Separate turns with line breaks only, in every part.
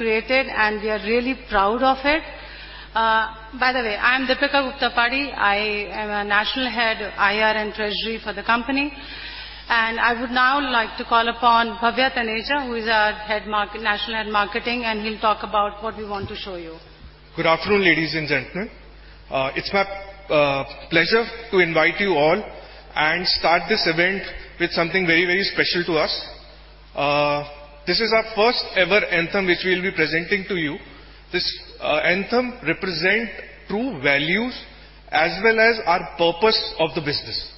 Created, and we are really proud of it. By the way, I'm Deepika Gupta Padhi. I am a National Head, IR and Treasury for the company, and I would now like to call upon Bhavya Taneja, who is our Head Market, National Head, Marketing, and he'll talk about what we want to show you.
Good afternoon, ladies and gentlemen. It's my pleasure to invite you all and start this event with something very, very special to us. This is our first-ever anthem, which we'll be presenting to you. This anthem represent true values as well as our purpose of the business.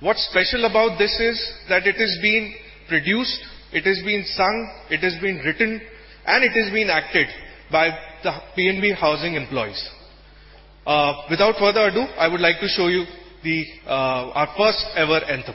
What's special about this is that it has been produced, it has been sung, it has been written, and it has been acted by the PNB Housing employees. Without further ado, I would like to show you the our first-ever anthem.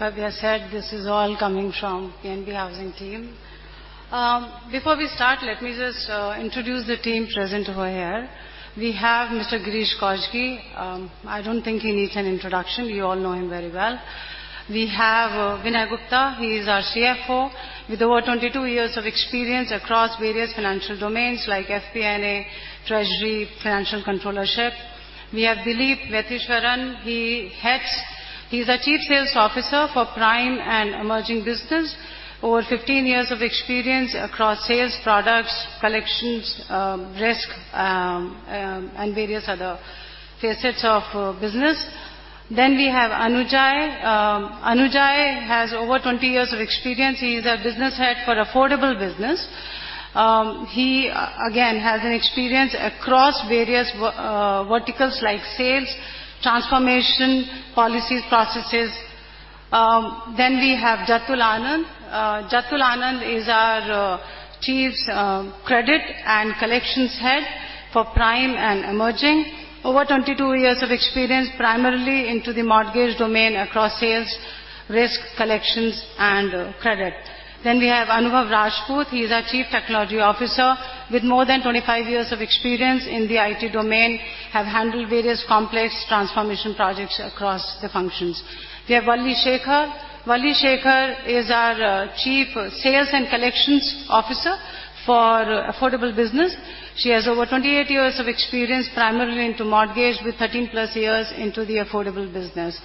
As Bhavya said, this is all coming from PNB Housing team. Before we start, let me just introduce the team present over here. We have Mr. Girish Kousgi. I don't think he needs an introduction. You all know him very well. We have Vinay Gupta. He is our CFO, with over 22 years of experience across various financial domains like FP&A, treasury, financial controllership. We have Dilip Vaitheeswaran. He's our Chief Sales Officer for Prime and Emerging Business. Over 15 years of experience across sales, products, collections, risk, and various other facets of business. Then we have Anujai. Anujai has over 20 years of experience. He is our Business Head for Affordable Business. He again has an experience across various verticals like sales, transformation, policies, processes. Then we have Jatul Anand. Jatul Anand is our Chief Credit and Collections Head for Prime and Emerging. Over 22 years of experience, primarily into the mortgage domain across sales, risk, collections, and credit. Then we have Anubhav Rajput. He's our Chief Technology Officer with more than 25 years of experience in the IT domain, have handled various complex transformation projects across the functions. We have Valli Sekar. Valli Sekar is our Chief Sales and Collections Officer for Affordable Business. She has over 28 years of experience, primarily into mortgage, with 13+ years into the affordable business.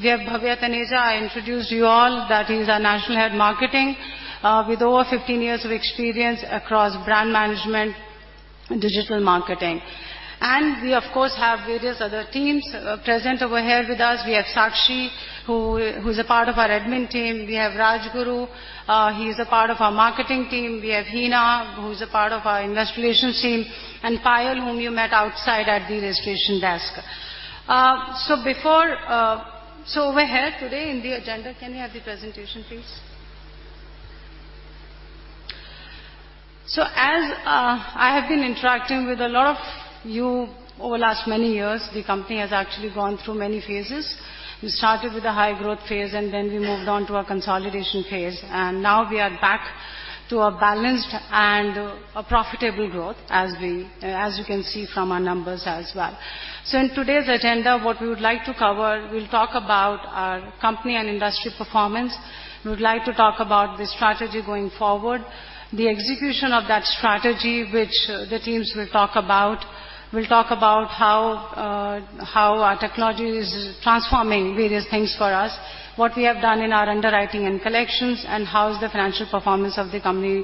We have Bhavya Taneja. I introduced you all, that he's our National Head, Marketing, with over 15 years of experience across brand management and digital marketing. And we, of course, have various other teams present over here with us. We have Sakshi, who's a part of our admin team. We have Rajguru, he is a part of our marketing team. We have Hina, who's a part of our investor relations team, and Payal, whom you met outside at the registration desk. So over here today in the agenda, can I have the presentation, please? So as I have been interacting with a lot of you over the last many years, the company has actually gone through many phases. We started with a high growth phase, and then we moved on to a consolidation phase, and now we are back to a balanced and a profitable growth, as we, as you can see from our numbers as well. So in today's agenda, what we would like to cover, we'll talk about our company and industry performance. We would like to talk about the strategy going forward, the execution of that strategy, which the teams will talk about. We'll talk about how our technology is transforming various things for us, what we have done in our underwriting and collections, and how is the financial performance of the company,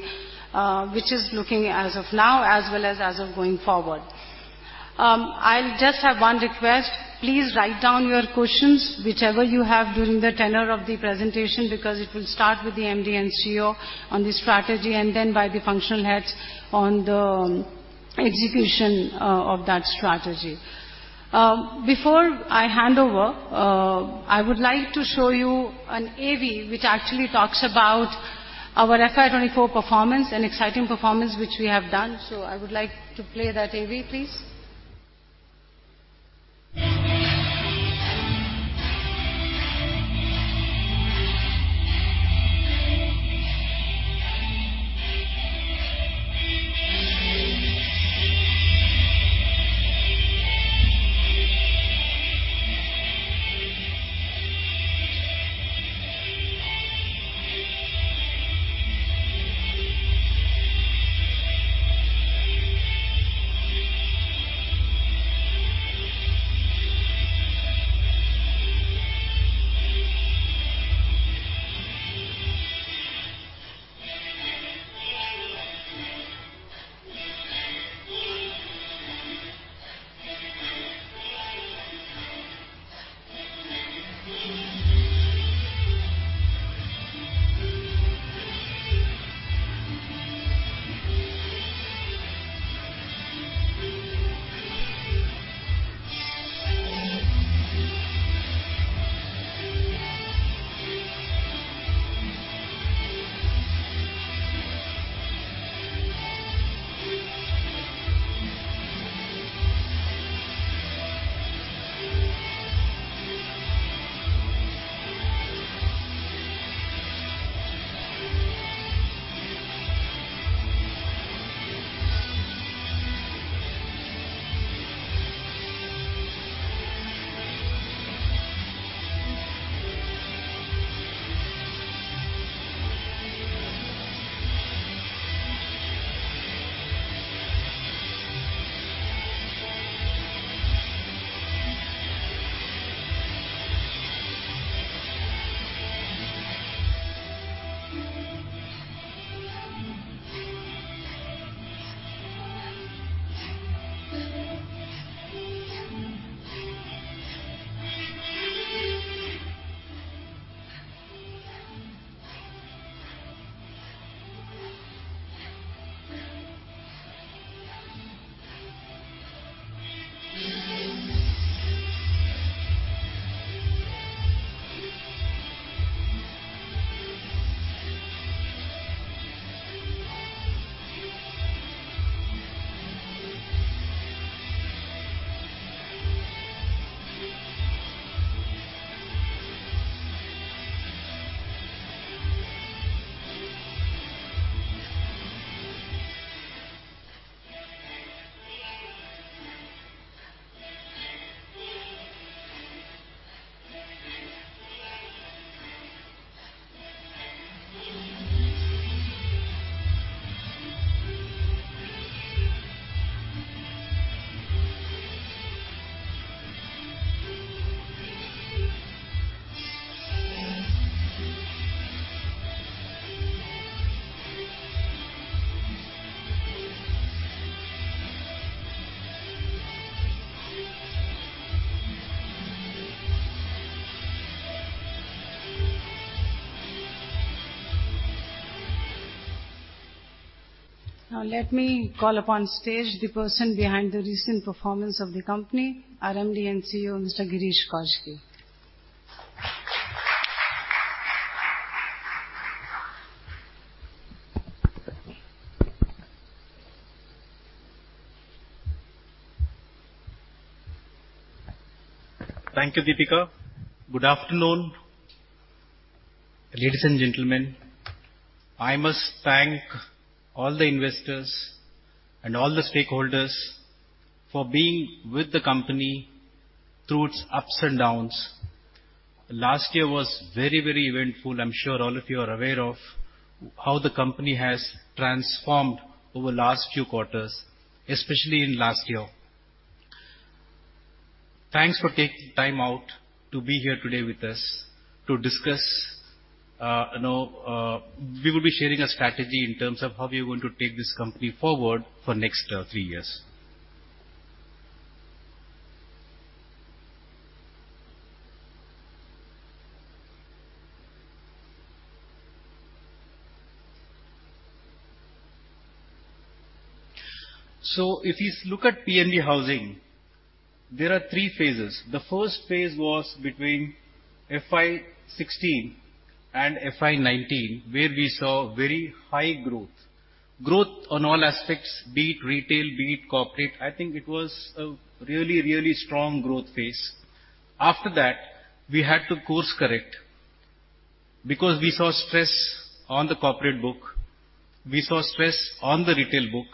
which is looking as of now as well as as of going forward. I'll just have one request. Please write down your questions, whichever you have, during the tenure of the presentation, because it will start with the MD and CEO on the strategy, and then by the functional heads on the execution of that strategy. Before I hand over, I would like to show you an AV, which actually talks about our FY 2024 performance, an exciting performance which we have done. So I would like to play that AV, please. Now, let me call upon to the stage the person behind the recent performance of the company, our MD and CEO, Mr. Girish Kousgi.
Thank you, Deepika. Good afternoon, ladies and gentlemen. I must thank all the investors and all the stakeholders for being with the company through its ups and downs. Last year was very, very eventful. I'm sure all of you are aware of how the company has transformed over the last few quarters, especially in last year. Thanks for taking time out to be here today with us to discuss, you know, we will be sharing a strategy in terms of how we are going to take this company forward for next three years. So if you look at PNB Housing, there are three phases. The first phase was between FY 2016 and FY 2019, where we saw very high growth. Growth on all aspects, be it retail, be it corporate. I think it was a really, really strong growth phase. After that, we had to course-correct because we saw stress on the corporate book, we saw stress on the retail book.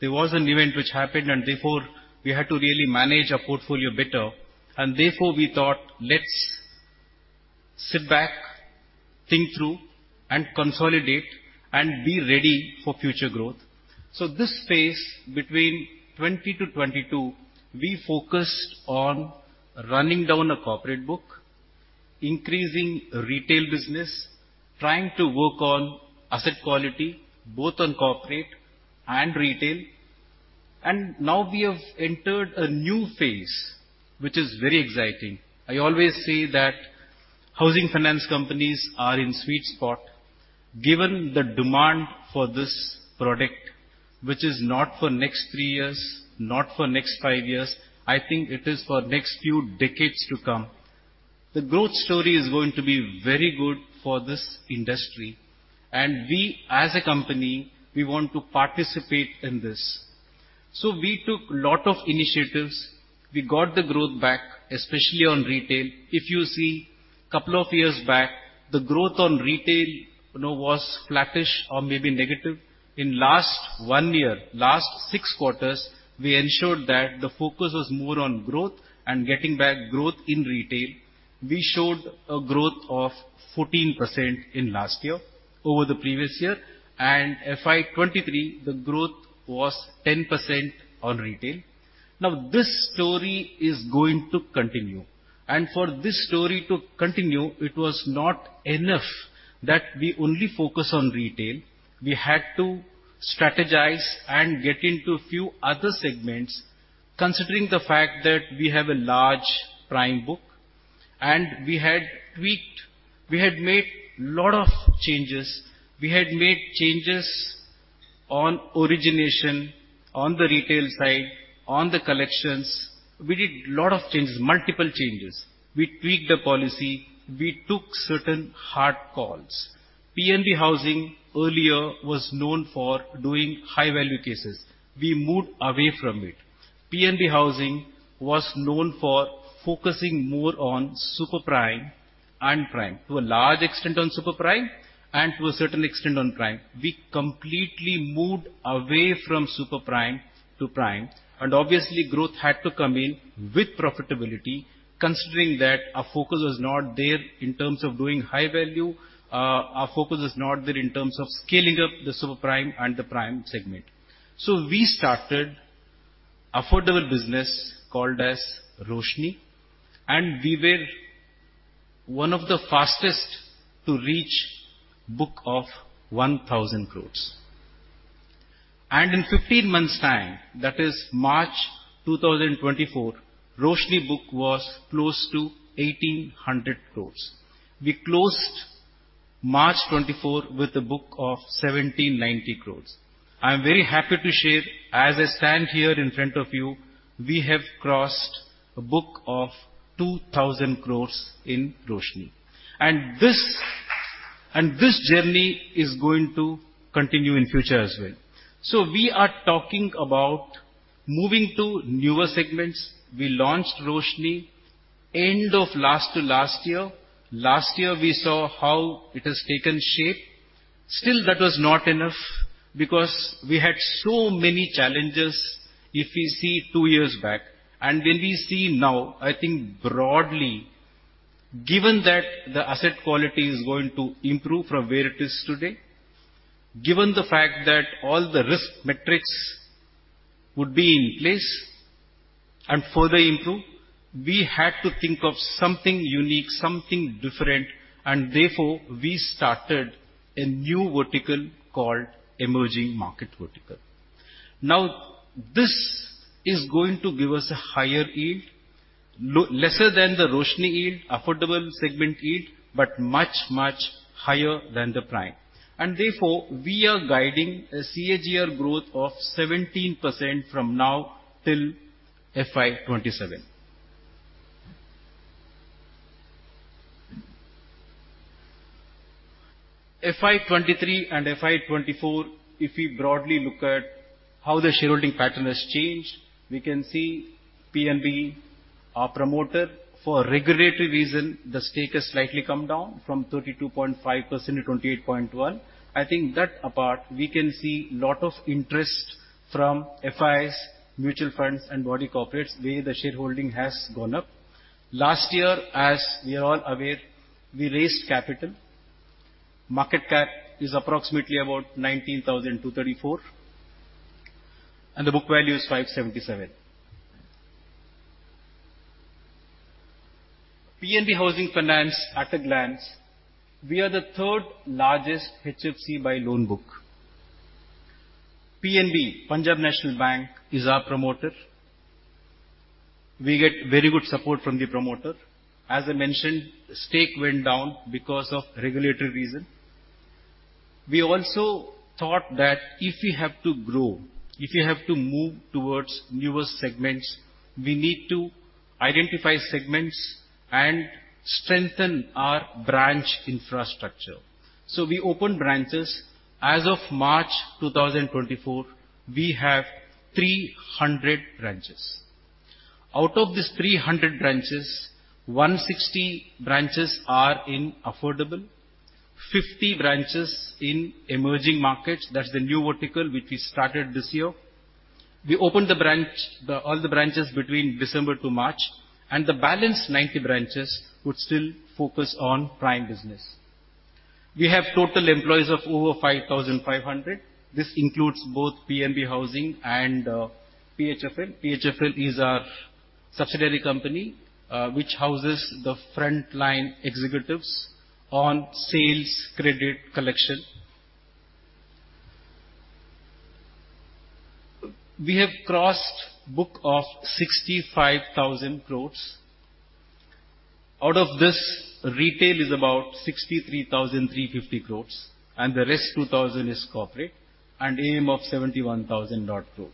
There was an event which happened, and therefore, we had to really manage our portfolio better. Therefore, we thought, let's sit back, think through, and consolidate and be ready for future growth. This phase between 2020-2022, we focused on running down a corporate book, increasing retail business, trying to work on asset quality, both on corporate and retail. Now we have entered a new phase, which is very exciting. I always say that housing finance companies are in sweet spot, given the demand for this product, which is not for next three years, not for next five years, I think it is for next few decades to come. The growth story is going to be very good for this industry, and we, as a company, want to participate in this. So we took a lot of initiatives. We got the growth back, especially on retail. If you see, a couple of years back, the growth on retail, you know, was flattish or maybe negative. In the last one year, in the last six quarters, we ensured that the focus was more on growth and getting back growth in retail. We showed a growth of 14% in the last year over the previous year, and in FY 2023, the growth was 10% on retail. Now, this story is going to continue, and for this story to continue, it was not enough that we only focus on retail. We had to strategize and get into a few other segments, considering the fact that we have a large prime book and we had tweaked, we had made lot of changes. We had made changes on origination, on the retail side, on the collections. We did lot of changes, multiple changes. We tweaked the policy. We took certain hard calls. PNB Housing earlier was known for doing high-value cases. We moved away from it. PNB Housing was known for focusing more on super prime and prime, to a large extent on super prime and to a certain extent on prime. We completely moved away from super prime to prime, and obviously, growth had to come in with profitability, considering that our focus was not there in terms of doing high value, our focus is not there in terms of scaling up the super prime and the prime segment. So we started affordable business called as Roshni, and we were one of the fastest to reach book of 1,000 crore. And in 15 months' time, that is March 2024, Roshni book was close to 1,800 crore. We closed March 2024 with a book of 1,790 crore. I am very happy to share, as I stand here in front of you, we have crossed a book of 2,000 crore in Roshni. And this, and this journey is going to continue in future as well. So we are talking about moving to newer segments. We launched Roshni end of last to last year. Last year, we saw how it has taken shape. Still, that was not enough because we had so many challenges if we see two years back. And when we see now, I think broadly, given that the asset quality is going to improve from where it is today, given the fact that all the risk metrics would be in place and further improve, we had to think of something unique, something different, and therefore, we started a new vertical called Emerging Market Vertical. Now, this is going to give us a higher yield, lesser than the Roshni yield, affordable segment yield, but much, much higher than the prime. And therefore, we are guiding a CAGR growth of 17% from now till FY 2027. FY 2023 and FY 2024, if we broadly look at how the shareholding pattern has changed, we can see PNB, our promoter, for regulatory reason, the stake has slightly come down from 32.5% to 28.1%. I think that apart, we can see a lot of interest from FIs, mutual funds, and body corporates, where the shareholding has gone up. Last year, as we are all aware, we raised capital. Market cap is approximately about 19,234, and the book value is 577. PNB Housing Finance at a glance, we are the third largest HFC by loan book. PNB, Punjab National Bank, is our promoter. We get very good support from the promoter. As I mentioned, stake went down because of regulatory reason. We also thought that if we have to grow, if we have to move towards newer segments, we need to identify segments and strengthen our branch infrastructure. So we opened branches. As of March 2024, we have 300 branches. Out of these 300 branches, 160 branches are in affordable, 50 branches in emerging markets. That's the new vertical, which we started this year. We opened the branch, the all the branches between December to March, and the balance 90 branches would still focus on prime business. We have total employees of over 5,500. This includes both PNB Housing and PHFL. PHFL is our subsidiary company, which houses the frontline executives on sales, credit, collection. We have crossed book of 65,000 crore. Out of this, retail is about 63,350 crore, and the rest 2,000 crore is corporate, and AUM of 71,000 crore.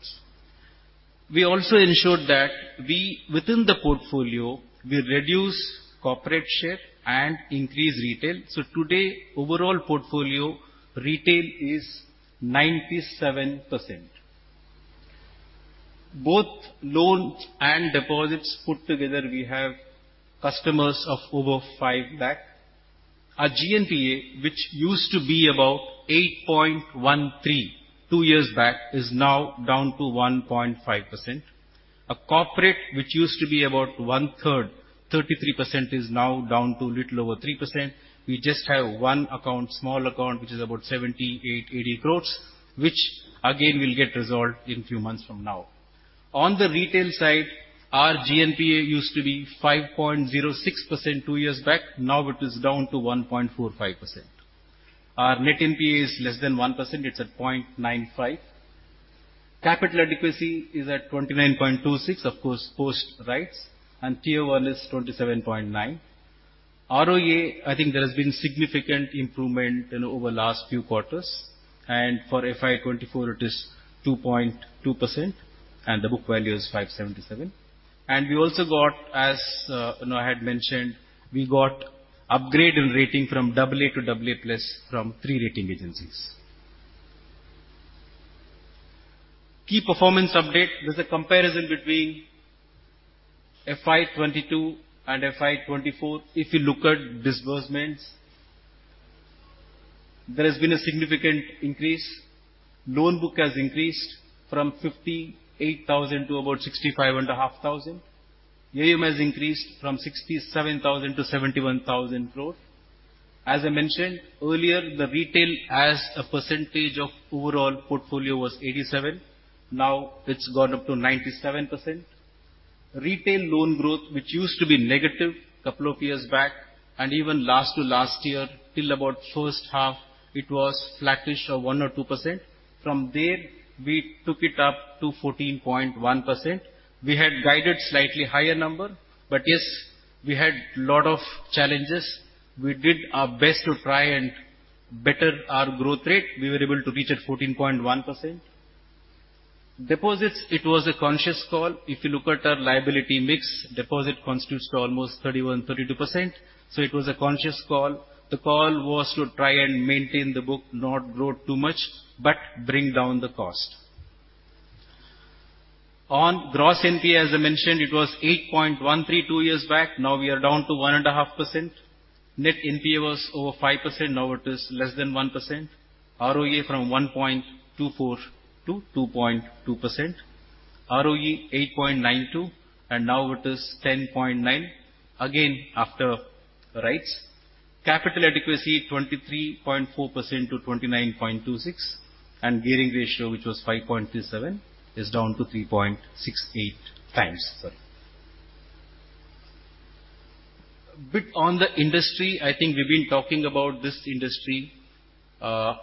We also ensured that we, within the portfolio, we reduce corporate share and increase retail. So today, overall portfolio, retail is 97%. Both loans and deposits put together, we have customers of over 5 lakh. Our GNPA, which used to be about 8.13%, two years back, is now down to 1.5%. A corporate, which used to be about 1/3, 33%, is now down to little over 3%. We just have one account, small account, which is about 78-80 crore, which again, will get resolved in few months from now. On the retail side, our GNPA used to be 5.06% two years back, now it is down to 1.45%. Our net NPA is less than 1%, it's at 0.95%. Capital adequacy is at 29.26%, of course, post rights, and Tier 1 is 27.9%. ROA, I think there has been significant improvement in over the last few quarters, and for FY 2024, it is 2.2%, and the book value is 577. We also got, as, you know, I had mentioned, we got upgrade in rating from AA to AA+ from 3 rating agencies. Key performance update. There's a comparison between FY 2022 and FY 2024. If you look at disbursements, there has been a significant increase. Loan book has increased from 58,000 crore to about 65,500 crore. AUM has increased from 67,000 crore to 71,000 crore. As I mentioned earlier, the retail as a percentage of overall portfolio was 87%, now it's gone up to 97%. Retail loan growth, which used to be negative a couple of years back, and even last to last year, till about first half, it was flattish or 1% or 2%. From there, we took it up to 14.1%. We had guided slightly higher number, but yes, we had a lot of challenges. We did our best to try and better our growth rate. We were able to reach at 14.1%. Deposits, it was a conscious call. If you look at our liability mix, deposit constitutes to almost 31%-32%, so it was a conscious call. The call was to try and maintain the book, not grow too much, but bring down the cost. On gross NPA, as I mentioned, it was 8.13% two years back, now we are down to 1.5%. Net NPA was over 5%, now it is less than 1%. ROA from 1.24% to 2.2%. ROE 8.92%, and now it is 10.9%, again, after rights. Capital adequacy 23.4% to 29.26%, and gearing ratio, which was 5.37, is down to 3.68x. Sorry. A bit on the industry, I think we've been talking about this industry.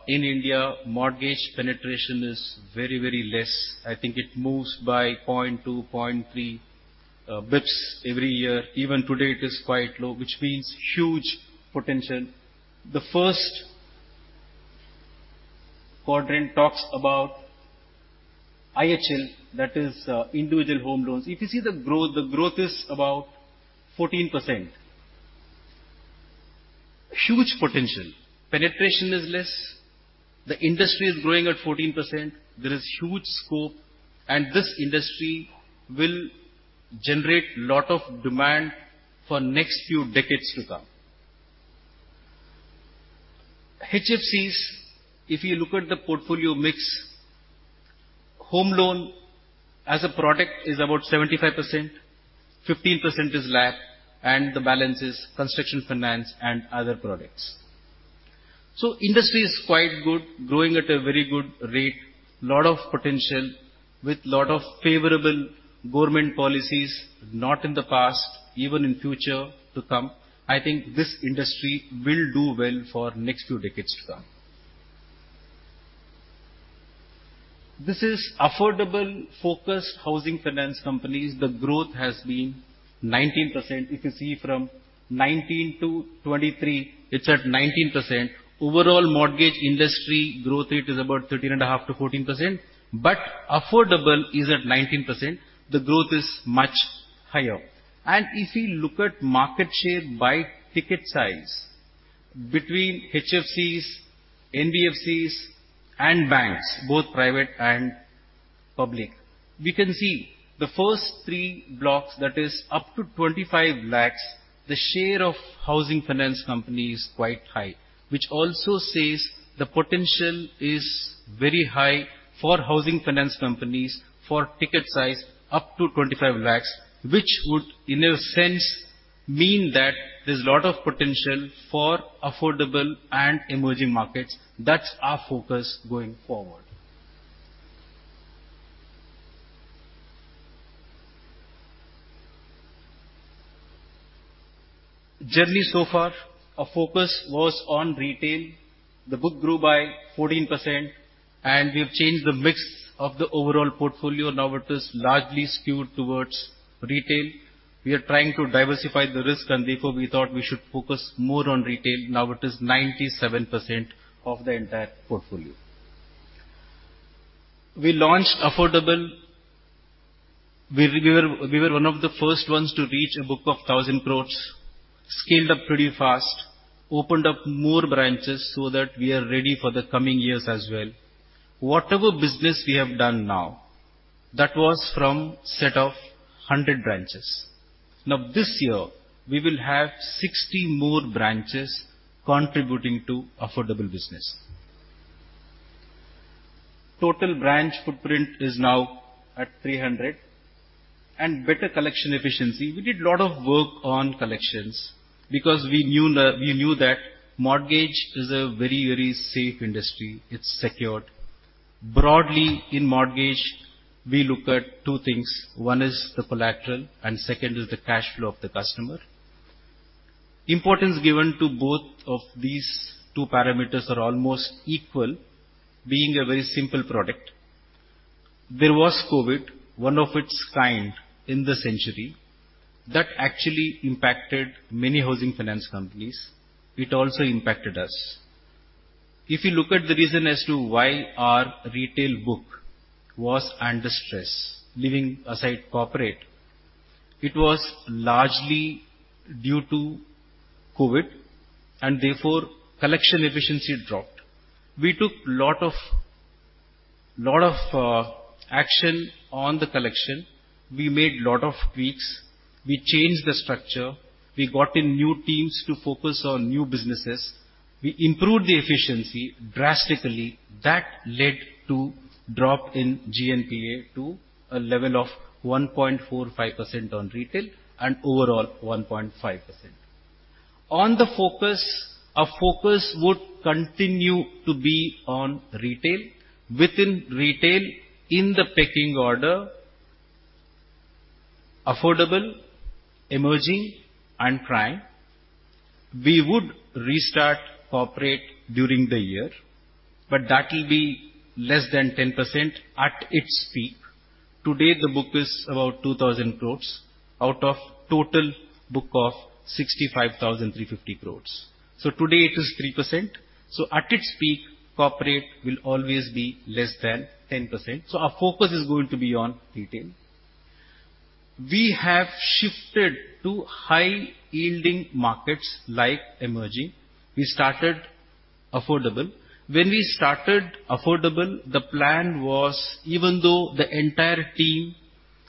In India, mortgage penetration is very, very less. I think it moves by 0.2-0.3 points every year. Even today, it is quite low, which means huge potential. The first quadrant talks about IHL, that is, individual home loans. If you see the growth, the growth is about 14%. Huge potential. Penetration is less, the industry is growing at 14%, there is huge scope, and this industry will generate a lot of demand for next few decades to come. HFCs, if you look at the portfolio mix, home loan as a product is about 75%, 15% is LAP, and the balance is construction finance and other products. So industry is quite good, growing at a very good rate, lot of potential, with lot of favorable government policies, not in the past, even in future to come. I think this industry will do well for next few decades to come. This is affordable focused housing finance companies. The growth has been 19%. You can see from 2019 to 2023, it's at 19%. Overall, mortgage industry growth rate is about 13.5%-14%, but affordable is at 19%. The growth is much higher. If you look at market share by ticket size between HFCs, NBFCs, and banks, both private and public, we can see the first three blocks, that is up to 25 lakhs, the share of housing finance companies is quite high, which also says the potential is very high for housing finance companies for ticket size up to 25 lakhs, which would, in a sense, mean that there's a lot of potential for affordable and emerging markets. That's our focus going forward. Journey so far, our focus was on retail. The book grew by 14%, and we have changed the mix of the overall portfolio. Now it is largely skewed towards retail. We are trying to diversify the risk, and therefore, we thought we should focus more on retail. Now it is 97% of the entire portfolio. We launched affordable. We were one of the first ones to reach a book of 1,000 crore, scaled up pretty fast, opened up more branches so that we are ready for the coming years as well. Whatever business we have done now, that was from a set of 100 branches. Now this year, we will have 60 more branches contributing to affordable business. Total branch footprint is now at 300, and better collection efficiency. We did a lot of work on collections because we knew that mortgage is a very, very safe industry. It's secured. Broadly, in mortgage, we look at two things: one is the collateral, and second is the cash flow of the customer. Importance given to both of these two parameters are almost equal, being a very simple product. There was COVID, one of its kind in the century, that actually impacted many housing finance companies. It also impacted us. If you look at the reason as to why our retail book was under stress, leaving aside corporate, it was largely due to COVID, and therefore, collection efficiency dropped. We took lot of, lot of, action on the collection. We made lot of tweaks. We changed the structure. We got in new teams to focus on new businesses. We improved the efficiency drastically. That led to drop in GNPA to a level of 1.45% on retail and overall, 1.5%. On the focus, our focus would continue to be on retail. Within retail, in the pecking order, affordable, emerging, and prime. We would restart corporate during the year, but that will be less than 10% at its peak. Today, the book is about 2,000 crore, out of total book of 65,350 crore. So today it is 3%. So at its peak, corporate will always be less than 10%. So our focus is going to be on retail. We have shifted to high-yielding markets like emerging. We started affordable. When we started affordable, the plan was, even though the entire team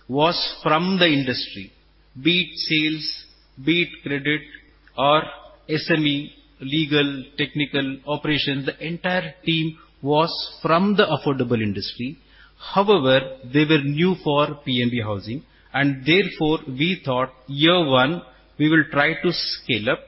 was from the industry, be it sales, be it credit or SME, legal, technical, operations, the entire team was from the affordable industry. However, they were new for PNB Housing, and therefore, we thought year one, we will try to scale up,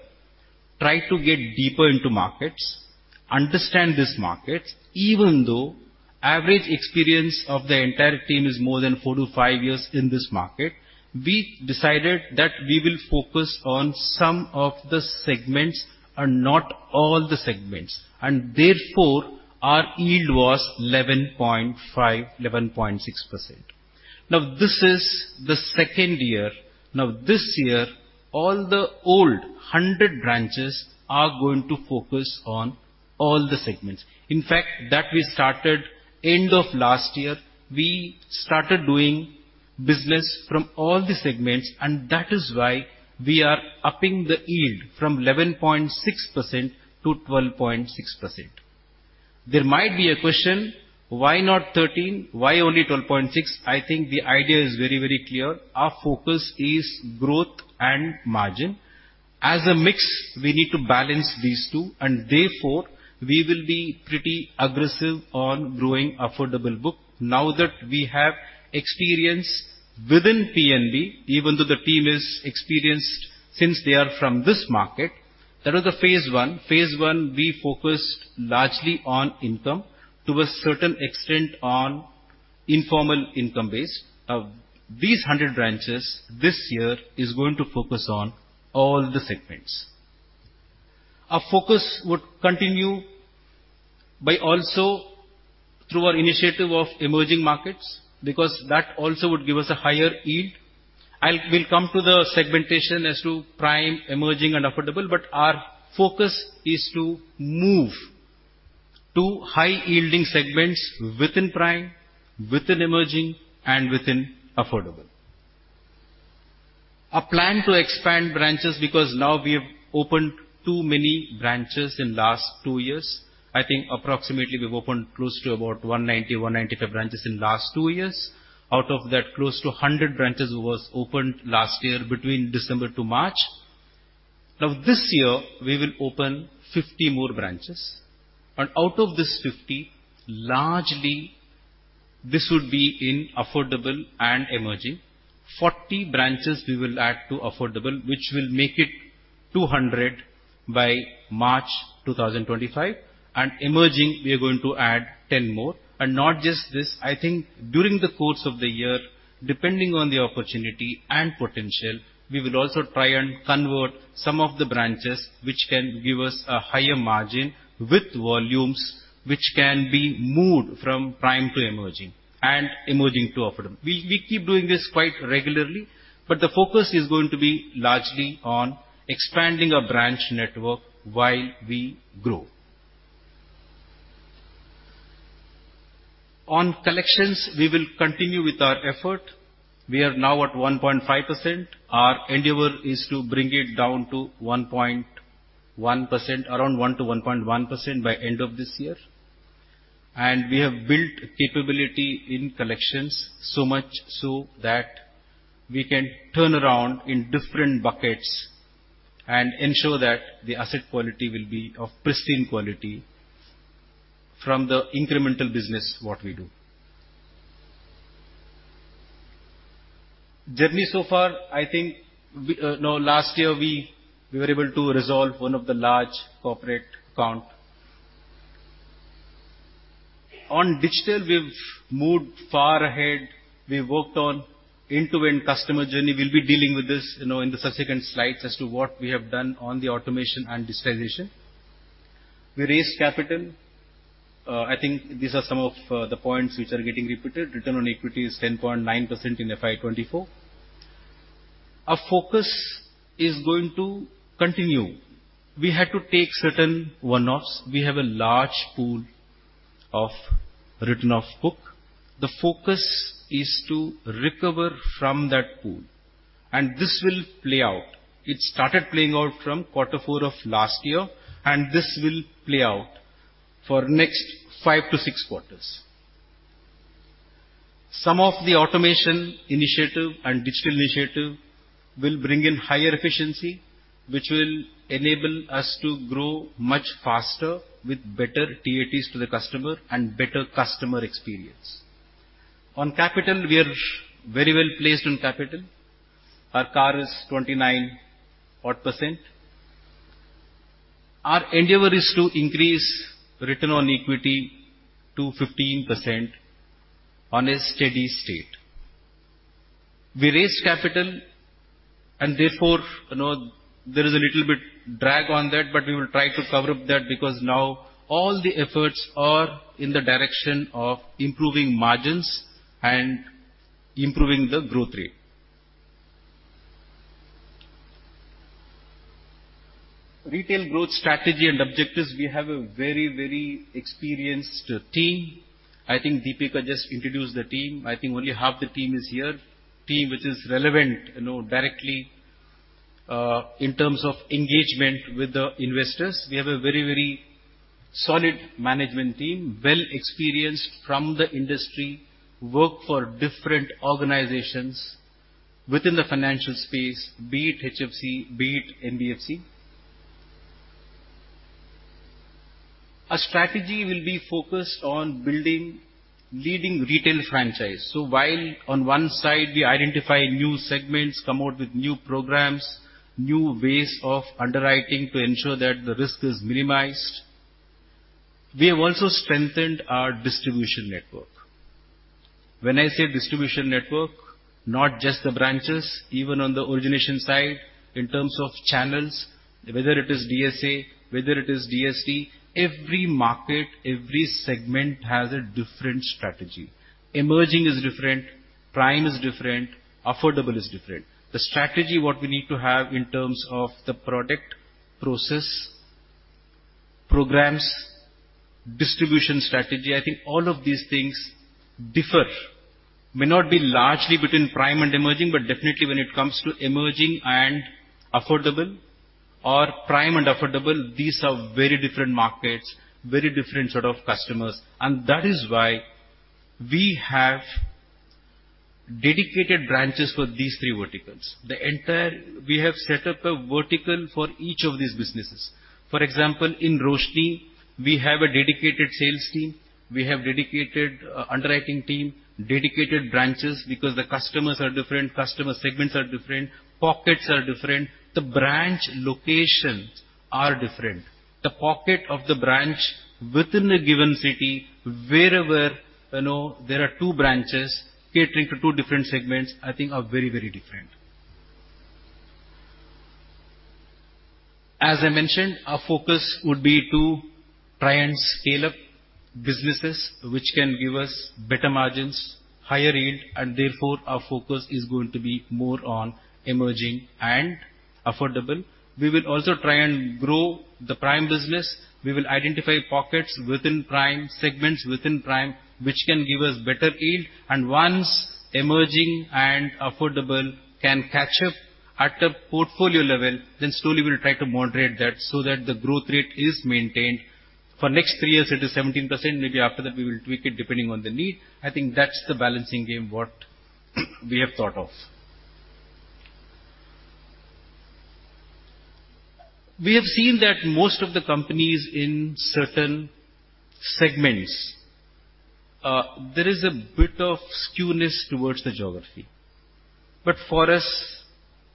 try to get deeper into markets, understand this market, even though average experience of the entire team is more than 4-5 years in this market. We decided that we will focus on some of the segments and not all the segments, and therefore, our yield was 11.5%-11.6%. Now, this is the second year. Now, this year, all the old 100 branches are going to focus on all the segments. In fact, that we started end of last year. We started doing business from all the segments, and that is why we are upping the yield from 11.6% to 12.6%. There might be a question: why not 13%? Why only 12.6%? I think the idea is very, very clear. Our focus is growth and margin. As a mix, we need to balance these two, and therefore, we will be pretty aggressive on growing affordable book. Now that we have experience within PNB, even though the team is experienced, since they are from this market, that was the phase I. Phase I, we focused largely on income, to a certain extent, on informal income base. These 100 branches this year is going to focus on all the segments. Our focus would continue by also through our initiative of emerging markets, because that also would give us a higher yield. We'll come to the segmentation as to prime, emerging and affordable, but our focus is to move to high-yielding segments within prime, within emerging, and within affordable. Our plan to expand branches, because now we have opened too many branches in last two years. I think approximately, we've opened close to about 190, 195 branches in last two years. Out of that, close to 100 branches was opened last year between December to March. Now, this year, we will open 50 more branches, and out of this 50, largely, this would be in affordable and emerging. 40 branches we will add to affordable, which will make it 200 by March 2025, and emerging, we are going to add 10 more. And not just this, I think during the course of the year, depending on the opportunity and potential, we will also try and convert some of the branches, which can give us a higher margin with volumes, which can be moved from prime to emerging and emerging to affordable. We, we keep doing this quite regularly, but the focus is going to be largely on expanding our branch network while we grow. On collections, we will continue with our effort. We are now at 1.5%. Our endeavor is to bring it down to 1.1%, around 1%-1.1% by end of this year. We have built capability in collections, so much so that we can turn around in different buckets and ensure that the asset quality will be of pristine quality from the incremental business, what we do. Journey so far, I think, last year, we were able to resolve one of the large corporate account. On digital, we've moved far ahead. We've worked on end-to-end customer journey. We'll be dealing with this, you know, in the subsequent slides as to what we have done on the automation and digitization. We raised capital. I think these are some of the points which are getting repeated. Return on equity is 10.9% in FY 2024. Our focus is going to continue. We had to take certain one-offs. We have a large pool of written-off book. The focus is to recover from that pool, and this will play out. It started playing out from quarter four of last year, and this will play out for next 5-6 quarters. Some of the automation initiative and digital initiative will bring in higher efficiency, which will enable us to grow much faster with better TATs to the customer and better customer experience. On capital, we are very well placed on capital. Our CAR is 29 odd %. Our endeavor is to increase return on equity to 15% on a steady state. We raised capital, and therefore, you know, there is a little bit drag on that, but we will try to cover up that because now all the efforts are in the direction of improving margins and improving the growth rate. Retail growth strategy and objectives, we have a very, very experienced team. I think Deepika just introduced the team. I think only half the team is here, team which is relevant, you know, directly, in terms of engagement with the investors. We have a very, very solid management team, well-experienced from the industry, worked for different organizations within the financial space, be it HFC, be it NBFC. Our strategy will be focused on building leading retail franchise. So while on one side, we identify new segments, come out with new programs, new ways of underwriting to ensure that the risk is minimized, we have also strengthened our distribution network. When I say distribution network, not just the branches, even on the origination side, in terms of channels, whether it is DSA, whether it is DST, every market, every segment has a different strategy. Emerging is different, prime is different, affordable is different. The strategy, what we need to have in terms of the product, process, programs, distribution strategy, I think all of these things differ. May not be largely between prime and emerging, but definitely when it comes to emerging and affordable or prime and affordable, these are very different markets, very different sort of customers, and that is why we have dedicated branches for these three verticals. The entire. We have set up a vertical for each of these businesses. For example, in Roshni, we have a dedicated sales team, we have dedicated underwriting team, dedicated branches, because the customers are different, customer segments are different, pockets are different, the branch locations are different. The pocket of the branch within a given city, wherever, you know, there are two branches catering to two different segments, I think are very, very different. As I mentioned, our focus would be to try and scale up businesses which can give us better margins, higher yield, and therefore, our focus is going to be more on emerging and affordable. We will also try and grow the prime business. We will identify pockets within prime, segments within prime, which can give us better yield. And once emerging and affordable can catch up at a portfolio level, then slowly we'll try to moderate that so that the growth rate is maintained. For next three years, it is 17%. Maybe after that we will tweak it depending on the need. I think that's the balancing game, what we have thought of. We have seen that most of the companies in certain segments, there is a bit of skewness towards the geography. But for us,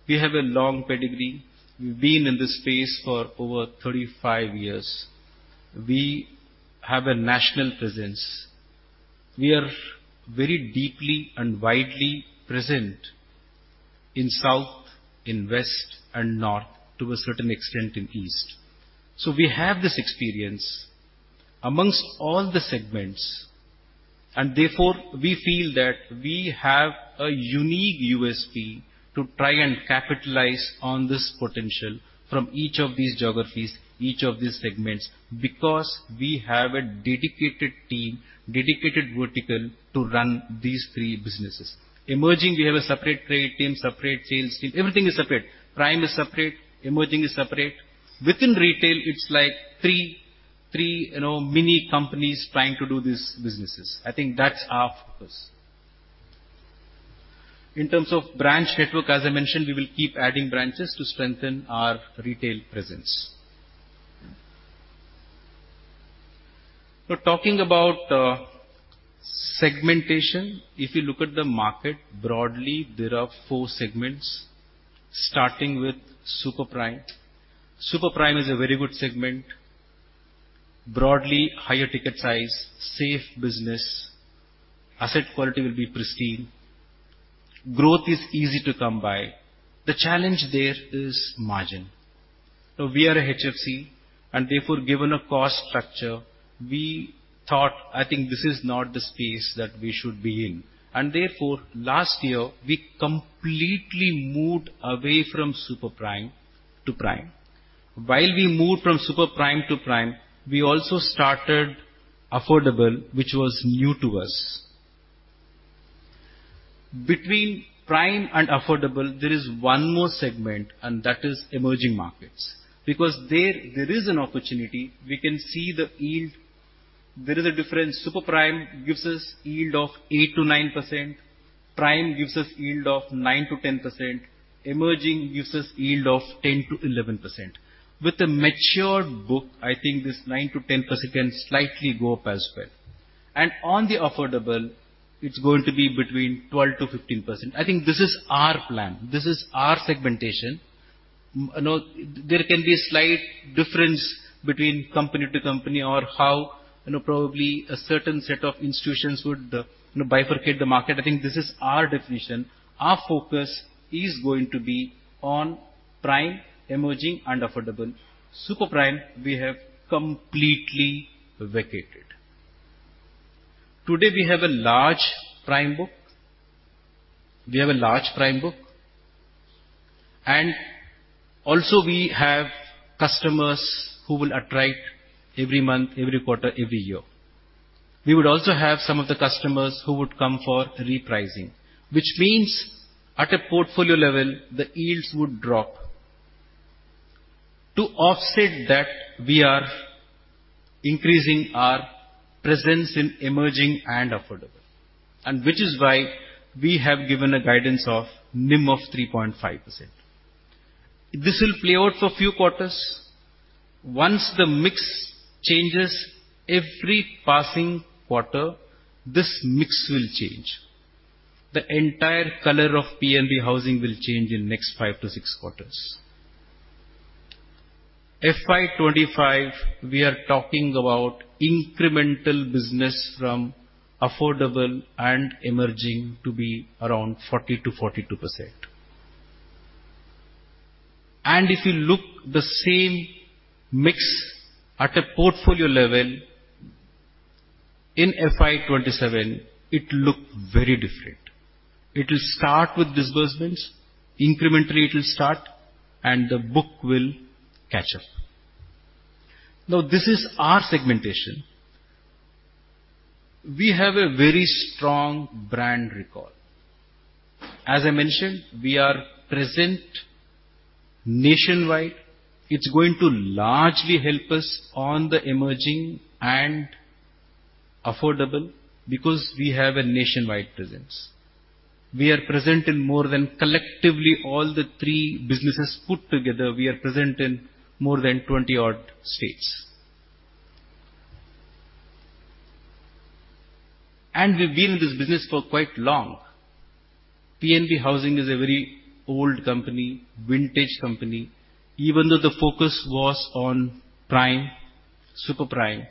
we have a long pedigree. We've been in this space for over 35 years. We have a national presence. We are very deeply and widely present in south, in west and north, to a certain extent in east. So we have this experience amongst all the segments, and therefore, we feel that we have a unique USP to try and capitalize on this potential from each of these geographies, each of these segments, because we have a dedicated team, dedicated vertical, to run these three businesses. Emerging, we have a separate trade team, separate sales team. Everything is separate. Prime is separate, emerging is separate. Within retail, it's like three, you know, mini companies trying to do these businesses. I think that's our focus. In terms of branch network, as I mentioned, we will keep adding branches to strengthen our retail presence. Now talking about segmentation, if you look at the market broadly, there are four segments, starting with super prime. Super prime is a very good segment. Broadly, higher ticket size, safe business, asset quality will be pristine. Growth is easy to come by. The challenge there is margin. Now, we are a HFC, and therefore, given our cost structure, we thought, I think this is not the space that we should be in, and therefore, last year, we completely moved away from super prime to prime. While we moved from super prime to prime, we also started affordable, which was new to us. Between prime and affordable, there is one more segment, and that is emerging markets, because there, there is an opportunity. We can see the yield. There is a difference. Super prime gives us yield of 8%-9%, prime gives us yield of 9%-10%, emerging gives us yield of 10%-11%. With a mature book, I think this 9%-10% can slightly go up as well. And on the affordable, it's going to be between 12%-15%. I think this is our plan. This is our segmentation. You know, there can be a slight difference between company to company or how, you know, probably a certain set of institutions would, you know, bifurcate the market. I think this is our definition. Our focus is going to be on prime, emerging, and affordable. Super prime, we have completely vacated. Today, we have a large prime book. We have a large prime book, and also we have customers who will attract every month, every quarter, every year. We would also have some of the customers who would come for repricing, which means at a portfolio level, the yields would drop. To offset that, we are increasing our presence in emerging and affordable, and which is why we have given a guidance of NIM of 3.5%. This will play out for few quarters. Once the mix changes, every passing quarter, this mix will change. The entire color of PNB Housing will change in next 5-6 quarters. FY 2025, we are talking about incremental business from affordable and emerging to be around 40%-42%. If you look at the same mix at a portfolio level in FY 2027, it look very different. It will start with disbursements. Incrementally, it will start, and the book will catch up. Now, this is our segmentation. We have a very strong brand recall. As I mentioned, we are present nationwide. It's going to largely help us on the emerging and affordable because we have a nationwide presence. We are present in more than, collectively all the three businesses put together, we are present in more than 20-odd states. And we've been in this business for quite long. PNB Housing is a very old company, vintage company. Even though the focus was on prime, super prime,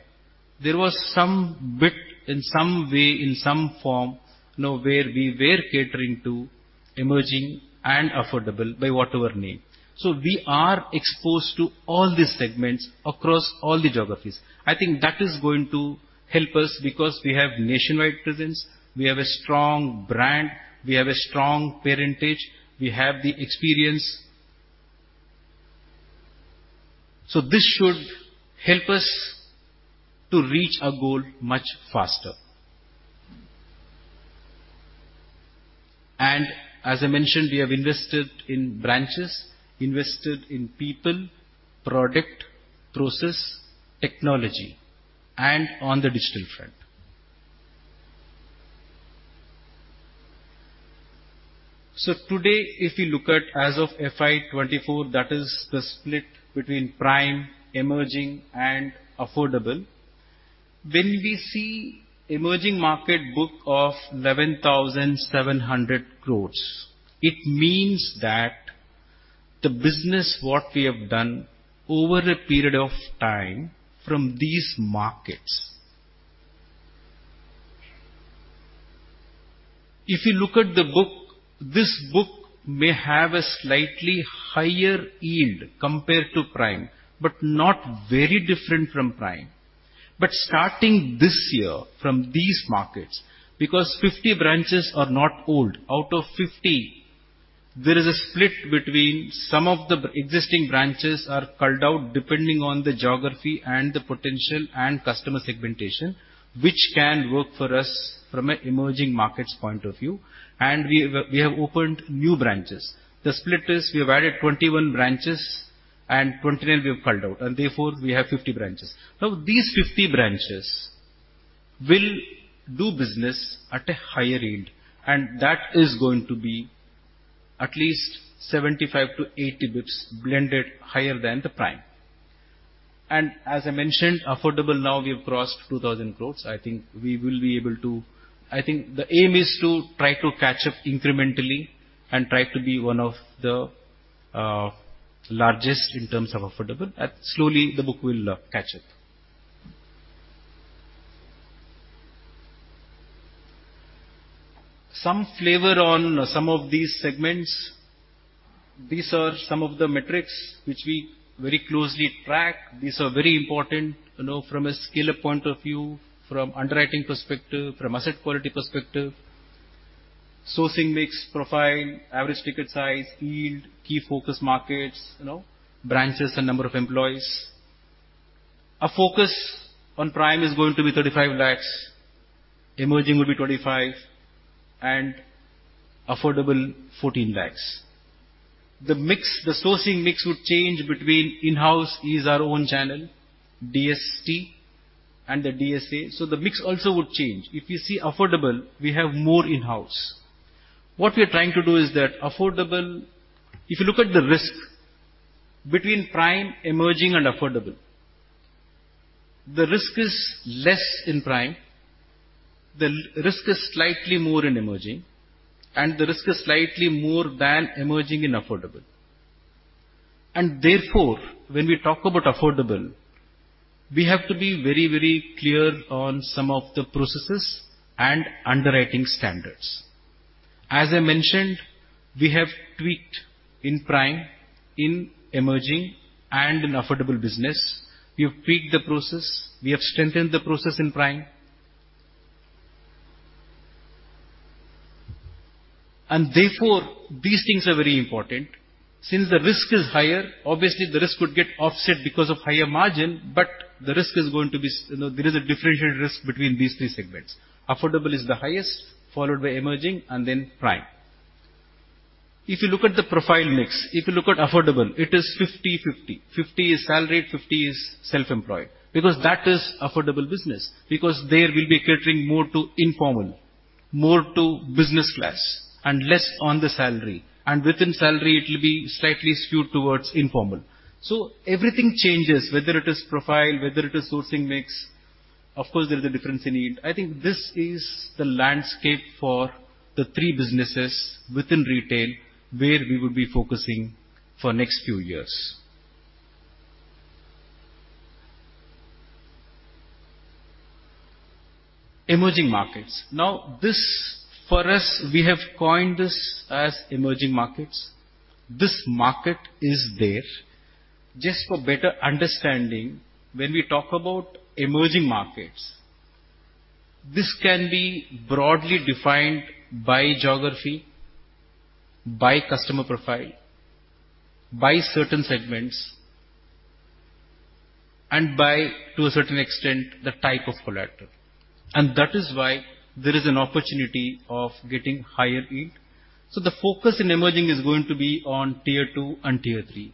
there was some bit in some way, in some form, you know, where we were catering to emerging and affordable, by whatever name. So we are exposed to all these segments across all the geographies. I think that is going to help us because we have nationwide presence, we have a strong brand, we have a strong parentage, we have the experience. So this should help us to reach our goal much faster. And as I mentioned, we have invested in branches, invested in people, product, process, technology, and on the digital front. So today, if you look at as of FY 2024, that is the split between prime, emerging, and affordable. When we see emerging market book of 11,700 crore, it means that the business, what we have done over a period of time from these markets. If you look at the book, this book may have a slightly higher yield compared to prime, but not very different from prime. But starting this year from these markets, because 50 branches are not old. Out of 50, there is a split between some of the existing branches are culled out, depending on the geography and the potential and customer segmentation, which can work for us from an emerging markets point of view, and we, we have opened new branches. The split is we have added 21 branches and 29 we have culled out, and therefore we have 50 branches. Now, these 50 branches will do business at a higher yield, and that is going to be at least 75-80 basis points, blended higher than the prime. And as I mentioned, affordable now we have crossed 2,000 crore. I think we will be able to... I think the aim is to try to catch up incrementally and try to be one of the largest in terms of affordable, and slowly the book will catch up. Some flavor on some of these segments. These are some of the metrics which we very closely track. These are very important, you know, from a scale-up point of view, from underwriting perspective, from asset quality perspective, sourcing mix profile, average ticket size, yield, key focus markets, you know, branches, and number of employees. Our focus on prime is going to be 35 lakhs, emerging will be 25 lakhs, and affordable, 14 lakhs. The mix, the sourcing mix would change between in-house is our own channel, DST and the DSA, so the mix also would change. If you see affordable, we have more in-house. What we are trying to do is that affordable. If you look at the risk between prime, emerging, and affordable, the risk is less in prime, the risk is slightly more in emerging, and the risk is slightly more than emerging in affordable. And therefore, when we talk about affordable, we have to be very, very clear on some of the processes and underwriting standards. As I mentioned, we have tweaked in prime, in emerging, and in affordable business. We have tweaked the process, we have strengthened the process in prime. And therefore, these things are very important. Since the risk is higher, obviously the risk would get offset because of higher margin, but the risk is going to be s, you know, there is a differentiated risk between these three segments. Affordable is the highest, followed by emerging, and then prime. If you look at the profile mix, if you look at affordable, it is 50/50. 50 is salaried, 50 is self-employed, because that is affordable business, because there we'll be catering more to informal, more to business class and less on the salary, and within salary, it will be slightly skewed towards informal. So everything changes, whether it is profile, whether it is sourcing mix. Of course, there is a difference in yield. I think this is the landscape for the three businesses within retail, where we will be focusing for next few years. Emerging markets. Now, this, for us, we have coined this as emerging markets. This market is there. Just for better understanding, when we talk about emerging markets, this can be broadly defined by geography, by customer profile, by certain segments, and by, to a certain extent, the type of collateral, and that is why there is an opportunity of getting higher yield. So the focus in emerging is going to be on Tier 2 and Tier 3.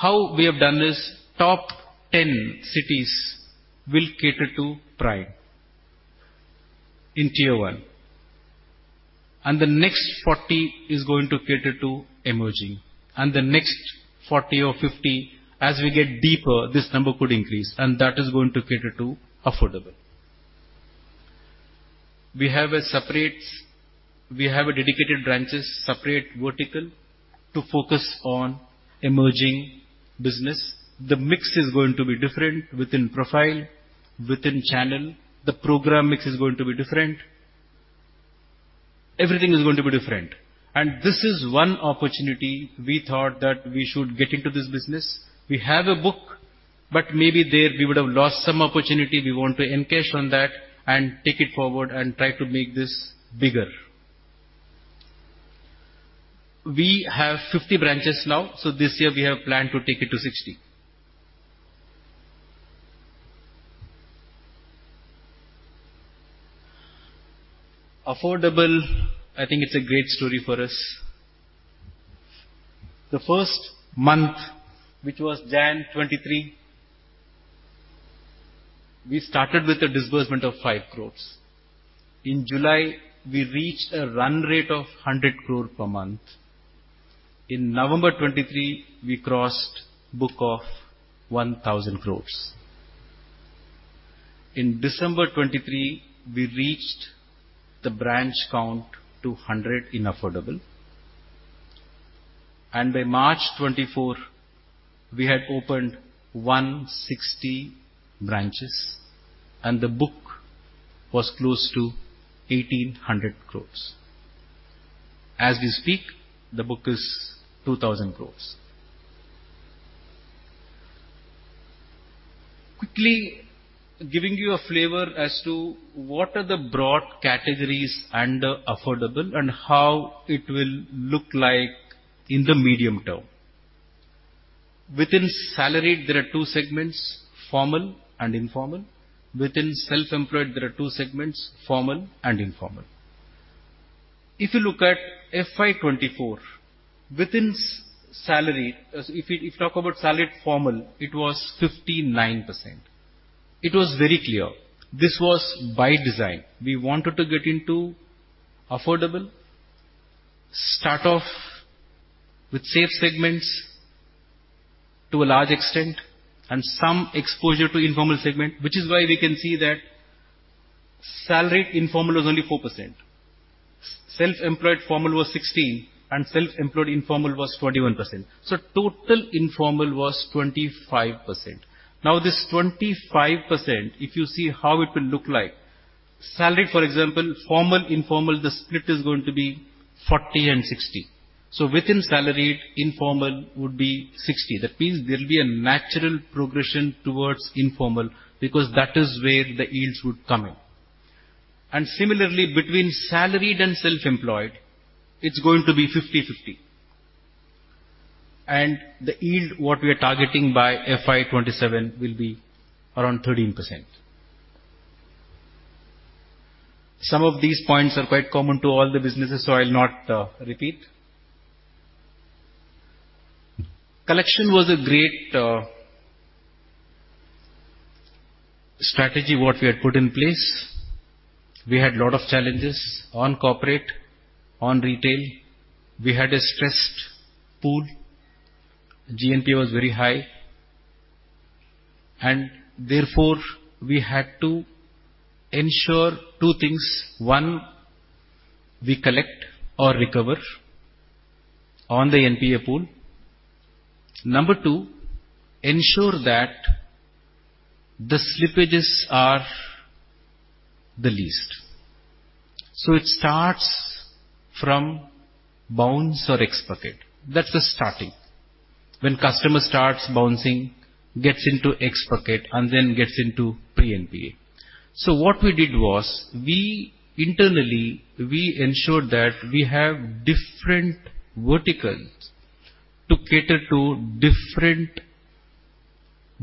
How we have done this, top 10 cities will cater to prime in Tier 1. The next 40 is going to cater to emerging, and the next 40 or 50, as we get deeper, this number could increase, and that is going to cater to affordable. We have dedicated branches, separate vertical, to focus on emerging business. The mix is going to be different within profile, within channel. The program mix is going to be different. Everything is going to be different. This is one opportunity we thought that we should get into this business. We have a book, but maybe there we would have lost some opportunity. We want to encash on that and take it forward and try to make this bigger. We have 50 branches now, so this year we have planned to take it to 60. Affordable, I think it's a great story for us. The first month, which was January 2023, we started with a disbursement of 5 crore. In July 2023, we reached a run rate of 100 crore per month. In November 2023, we crossed book of 1,000 crore. In December 2023, we reached the branch count to 100 in affordable. And by March 2024, we had opened 160 branches, and the book was close to 1,800 crore. As we speak, the book is 2,000 crore. Quickly, giving you a flavor as to what are the broad categories under affordable and how it will look like in the medium term. Within salaried, there are two segments, formal and informal. Within self-employed, there are two segments, formal and informal. If you look at FY 2024, within salary, if you talk about salaried formal, it was 59%. It was very clear. This was by design. We wanted to get into affordable, start off with safe segments to a large extent and some exposure to informal segment, which is why we can see that salaried informal was only 4%. Self-employed formal was 16%, and self-employed informal was 21%. So total informal was 25%. Now, this 25%, if you see how it will look like, salaried, for example, formal, informal, the split is going to be 40 and 60. So within salaried, informal would be 60. That means there will be a natural progression towards informal, because that is where the yields would come in. And similarly, between salaried and self-employed, it's going to be 50/50. And the yield, what we are targeting by FY 2027, will be around 13%. Some of these points are quite common to all the businesses, so I'll not repeat. Collection was a great strategy, what we had put in place. We had a lot of challenges on corporate, on retail. We had a stressed pool. GNPA was very high, and therefore, we had to ensure two things: One, we collect or recover on the NPA pool. Number two, ensure that the slippages are the least. So it starts from bounce or X-bucket. That's the starting. When customer starts bouncing, gets into X-bucket and then gets into pre-NPA. So what we did was, we internally, we ensured that we have different verticals to cater to different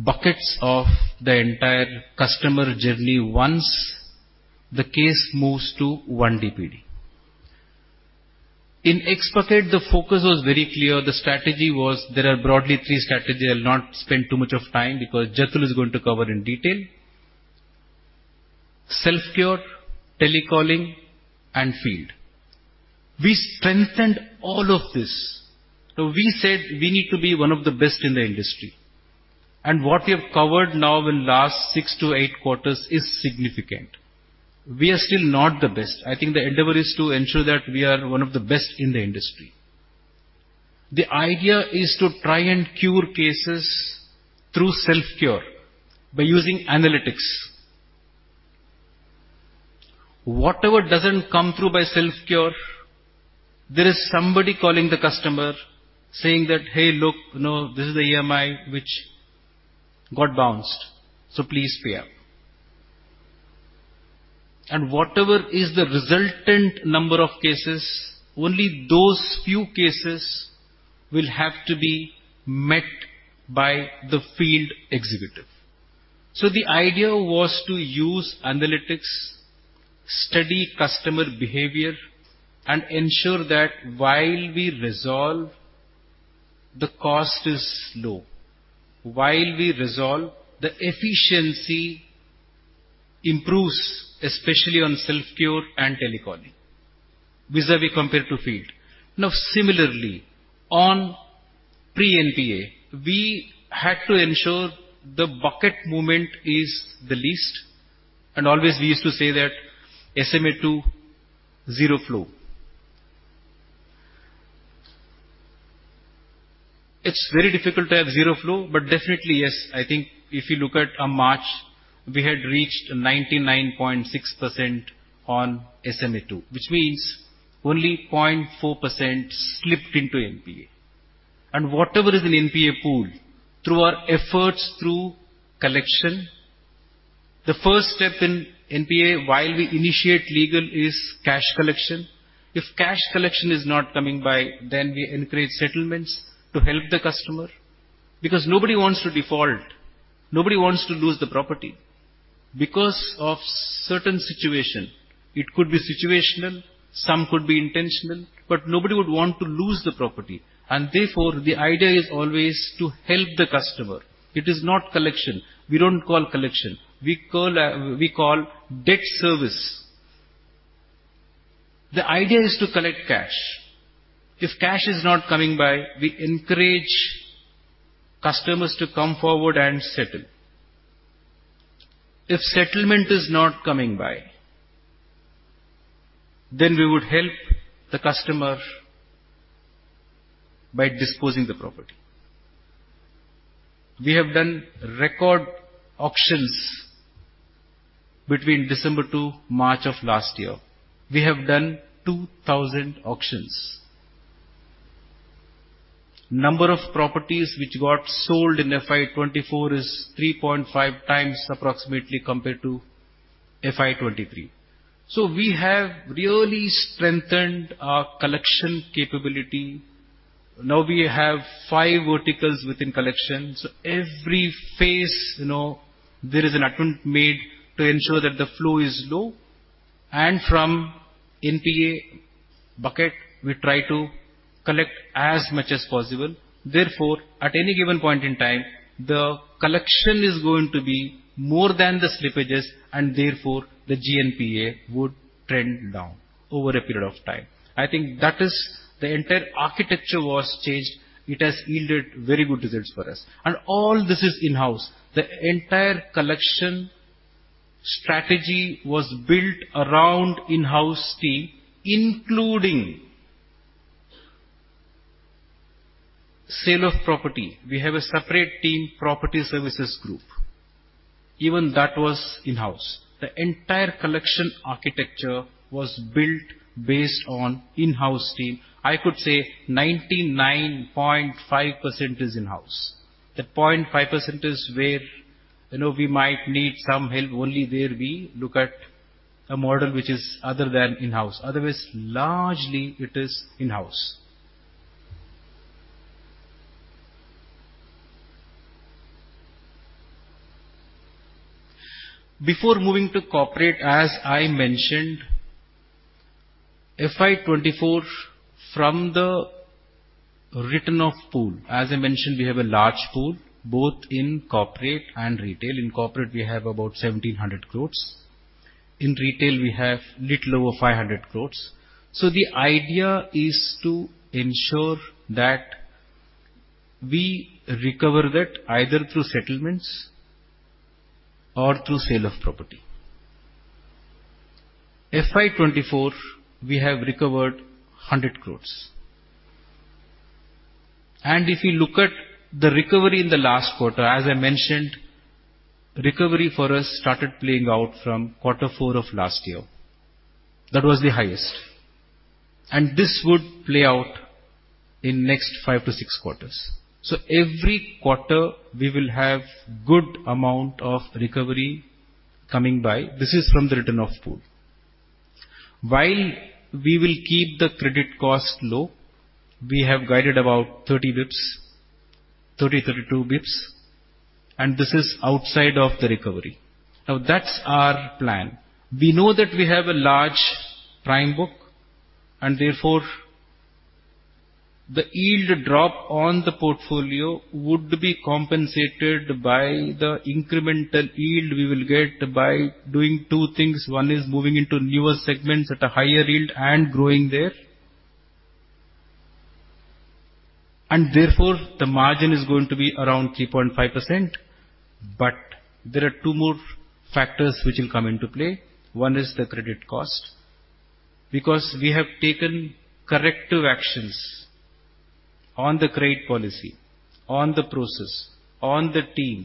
buckets of the entire customer journey once the case moves to 1 DPD. In X-bucket, the focus was very clear. The strategy was, there are broadly three strategies. I'll not spend too much of time because Jatul is going to cover in detail. Self-cure, telecalling, and field. We strengthened all of this. So we said, "we need to be one of the best in the industry." And what we have covered now in the last 6-8 quarters is significant. We are still not the best. I think the endeavor is to ensure that we are one of the best in the industry. The idea is to try and cure cases through self-cure by using analytics. Whatever doesn't come through by self-cure, there is somebody calling the customer, saying that, "hey, look, you know, this is the EMI which got bounced, so please pay up." And whatever is the resultant number of cases, only those few cases will have to be met by the field executive. So the idea was to use analytics, study customer behavior, and ensure that while we resolve the cost is low. While we resolve, the efficiency improves, especially on self-cure and telecalling, vis-a-vis compared to field. Now, similarly, on pre-NPA, we had to ensure the bucket movement is the least, and always we used to say that SMA-2, zero flow. It's very difficult to have zero flow, but definitely, yes, I think if you look at, March, we had reached 99.6% on SMA-2, which means only 0.4% slipped into NPA. Whatever is in NPA pool, through our efforts through collection, the first step in NPA, while we initiate legal, is cash collection. If cash collection is not coming by, then we encourage settlements to help the customer, because nobody wants to default, nobody wants to lose the property. Because of certain situation, it could be situational, some could be intentional, but nobody would want to lose the property, and therefore, the idea is always to help the customer. It is not collection. We don't call collection. We call, we call debt service. The idea is to collect cash. If cash is not coming by, we encourage customers to come forward and settle. If settlement is not coming by, then we would help the customer by disposing the property. We have done record auctions between December to March of last year. We have done 2,000 auctions. Number of properties which got sold in FY 2024 is 3.5x approximately compared to FY 2023. So we have really strengthened our collection capability. Now we have five verticals within collections. Every phase, you know, there is an attempt made to ensure that the flow is low, and from NPA bucket, we try to collect as much as possible. Therefore, at any given point in time, the collection is going to be more than the slippages, and therefore, the GNPA would trend down over a period of time. I think that is the entire architecture was changed. It has yielded very good results for us. And all this is in-house. The entire collection strategy was built around in-house team, including sale of property. We have a separate team, property services group. Even that was in-house. The entire collection architecture was built based on in-house team. I could say 99.5% is in-house. The 0.5% is where, you know, we might need some help, only there we look at a model which is other than in-house. Otherwise, largely, it is in-house. Before moving to corporate, as I mentioned, FY 2024, from the written-off pool, as I mentioned, we have a large pool, both in corporate and retail. In corporate, we have about 1,700 crore. In retail, we have a little over 500 crore. So the idea is to ensure that we recover that either through settlements or through sale of property. FY 2024, we have recovered 100 crore. And if you look at the recovery in the last quarter, as I mentioned, recovery for us started playing out from quarter four of last year. That was the highest. And this would play out in next 5-6 quarters. Every quarter, we will have good amount of recovery coming by. This is from the written-off pool. While we will keep the credit cost low, we have guided about 30 basis points, 30, 32 basis points, and this is outside of the recovery. Now, that's our plan. We know that we have a large prime book, and therefore, the yield drop on the portfolio would be compensated by the incremental yield we will get by doing two things. One is moving into newer segments at a higher yield and growing there. And therefore, the margin is going to be around 3.5%, but there are two more factors which will come into play. One is the credit cost, because we have taken corrective actions on the credit policy, on the process, on the team,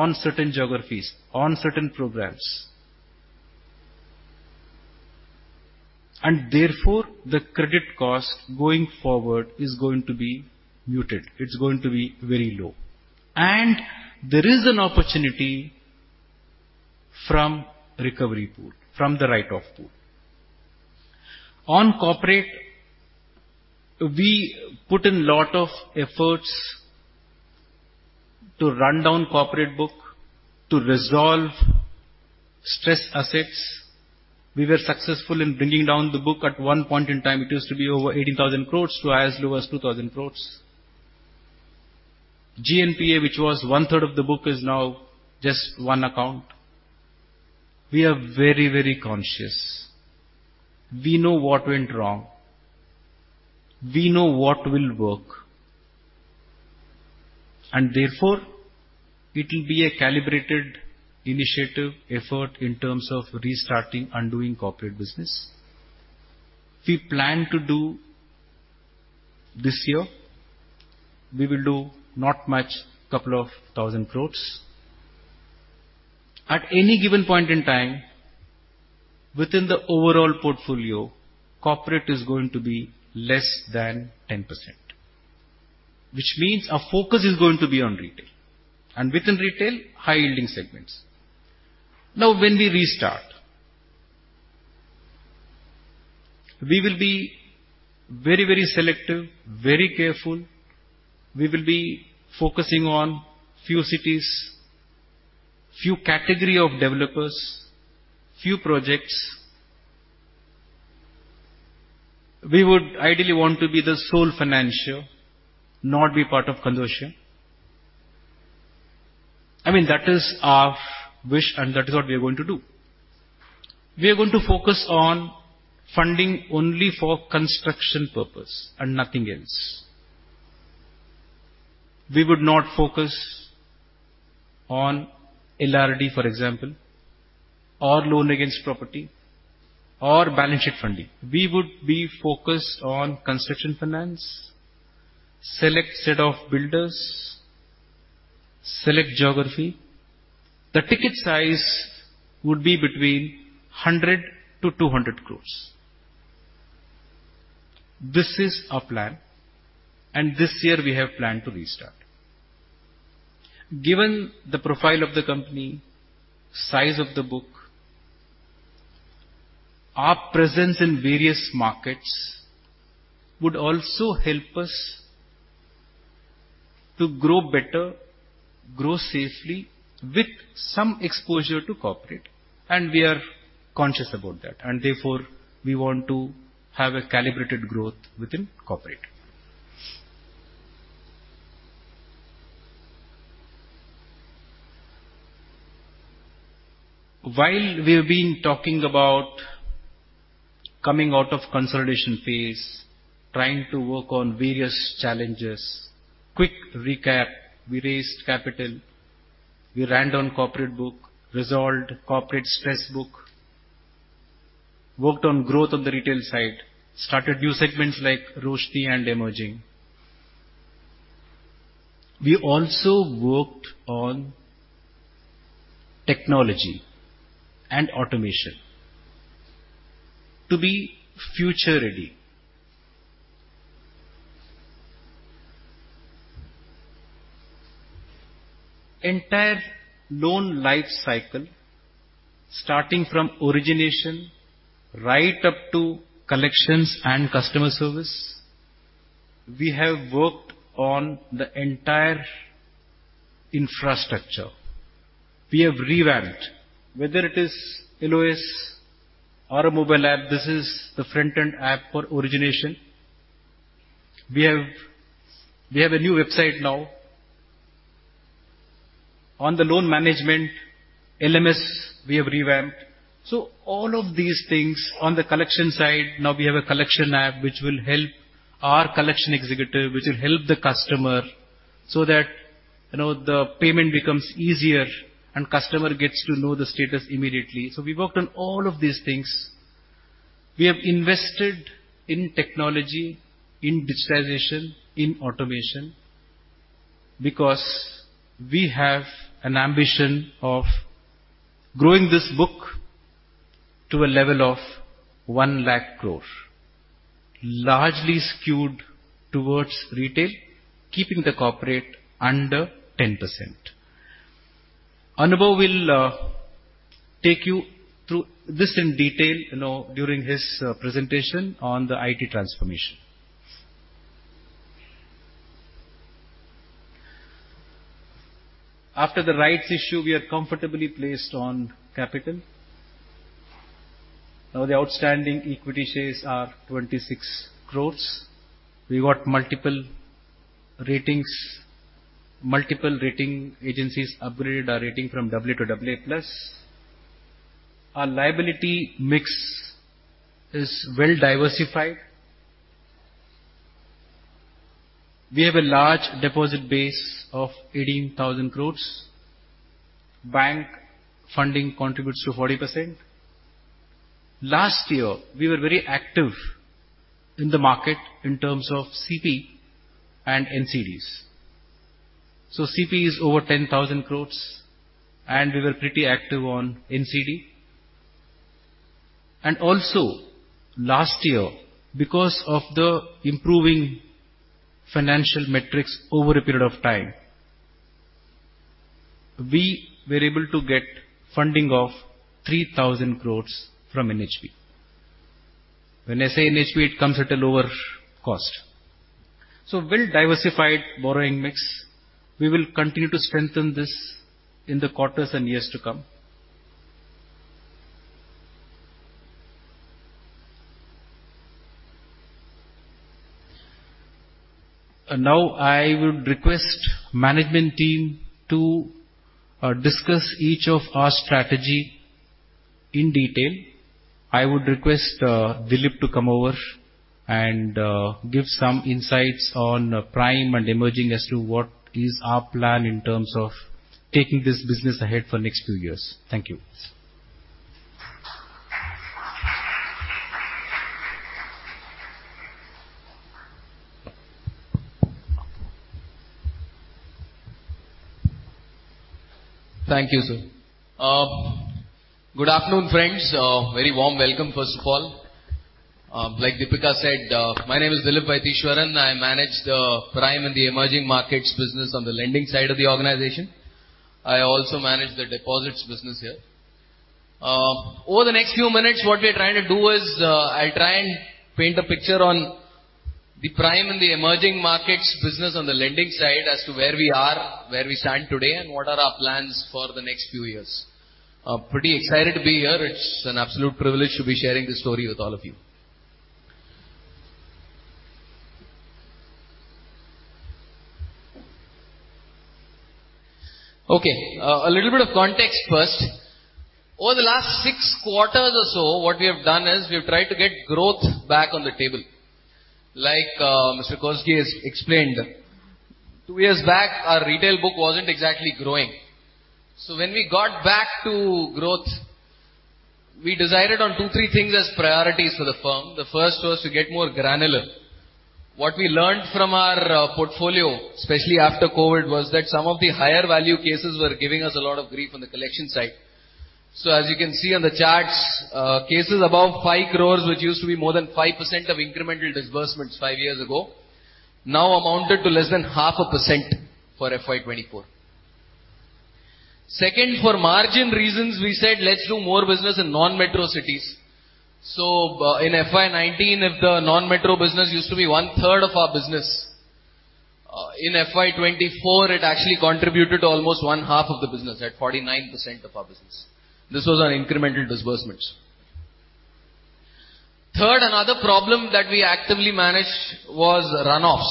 on certain geographies, on certain programs. Therefore, the credit cost going forward is going to be muted. It's going to be very low. There is an opportunity from recovery pool, from the write-off pool. On corporate, we put in a lot of efforts to run down corporate book, to resolve stress assets. We were successful in bringing down the book. At one point in time, it used to be over 18,000 crore to as low as 2,000 crore. GNPA, which was one-third of the book, is now just one account. We are very, very conscious. We know what went wrong, we know what will work, and therefore it will be a calibrated initiative effort in terms of restarting, undoing corporate business. We plan to do this year, we will do not much, a couple of 1,000 crore. At any given point in time, within the overall portfolio, corporate is going to be less than 10%, which means our focus is going to be on retail, and within retail, high-yielding segments. Now, when we restart, we will be very, very selective, very careful. We will be focusing on few cities, few category of developers, few projects. We would ideally want to be the sole financier, not be part of consortium. I mean, that is our wish, and that is what we are going to do. We are going to focus on funding only for construction purpose and nothing else. We would not focus on LRD, for example, or loan against property, or balance sheet funding. We would be focused on construction finance, select set of builders, select geography. The ticket size would be between 100-200 crores. This is our plan, and this year we have planned to restart. Given the profile of the company, size of the book, our presence in various markets would also help us to grow better, grow safely, with some exposure to corporate, and we are conscious about that, and therefore we want to have a calibrated growth within corporate. While we have been talking about coming out of consolidation phase, trying to work on various challenges, quick recap: we raised capital, we ran down corporate book, resolved corporate stress book, worked on growth on the retail side, started new segments like Roshni and Emerging. We also worked on technology and automation to be future ready. Entire loan life cycle, starting from origination right up to collections and customer service, we have worked on the entire infrastructure. We have revamped, whether it is LOS or a mobile app, this is the front-end app for origination. We have, we have a new website now. On the loan management, LMS, we have revamped. So all of these things on the collection side, now we have a collection app, which will help our collection executive, which will help the customer so that, you know, the payment becomes easier and customer gets to know the status immediately. So we worked on all of these things. We have invested in technology, in digitization, in automation, because we have an ambition of growing this book to a level of 100,000 crore, largely skewed towards retail, keeping the corporate under 10%. Anubhav will take you through this in detail, you know, during his presentation on the IT transformation. After the rights issue, we are comfortably placed on capital. Now, the outstanding equity shares are 26 crore. We got multiple ratings. Multiple rating agencies upgraded our rating from AA to AA+. Our liability mix is well diversified. We have a large deposit base of 18,000 crore. Bank funding contributes to 40%. Last year, we were very active in the market in terms of CP and NCDs. So CP is over 10,000 crore, and we were pretty active on NCD. And also, last year, because of the improving financial metrics over a period of time, we were able to get funding of 3,000 crore from NHB. When it is from NHB, it comes at a lower cost. So well-diversified borrowing mix, we will continue to strengthen this in the quarters and years to come. And now I would request management team to discuss each of our strategy in detail. I would request, Dilip to come over and, give some insights on Prime and Emerging as to what is our plan in terms of taking this business ahead for next few years. Thank you.
Thank you, sir. Good afternoon, friends. Very warm welcome, first of all. Like Deepika said, my name is Dilip Vaitheeswaran, I manage the Prime and the Emerging Markets business on the lending side of the organization. I also manage the deposits business here. Over the next few minutes, what we are trying to do is, I'll try and paint a picture on the Prime and the Emerging Markets business on the lending side as to where we are, where we stand today, and what are our plans for the next few years. I'm pretty excited to be here. It's an absolute privilege to be sharing this story with all of you. Okay, a little bit of context first. Over the last six quarters or so, what we have done is we've tried to get growth back on the table. Like, Mr. Kousgi has explained, two years back, our retail book wasn't exactly growing. So when we got back to growth, we decided on two, three things as priorities for the firm. The first was to get more granular. What we learned from our portfolio, especially after COVID, was that some of the higher value cases were giving us a lot of grief on the collection side. So as you can see on the charts, cases above 5 crore, which used to be more than 5% of incremental disbursements five years ago, now amounted to less than 0.5% for FY 2024. Second, for margin reasons, we said, "let's do more business in non-metro cities." So, in FY 2019, if the non-metro business used to be one-third of our business, in FY 2024, it actually contributed to almost one half of the business, at 49% of our business. This was on incremental disbursements. Third, another problem that we actively managed was runoffs.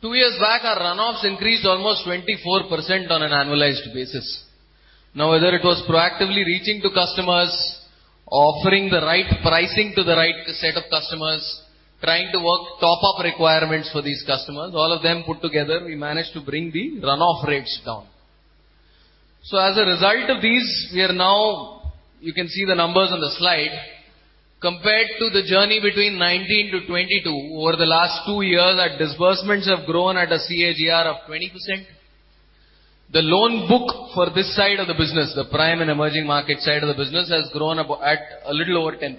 Two years back, our runoffs increased almost 24% on an annualized basis. Now, whether it was proactively reaching to customers, offering the right pricing to the right set of customers, trying to work top-up requirements for these customers, all of them put together, we managed to bring the runoff rates down. So as a result of these, we are now, you can see the numbers on the slide. Compared to the journey between 2019-2022, over the last two years, our disbursements have grown at a CAGR of 20%. The loan book for this side of the business, the Prime and Emerging Market side of the business, has grown at a little over 10%.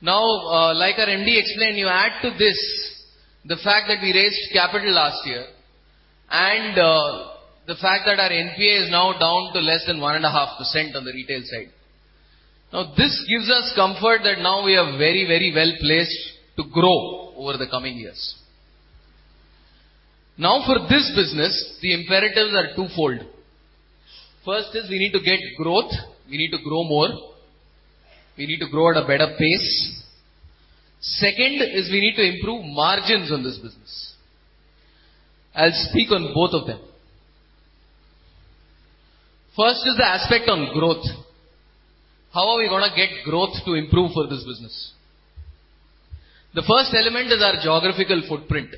Now, like our MD explained, you add to this the fact that we raised capital last year and, the fact that our NPA is now down to less than 1.5% on the retail side. Now, this gives us comfort that now we are very, very well placed to grow over the coming years. Now, for this business, the imperatives are twofold. First is we need to get growth, we need to grow more, we need to grow at a better pace. Second is we need to improve margins on this business. I'll speak on both of them. First is the aspect on growth. How are we gonna get growth to improve for this business? The first element is our geographical footprint.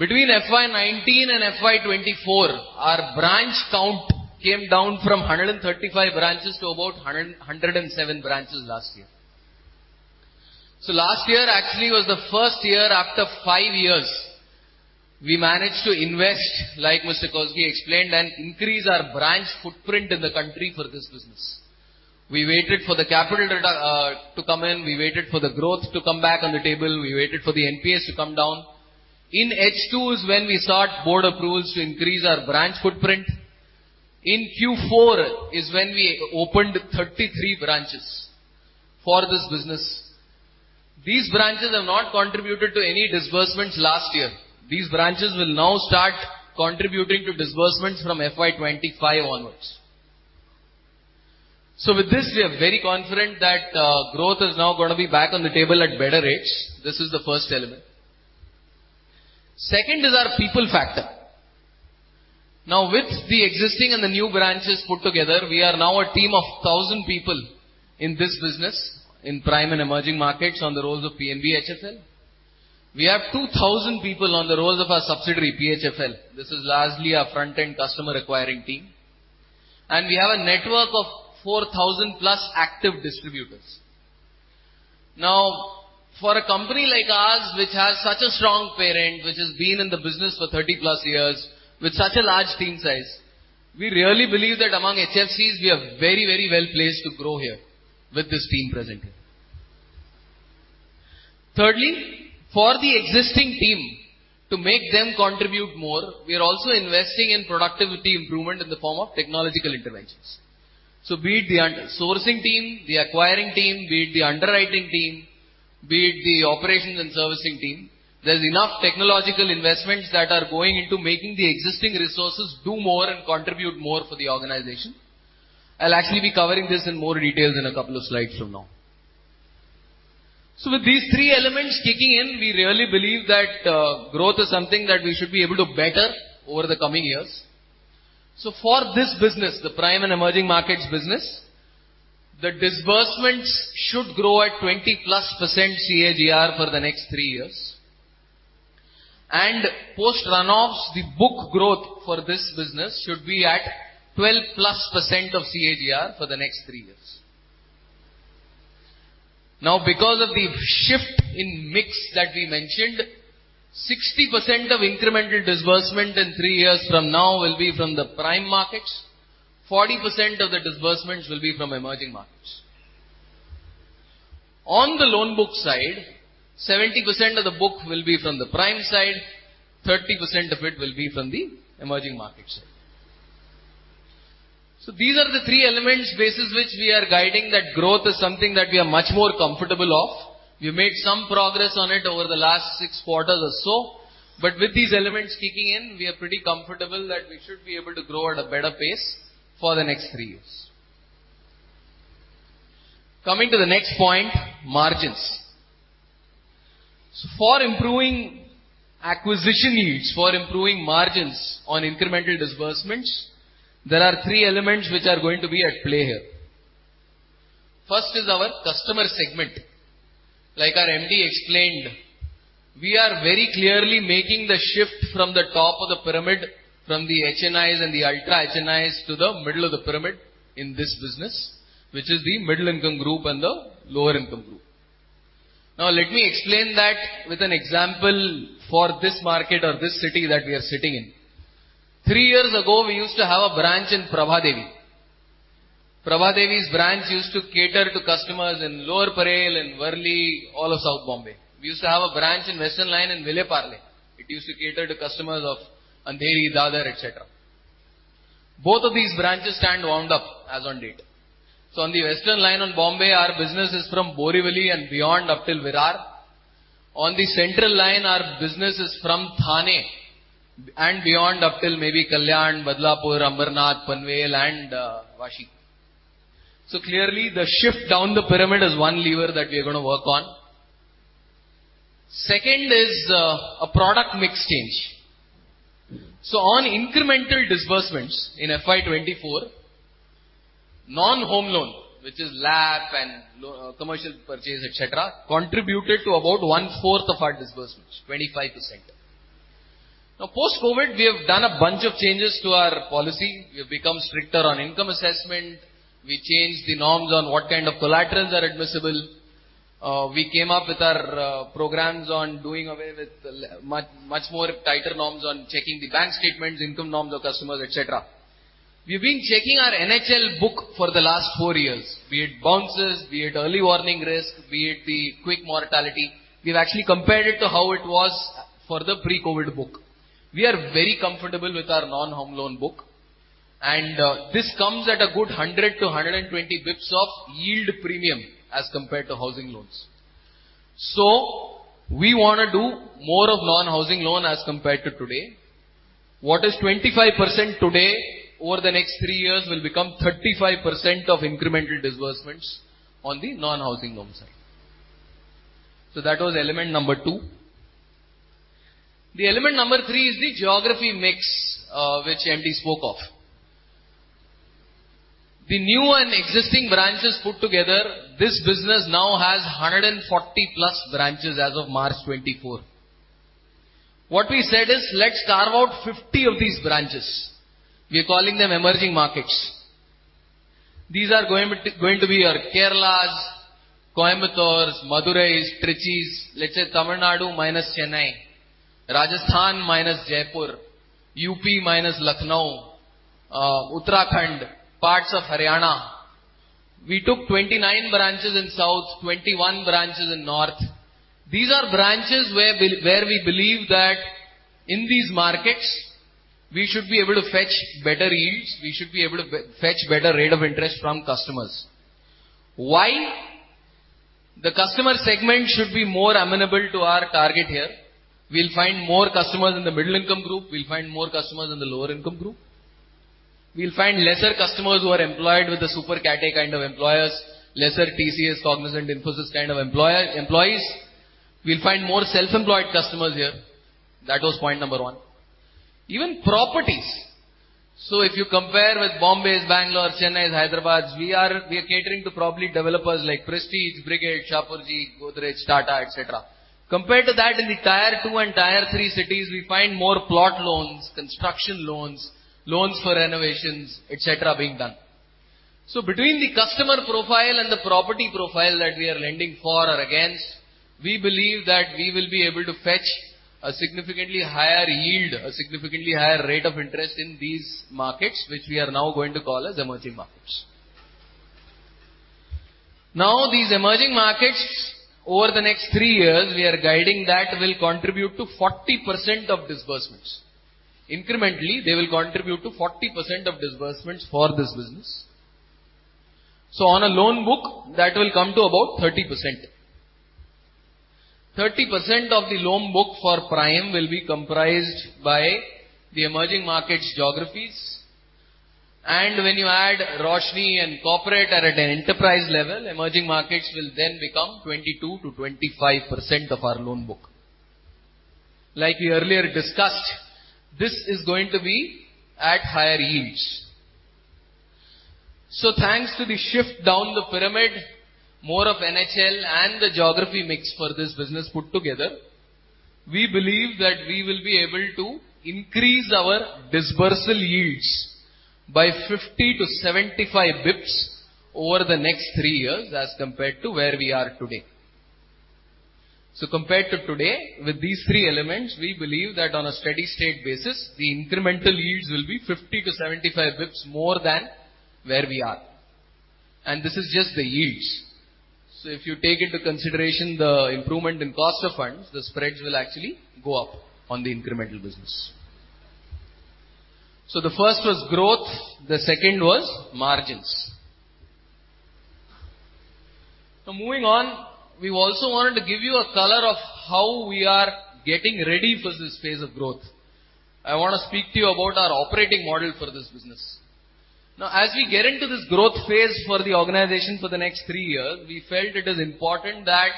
Between FY 2019 and FY 2024, our branch count came down from 135 branches to about 107 branches last year. So last year actually was the first year after 5 years, we managed to invest, like Mr. Kousgi explained, and increase our branch footprint in the country for this business. We waited for the capital return to come in, we waited for the growth to come back on the table, we waited for the NPAs to come down. In H2 is when we sought board approvals to increase our branch footprint. In Q4 is when we opened 33 branches for this business. These branches have not contributed to any disbursements last year. These branches will now start contributing to disbursements from FY 2025 onwards. So with this, we are very confident that, growth is now gonna be back on the table at better rates. This is the first element. Second is our people factor. Now, with the existing and the new branches put together, we are now a team of 1,000 people in this business, in Prime and Emerging Markets on the roles of PNB HFL. We have 2,000 people on the roles of our subsidiary, PHFL. This is largely our front-end customer acquiring team, and we have a network of 4,000+ active distributors. Now, for a company like ours, which has such a strong parent, which has been in the business for 30+ years with such a large team size, we really believe that among HFCs, we are very, very well placed to grow here with this team present here. Thirdly, for the existing team, to make them contribute more, we are also investing in productivity improvement in the form of technological interventions. So be it the sourcing team, the acquiring team, be it the underwriting team, be it the operations and servicing team, there's enough technological investments that are going into making the existing resources do more and contribute more for the organization. I'll actually be covering this in more details in a couple of slides from now. So with these three elements kicking in, we really believe that growth is something that we should be able to better over the coming years. So for this business, the prime and emerging markets business, the disbursements should grow at 20%+ CAGR for the next three years, and post runoffs, the book growth for this business should be at 12%+ CAGR for the next three years. Now, because of the shift in mix that we mentioned, 60% of incremental disbursement in three years from now will be from the prime markets, 40% of the disbursements will be from emerging markets. On the loan book side, 70% of the book will be from the prime side, 30% of it will be from the emerging market side. So these are the three elements basis which we are guiding that growth is something that we are much more comfortable of. We made some progress on it over the last six quarters or so, but with these elements kicking in, we are pretty comfortable that we should be able to grow at a better pace for the next three years. Coming to the next point, margins. So for improving acquisition yields, for improving margins on incremental disbursements, there are three elements which are going to be at play here. First is our customer segment. Like our MD explained, we are very clearly making the shift from the top of the pyramid, from the HNIs and the ultra HNIs, to the middle of the pyramid in this business, which is the middle-income group and the lower-income group. Now, let me explain that with an example for this market or this city that we are sitting in. Three years ago, we used to have a branch in Prabhadevi. Prabhadevi's branch used to cater to customers in Lower Parel, in Worli, all of South Bombay. We used to have a branch in Western Line in Vile Parle. It used to cater to customers of Andheri, Dadar, et cetera. Both of these branches stand wound up as on date. So on the western line on Bombay, our business is from Borivali and beyond, up till Virar. On the central line, our business is from Thane and beyond, up till maybe Kalyan, Badlapur, Ambernath, Panvel, and Vashi. So clearly, the shift down the pyramid is one lever that we are going to work on. Second is a product mix change. So on incremental disbursements in FY 2024, non-home loan, which is LAP and LRD, commercial purchase, et cetera, contributed to about one-fourth of our disbursements, 25%. Now, post-COVID, we have done a bunch of changes to our policy. We have become stricter on income assessment. We changed the norms on what kind of collaterals are admissible. We came up with our programs on doing away with much, much more tighter norms on checking the bank statements, income norms of customers, et cetera. We've been checking our NHL book for the last four years, be it bounces, be it early warning risk, be it the quick mortality. We've actually compared it to how it was for the pre-COVID book. We are very comfortable with our non-home loan book, and this comes at a good 100-120 basis points of yield premium as compared to housing loans. So we want to do more of non-housing loan as compared to today. What is 25% today, over the next three years, will become 35% of incremental disbursements on the non-housing loan side. So that was element number two. The element number three is the geography mix, which MD spoke of. The new and existing branches put together, this business now has 140+ branches as of March 2024. What we said is, "let's carve out 50 of these branches." We are calling them emerging markets. These are going to be your Keralas, Coimbatores, Madurais, Trichys, let's say, Tamil Nadu minus Chennai, Rajasthan minus Jaipur, UP minus Lucknow, Uttarakhand, parts of Haryana. We took 29 branches in South, 21 branches in North. These are branches where we believe that in these markets, we should be able to fetch better yields, we should be able to fetch better rate of interest from customers. Why? The customer segment should be more amenable to our target here. We'll find more customers in the middle-income group. We'll find more customers in the lower-income group. We'll find lesser customers who are employed with the super category kind of employers, lesser TCS, Cognizant, Infosys kind of employer-employees. We'll find more self-employed customers here. That was point number one. Even properties, so if you compare with Bombay's, Bangalore, Chennai's, Hyderabad's, we are, we are catering to property developers like Prestige, Brigade, Shapoorji, Godrej, Tata, et cetera. Compared to that, in the Tier 2 and Tier 3 cities, we find more plot loans, construction loans, loans for renovations, et cetera, being done. So between the customer profile and the property profile that we are lending for or against, we believe that we will be able to fetch a significantly higher yield, a significantly higher rate of interest in these markets, which we are now going to call as emerging markets. Now these emerging markets, over the next 3 years, we are guiding that will contribute to 40% of disbursements. Incrementally, they will contribute to 40% of disbursements for this business. So on a loan book, that will come to about 30%. 30% of the loan book for Prime will be comprised by the emerging markets geographies, and when you add Roshni and corporate are at an enterprise level, emerging markets will then become 22%-25% of our loan book. Like we earlier discussed, this is going to be at higher yields. So thanks to the shift down the pyramid, more of NHL and the geography mix for this business put together, we believe that we will be able to increase our dispersal yields by 50-75 basis points over the next three years as compared to where we are today. So compared to today, with these three elements, we believe that on a steady state basis, the incremental yields will be 50-75 basis points more than where we are. This is just the yields. So if you take into consideration the improvement in cost of funds, the spreads will actually go up on the incremental business. So the first was growth, the second was margins. So moving on, we also wanted to give you a color of how we are getting ready for this phase of growth. I want to speak to you about our operating model for this business. Now, as we get into this growth phase for the organization for the next three years, we felt it is important that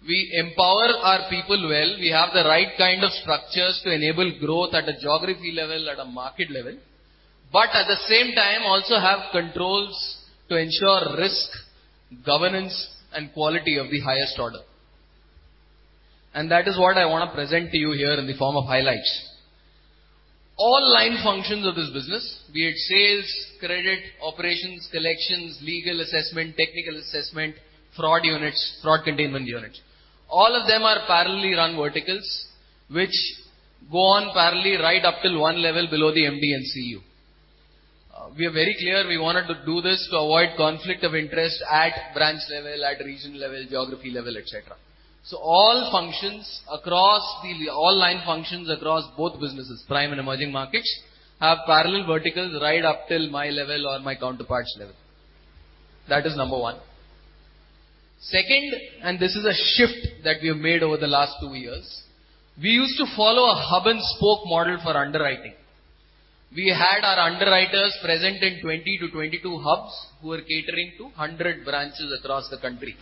we empower our people well. We have the right kind of structures to enable growth at a geography level, at a market level, but at the same time also have controls to ensure risk, governance, and quality of the highest order. And that is what I want to present to you here in the form of highlights. All line functions of this business, be it sales, credit, operations, collections, legal assessment, technical assessment, fraud units, fraud containment units, all of them are parallelly run verticals, which go on parallelly right up till one level below the MD and CEO. We are very clear we wanted to do this to avoid conflict of interest at branch level, at regional level, geography level, et cetera. So all functions across the-- all line functions across both businesses, Prime and Emerging Markets, have parallel verticals right up till my level or my counterpart's level. That is number one. Second, and this is a shift that we have made over the last two years, we used to follow a hub-and-spoke model for underwriting. We had our underwriters present in 20-22 hubs, who were catering to 100 branches across the country.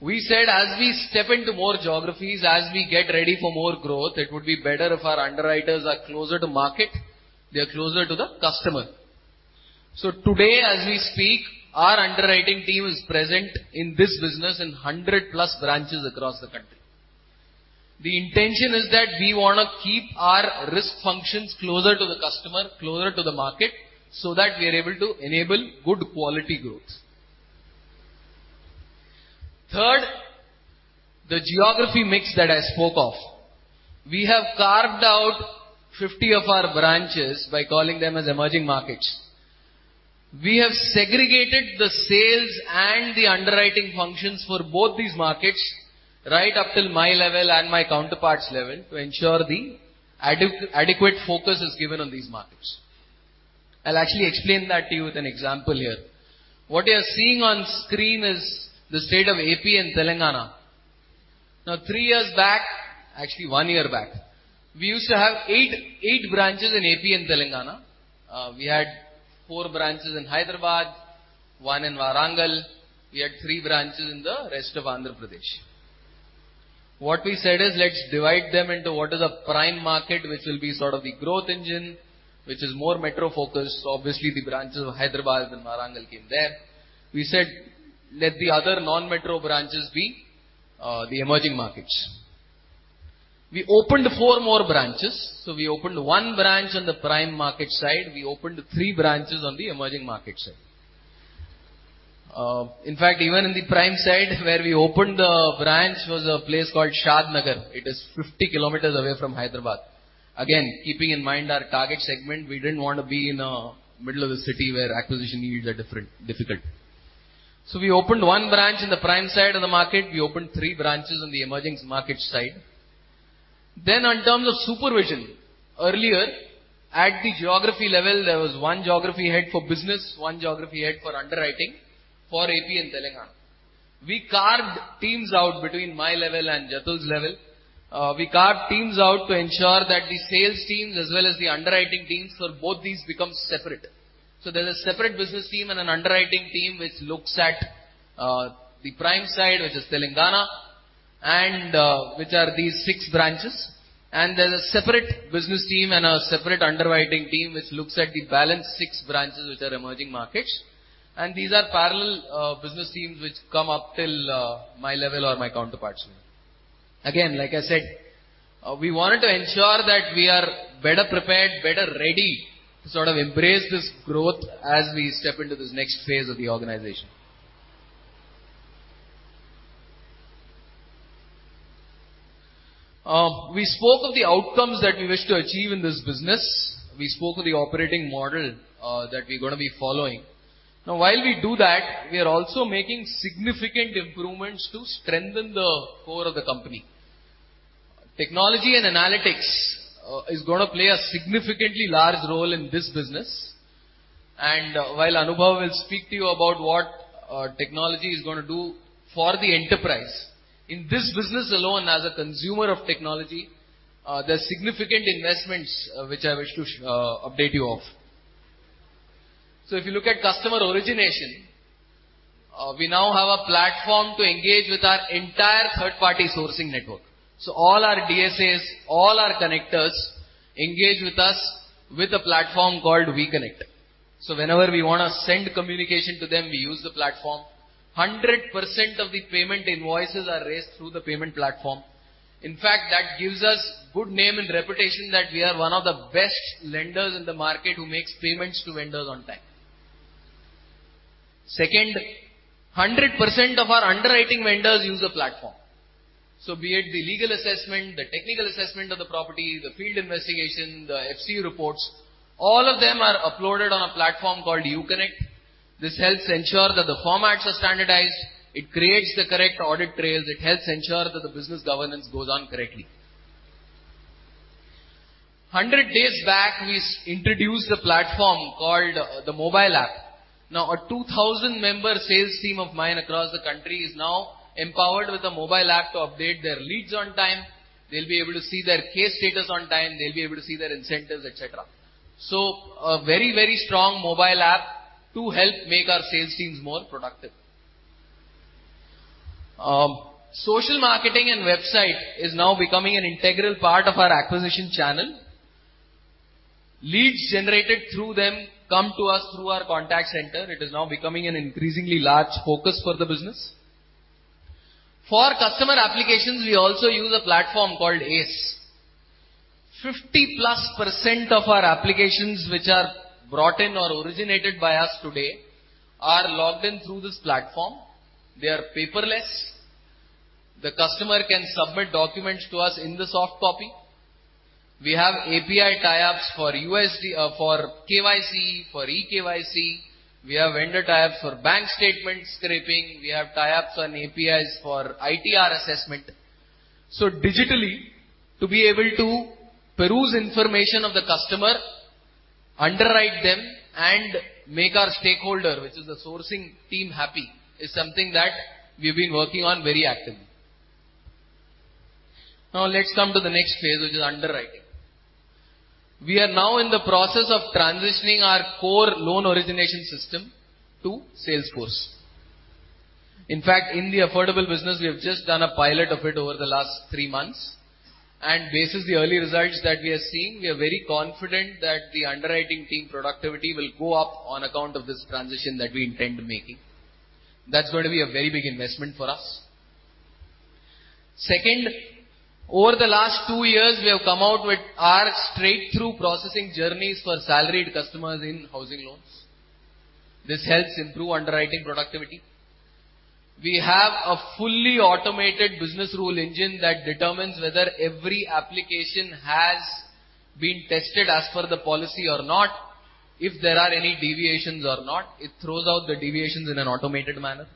We said, as we step into more geographies, as we get ready for more growth, it would be better if our underwriters are closer to the market, they are closer to the customer. So today, as we speak, our underwriting team is present in this business in 100+ branches across the country. The intention is that we want to keep our risk functions closer to the customer, closer to the market, so that we are able to enable good quality growth. Third, the geography mix that I spoke of. We have carved out 50 of our branches by calling them as emerging markets. We have segregated the sales and the underwriting functions for both these markets right up till my level and my counterpart's level, to ensure the adequate focus is given on these markets. I'll actually explain that to you with an example here. What you are seeing on screen is the state of AP and Telangana. Now, three years back, actually one year back, we used to have eight, eight branches in AP and Telangana. We had four branches in Hyderabad, one in Warangal. We had three branches in the rest of Andhra Pradesh. What we said is, let's divide them into what is a prime market, which will be sort of the growth engine, which is more metro-focused. Obviously, the branches of Hyderabad and Warangal came there. We said let the other non-metro branches be the emerging markets. We opened four more branches. So we opened one branch on the prime market side. We opened three branches on the emerging market side. In fact, even in the prime side, where we opened the branch was a place called Shadnagar. It is 50 km away from Hyderabad. Again, keeping in mind our target segment, we didn't want to be in a middle of the city where acquisition yields are different, difficult. So we opened one branch in the prime side of the market. We opened three branches on the emerging market side. Then in terms of supervision, earlier, at the geography level, there was one geography head for business, one geography head for underwriting for AP and Telangana. We carved teams out between my level and Jatul's level. We carved teams out to ensure that the sales teams, as well as the underwriting teams for both these, become separate. So there's a separate business team and an underwriting team, which looks at the prime side, which is Telangana, and which are these six branches. There's a separate business team and a separate underwriting team, which looks at the balance six branches, which are emerging markets. These are parallel business teams which come up till my level or my counterpart's level. Again, like I said, we wanted to ensure that we are better prepared, better ready to sort of embrace this growth as we step into this next phase of the organization. We spoke of the outcomes that we wish to achieve in this business. We spoke of the operating model that we're gonna be following. Now, while we do that, we are also making significant improvements to strengthen the core of the company. Technology and analytics is gonna play a significantly large role in this business, and while Anubhav will speak to you about what technology is gonna do for the enterprise, in this business alone, as a consumer of technology, there are significant investments which I wish to update you of. So if you look at customer origination, we now have a platform to engage with our entire third-party sourcing network. So all our DSAs, all our connectors, engage with us with a platform called WeConnect. So whenever we wanna send communication to them, we use the platform. 100% of the payment invoices are raised through the payment platform. In fact, that gives us good name and reputation that we are one of the best lenders in the market who makes payments to vendors on time. Second, 100% of our underwriting vendors use the platform. So be it the legal assessment, the technical assessment of the property, the field investigation, the FC reports, all of them are uploaded on a platform called uConnect. This helps ensure that the formats are standardized, it creates the correct audit trails, it helps ensure that the business governance goes on correctly. 100 days back, we introduced a platform called the mobile app. Now, a 2,000-member sales team of mine across the country is now empowered with a mobile app to update their leads on time. They'll be able to see their case status on time, they'll be able to see their incentives, et cetera. So a very, very strong mobile app to help make our sales teams more productive. Social marketing and website is now becoming an integral part of our acquisition channel. Leads generated through them come to us through our contact center. It is now becoming an increasingly large focus for the business. For customer applications, we also use a platform called ACE. 50%+ of our applications which are brought in or originated by us today, are logged in through this platform. They are paperless. The customer can submit documents to us in the soft copy. We have API tie-ups for UID, for KYC, for eKYC. We have vendor tie-ups for bank statement scraping, we have tie-ups and APIs for ITR assessment. So digitally, to be able to peruse information of the customer, underwrite them, and make our stakeholder, which is the sourcing team, happy, is something that we've been working on very actively. Now, let's come to the next phase, which is underwriting. We are now in the process of transitioning our core loan origination system to Salesforce. In fact, in the affordable business, we have just done a pilot of it over the last three months, and based on the early results that we are seeing, we are very confident that the underwriting team productivity will go up on account of this transition that we intend making. That's going to be a very big investment for us. Second, over the last two years, we have come out with our straight-through processing journeys for salaried customers in housing loans. This helps improve underwriting productivity. We have a fully automated business rule engine that determines whether every application has been tested as per the policy or not. If there are any deviations or not, it throws out the deviations in an automated manner.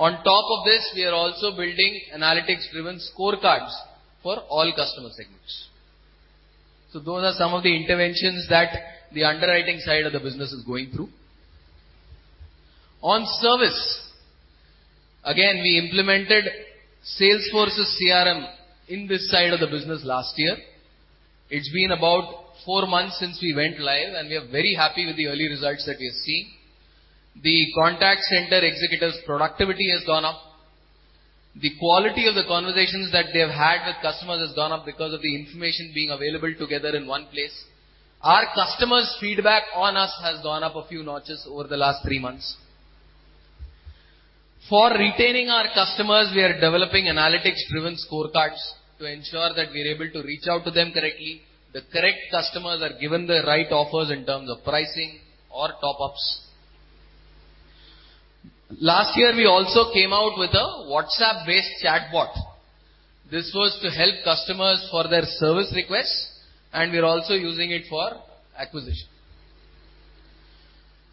On top of this, we are also building analytics-driven scorecards for all customer segments. So those are some of the interventions that the underwriting side of the business is going through. On service, again, we implemented Salesforce's CRM in this side of the business last year. It's been about four months since we went live, and we are very happy with the early results that we are seeing. The contact center executives' productivity has gone up. The quality of the conversations that they have had with customers has gone up because of the information being available together in one place. Our customers' feedback on us has gone up a few notches over the last three months. For retaining our customers, we are developing analytics-driven scorecards to ensure that we are able to reach out to them correctly. The correct customers are given the right offers in terms of pricing or top-ups. Last year, we also came out with a WhatsApp-based chatbot. This was to help customers for their service requests, and we're also using it for acquisition.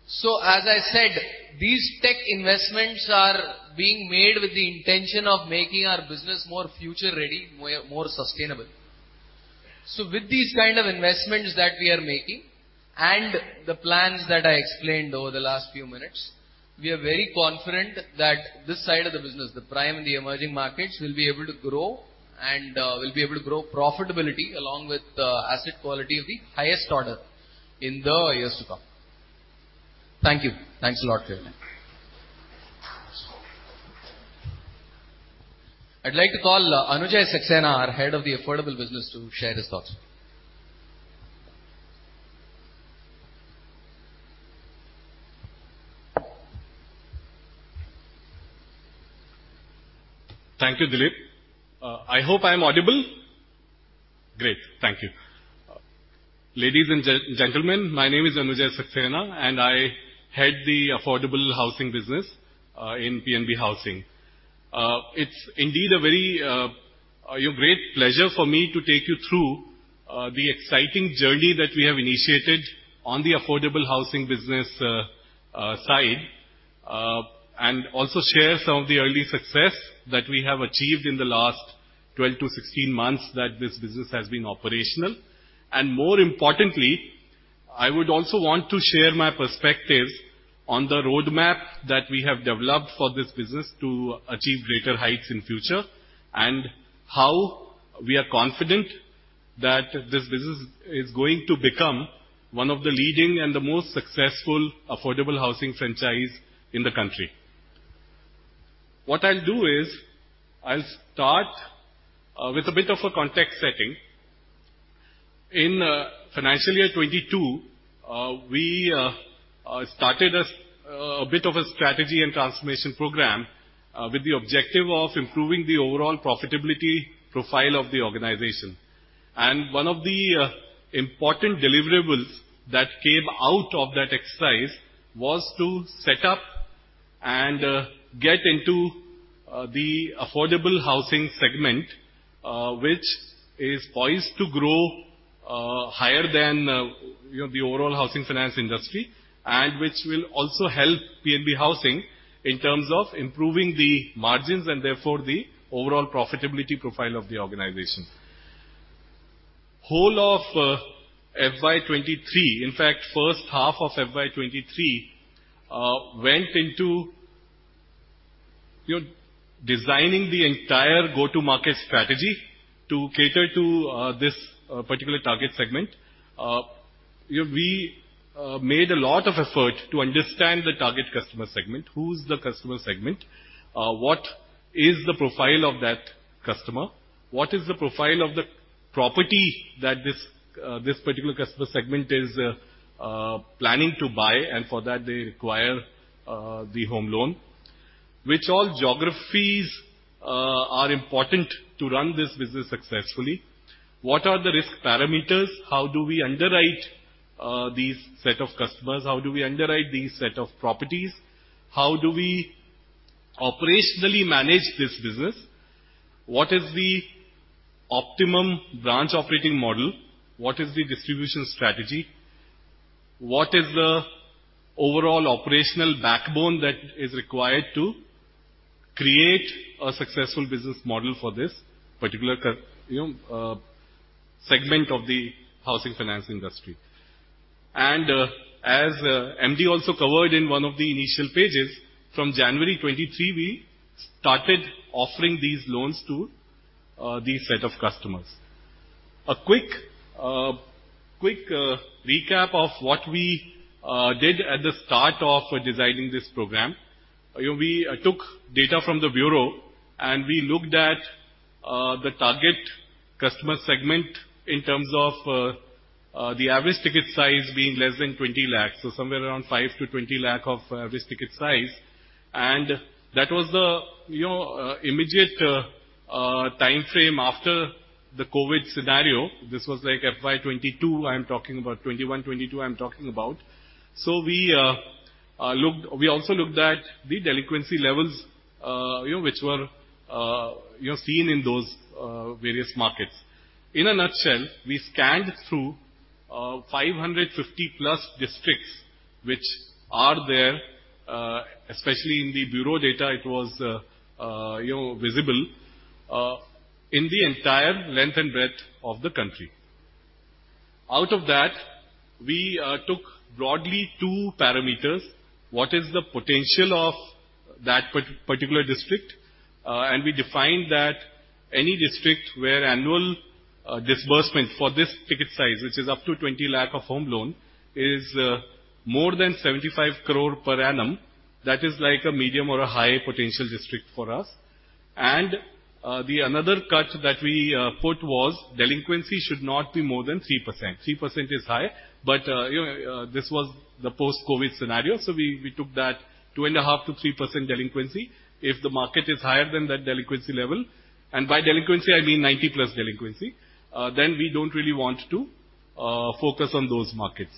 So, as I said, these tech investments are being made with the intention of making our business more future-ready, more sustainable. So with these kind of investments that we are making and the plans that I explained over the last few minutes, we are very confident that this side of the business, the prime in the emerging markets, will be able to grow and will be able to grow profitability along with the asset quality of the highest order in the years to come. Thank you. Thanks a lot for your time. I'd like to call Anujai Saxena, our head of the affordable business, to share his thoughts.
Thank you, Dilip. I hope I am audible? Great. Thank you. Ladies and gentlemen, my name is Anujai Saxena, and I head the Affordable Housing Business in PNB Housing. It's indeed a very great pleasure for me to take you through the exciting journey that we have initiated on the affordable housing business side. And also share some of the early success that we have achieved in the last 12-16 months that this business has been operational. And more importantly, I would also want to share my perspectives on the roadmap that we have developed for this business to achieve greater heights in future, and how we are confident that this business is going to become one of the leading and the most successful affordable housing franchise in the country. What I'll do is, I'll start with a bit of a context setting. In financial year 2022, we started as a bit of a strategy and transformation program with the objective of improving the overall profitability profile of the organization. And one of the important deliverables that came out of that exercise was to set up and get into the affordable housing segment, which is poised to grow higher than, you know, the overall housing finance industry, and which will also help PNB Housing in terms of improving the margins, and therefore, the overall profitability profile of the organization. Whole of FY 2023, in fact, first half of FY 2023, went into, you know, designing the entire go-to-market strategy to cater to this particular target segment. We made a lot of effort to understand the target customer segment. Who's the customer segment? What is the profile of that customer? What is the profile of the property that this particular customer segment is planning to buy, and for that they require the home loan? Which all geographies are important to run this business successfully? What are the risk parameters? How do we underwrite these set of customers? How do we underwrite these set of properties? How do we operationally manage this business? What is the optimum branch operating model? What is the distribution strategy? What is the overall operational backbone that is required to create a successful business model for this particular customer, you know, segment of the housing finance industry? As MD also covered in one of the initial pages, from January 2023, we started offering these loans to these set of customers. A quick recap of what we did at the start of designing this program. You know, we took data from the bureau, and we looked at the target customer segment in terms of the average ticket size being less than 20 lakh, so somewhere around 5 lakh-20 lakh of average ticket size. And that was the, you know, immediate time frame after the COVID scenario. This was like FY 2022, I'm talking about 2021, 2022, I'm talking about. So we looked. We also looked at the delinquency levels, you know, which were, you know, seen in those various markets. In a nutshell, we scanned through 550+ districts, which are there, especially in the bureau data, it was, you know, visible, in the entire length and breadth of the country. Out of that, we took broadly two parameters: What is the potential of that particular district? And we defined that any district where annual disbursement for this ticket size, which is up to 20 lakh of home loan, is more than 75 crore per annum, that is like a medium or a high potential district for us. And the another cut that we put was delinquency should not be more than 3%. 3% is high, but, you know, this was the post-COVID scenario, so we took that 2.5%-3% delinquency. If the market is higher than that delinquency level, and by delinquency, I mean 90+ delinquency, then we don't really want to focus on those markets.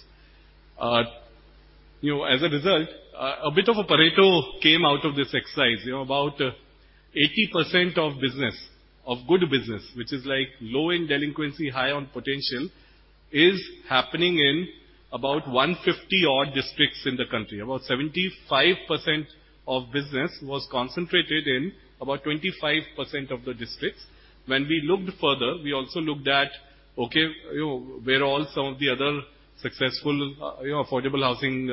You know, as a result, a bit of a Pareto came out of this exercise. You know, about 80% of business, of good business, which is like low in delinquency, high on potential, is happening in about 150+ odd districts in the country. About 75% of business was concentrated in about 25% of the districts. When we looked further, we also looked at, okay, you know, where all some of the other successful, you know, affordable housing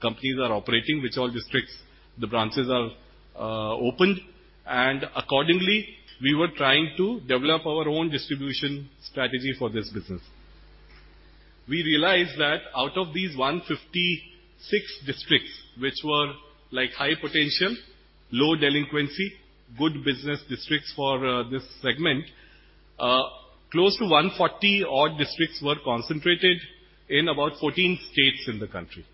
companies are operating, which all districts the branches are opened, and accordingly, we were trying to develop our own distribution strategy for this business. We realized that out of these 156 districts, which were like high potential, low delinquency, good business districts for this segment, close to 140-odd districts were concentrated in about 14 states in the country.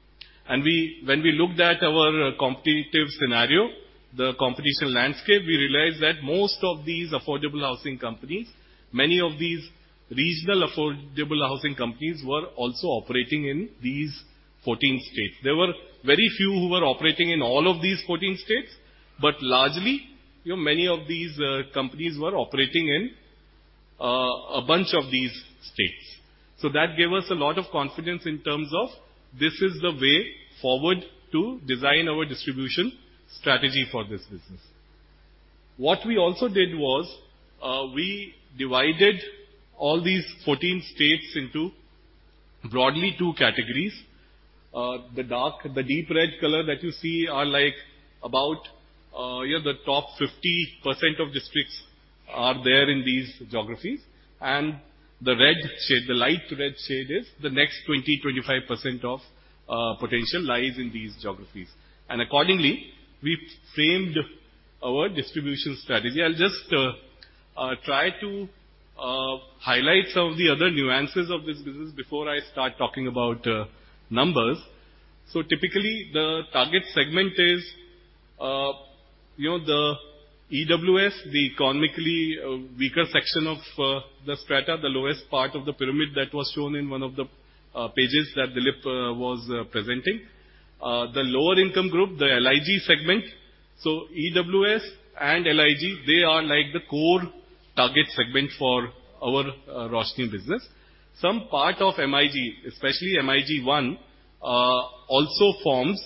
And we, when we looked at our competitive scenario, the competition landscape, we realized that most of these affordable housing companies, many of these regional affordable housing companies, were also operating in these 14 states. There were very few who were operating in all of these 14 states, but largely, you know, many of these companies were operating in a bunch of these states. So that gave us a lot of confidence in terms of this is the way forward to design our distribution strategy for this business. What we also did was, we divided all these 14 states into broadly two categories. The dark, the deep red color that you see are like about the top 50% of districts are there in these geographies, and the red shade, the light red shade, is the next 20%-25% of potential lies in these geographies. And accordingly, we framed our distribution strategy. I'll just try to highlight some of the other nuances of this business before I start talking about numbers. So typically, the target segment is, you know, the EWS, the economically weaker section of the strata, the lowest part of the pyramid that was shown in one of the pages that Dilip was presenting. The lower income group, the LIG segment. So EWS and LIG, they are like the core target segment for our Roshni business. Some part of MIG, especially MIG-I, also forms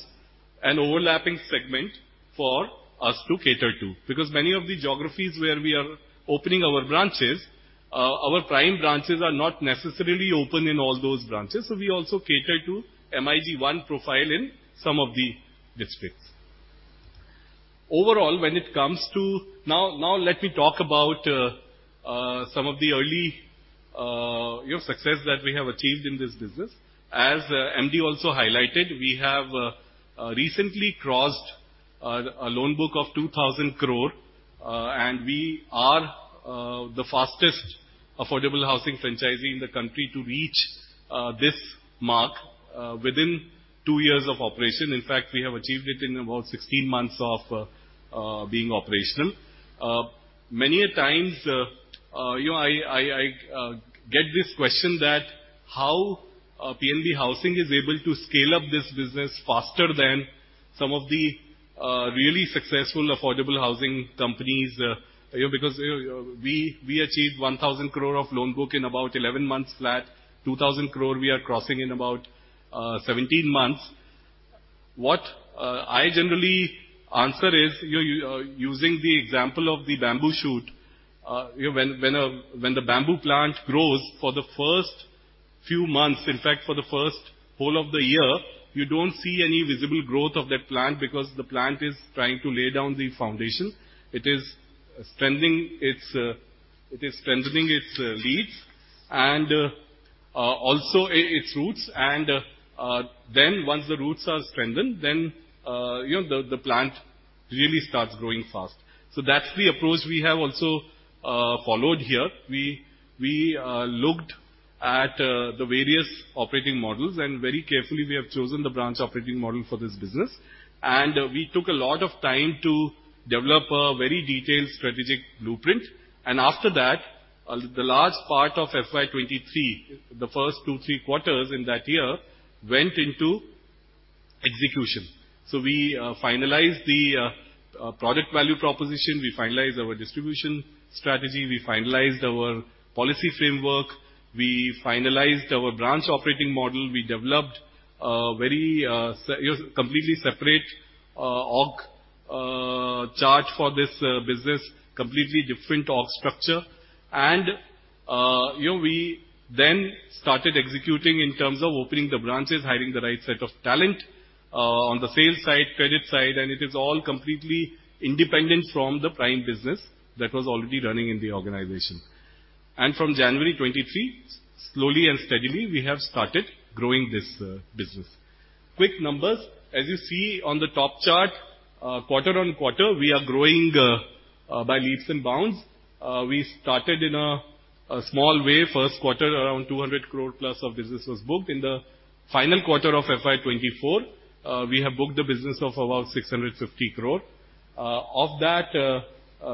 an overlapping segment for us to cater to, because many of the geographies where we are opening our branches, our prime branches are not necessarily open in all those branches, so we also cater to MIG-I profile in some of the districts. Overall, when it comes to, now, now let me talk about some of the early, your success that we have achieved in this business. As MD also highlighted, we have recently crossed a loan book of 2,000 crore, and we are the fastest affordable housing franchisee in the country to reach this mark within two years of operation. In fact, we have achieved it in about 16 months of being operational. Many a times, you know, I get this question that how PNB Housing is able to scale up this business faster than some of the really successful affordable housing companies, you know, because we achieved 1,000 crore of loan book in about 11 months flat, 2,000 crore we are crossing in about 17 months. What I generally answer is, you know, using the example of the bamboo shoot. When a bamboo plant grows for the first few months, in fact, for the first whole of the year, you don't see any visible growth of that plant because the plant is trying to lay down the foundation. It is strengthening its leaves and also its roots, and then once the roots are strengthened, then you know, the plant really starts growing fast. So that's the approach we have also followed here. We looked at the various operating models, and very carefully we have chosen the branch operating model for this business. And we took a lot of time to develop a very detailed strategic blueprint, and after that, the large part of FY 2023, the first two, three quarters in that year, went into execution. So we finalized the product value proposition, we finalized our distribution strategy, we finalized our policy framework, we finalized our branch operating model, we developed a very completely separate org chart for this business, completely different org structure. And, you know, we then started executing in terms of opening the branches, hiring the right set of talent, on the sales side, credit side, and it is all completely independent from the prime business that was already running in the organization. And from January 2023, slowly and steadily, we have started growing this, business. Quick numbers. As you see on the top chart, quarter-on-quarter, we are growing, by leaps and bounds. We started in a small way. First quarter, around 200 crore plus of business was booked. In the final quarter of FY 2024, we have booked a business of about 650 crore. Of that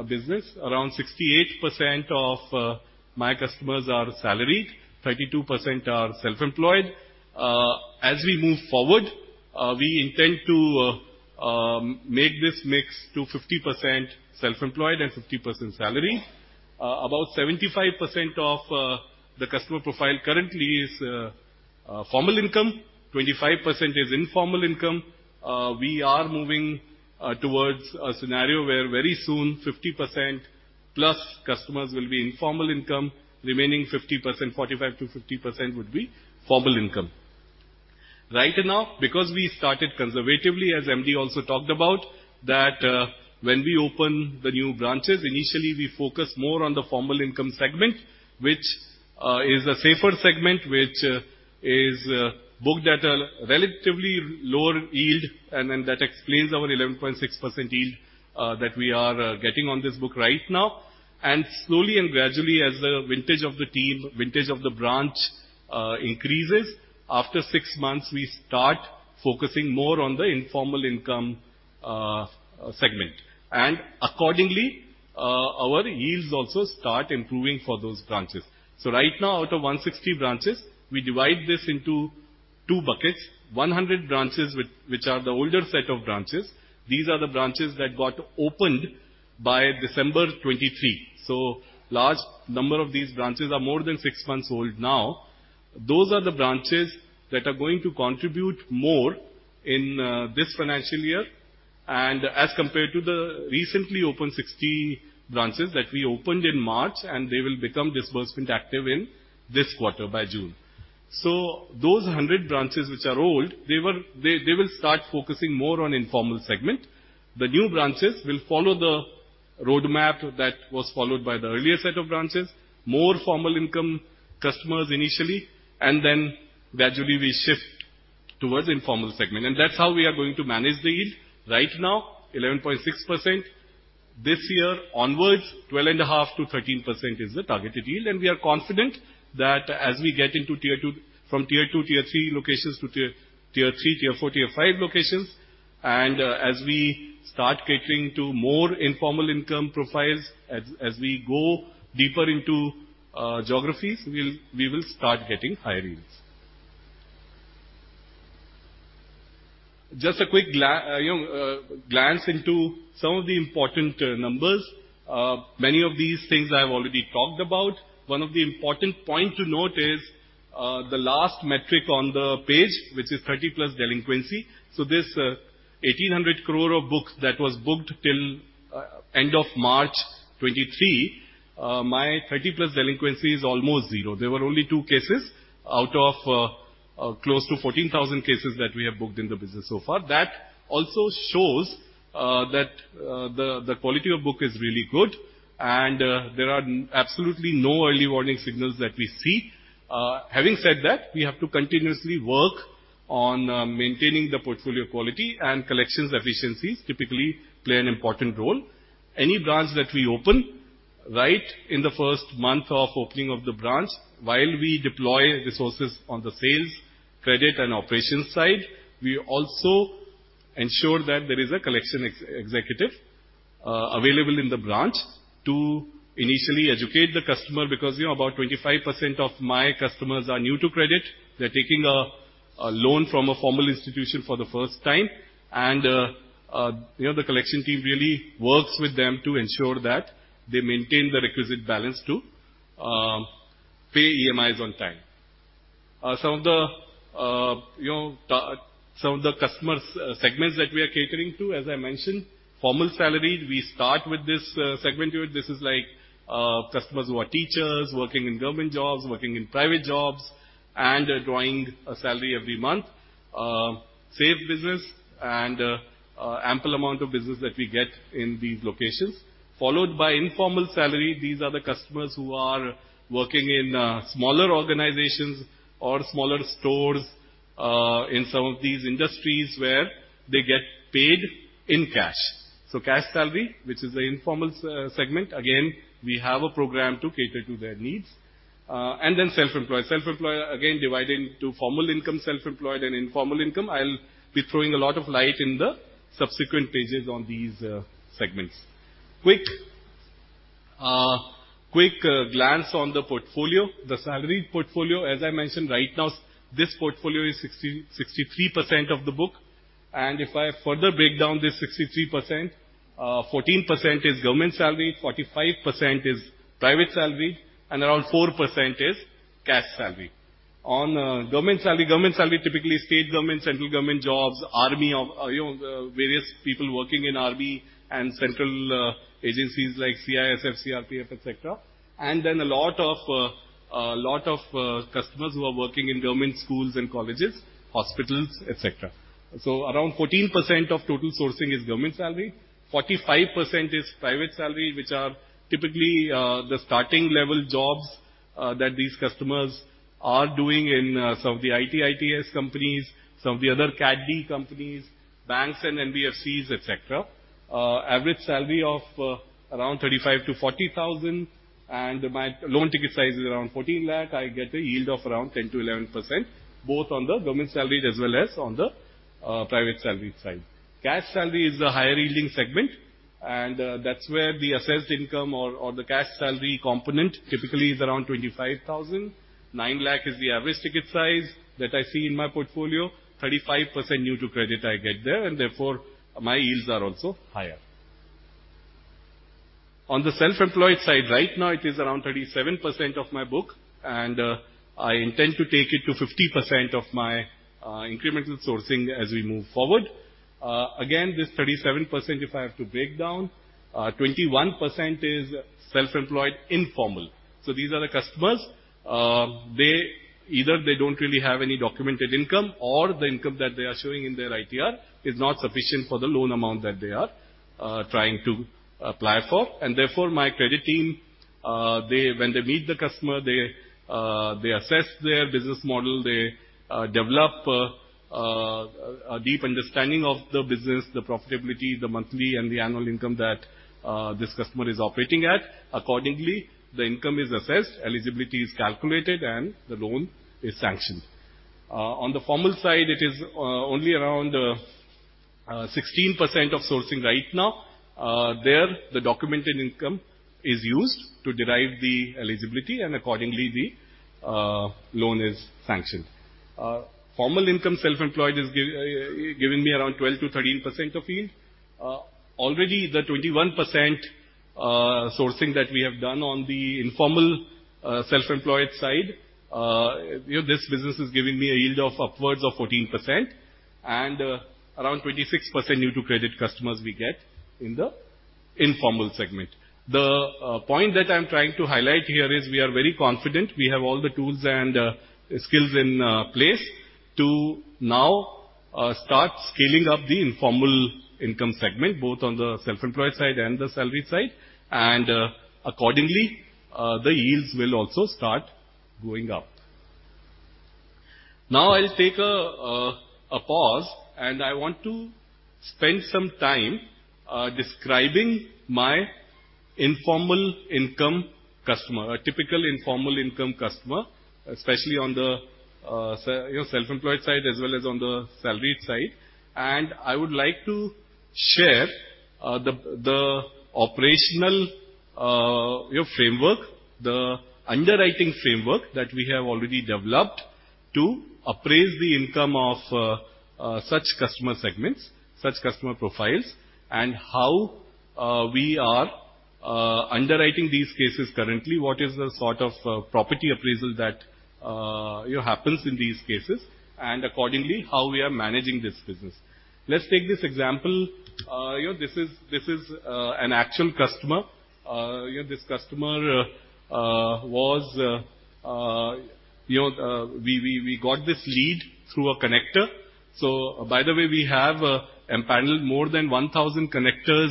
business, around 68% of my customers are salaried, 32% are self-employed. As we move forward, we intend to make this mix to 50% self-employed and 50% salaried. About 75% of the customer profile currently is formal income, 25% is informal income. We are moving towards a scenario where very soon 50%+ customers will be informal income, remaining 50%, 45%-50% would be formal income. Right now, because we started conservatively, as MD also talked about, that when we open the new branches, initially we focus more on the formal income segment, which is a safer segment, which is booked at a relatively lower yield, and then that explains our 11.6% yield that we are getting on this book right now. Slowly and gradually, as the vintage of the team, vintage of the branch, increases, after six months, we start focusing more on the informal income segment. Accordingly, our yields also start improving for those branches. Right now, out of 160 branches, we divide this into two buckets: 100 branches, which are the older set of branches. These are the branches that got opened by December 2023. A large number of these branches are more than six months old now. Those are the branches that are going to contribute more in this financial year, and as compared to the recently opened 60 branches that we opened in March, and they will become disbursement active in this quarter, by June. Those 100 branches which are old, they will start focusing more on informal segment. The new branches will follow the roadmap that was followed by the earlier set of branches, more formal income customers initially, and then gradually we shift towards informal segment. And that's how we are going to manage the yield. Right now, 11.6%. This year onwards, 12.5%-13% is the targeted yield, and we are confident that as we get into Tier 2, from Tier 2, Tier 3 locations to Tier 3, Tier 4, Tier 5 locations, and, as we start catering to more informal income profiles, as we go deeper into geographies, we'll, we will start getting higher yields. Just a quick, you know, glance into some of the important numbers. Many of these things I have already talked about. One of the important point to note is the last metric on the page, which is 30+ delinquency. So this 1,800 crore of books that was booked till end of March 2023, my 30+ delinquency is almost zero. There were only two cases out of close to 14,000 cases that we have booked in the business so far. That also shows that the quality of book is really good, and there are absolutely no early warning signals that we see. Having said that, we have to continuously work on maintaining the portfolio quality and collections efficiencies typically play an important role. Any branch that we open, right in the first month of opening of the branch, while we deploy resources on the sales, credit, and operations side, we also ensure that there is a collections executive available in the branch to initially educate the customer, because, you know, about 25% of my customers are new to credit. They're taking a loan from a formal institution for the first time, and, you know, the collection team really works with them to ensure that they maintain the requisite balance to pay EMIs on time. Some of the, you know, some of the customer segments that we are catering to, as I mentioned, formal salaried, we start with this segment. This is like customers who are teachers, working in government jobs, working in private jobs, and drawing a salary every month. Safe business and ample amount of business that we get in these locations, followed by informal salary. These are the customers who are working in smaller organizations or smaller stores in some of these industries where they get paid in cash. So cash salary, which is the informal segment, again, we have a program to cater to their needs. And then self-employed. Self-employed, again, divided into formal income, self-employed and informal income. I'll be throwing a lot of light in the subsequent pages on these segments. Quick glance on the portfolio. The salaried portfolio, as I mentioned, right now, this portfolio is 63% of the book, and if I further break down this 63%, 14% is government salary, 45% is private salary, and around 4% is cash salary. Government salary, typically state government, central government jobs, army, you know, various people working in army and central agencies like CISF, CRPF, et cetera. And then a lot of customers who are working in government schools and colleges, hospitals, et cetera. So around 14% of total sourcing is government salary, 45% is private salary, which are typically the starting level jobs that these customers are doing in some of the IT/ITES companies, some of the other CAD/CAM companies, banks and NBFCs, et cetera. Average salary of around 35,000-40,000, and my loan ticket size is around 14 lakh. I get a yield of around 10%-11%, both on the government salaried as well as on the private salaried side. Cash salary is the higher-yielding segment, and that's where the assessed income or, or the cash salary component typically is around 25,000. 900,000 is the average ticket size that I see in my portfolio. 35% new to credit I get there, and therefore, my yields are also higher. On the self-employed side, right now, it is around 37% of my book, and I intend to take it to 50% of my incremental sourcing as we move forward. Again, this 37%, if I have to break down, 21% is self-employed, informal. So these are the customers, they either they don't really have any documented income, or the income that they are showing in their ITR is not sufficient for the loan amount that they are trying to apply for. And therefore, my credit team. They, when they meet the customer, they assess their business model, they develop a deep understanding of the business, the profitability, the monthly, and the annual income that this customer is operating at. Accordingly, the income is assessed, eligibility is calculated, and the loan is sanctioned. On the formal side, it is only around 16% of sourcing right now. There, the documented income is used to derive the eligibility, and accordingly, the loan is sanctioned. Formal income self-employed is giving me around 12%-13% of yield. Already the 21% sourcing that we have done on the informal self-employed side, you know, this business is giving me a yield of upwards of 14%, and around 26% new to credit customers we get in the informal segment. The point that I'm trying to highlight here is we are very confident. We have all the tools and skills in place to now start scaling up the informal income segment, both on the self-employed side and the salaried side, and accordingly the yields will also start going up. Now I'll take a pause, and I want to spend some time describing my informal income customer, a typical informal income customer, especially on the self-employed side as well as on the salaried side. I would like to share the operational our framework, the underwriting framework that we have already developed to appraise the income of such customer segments, such customer profiles, and how we are underwriting these cases currently, what is the sort of property appraisal that happens in these cases, and accordingly, how we are managing this business. Let's take this example. You know, this is an actual customer. This customer was. You know, we got this lead through a connector. So by the way, we have empaneled more than 1,000 connectors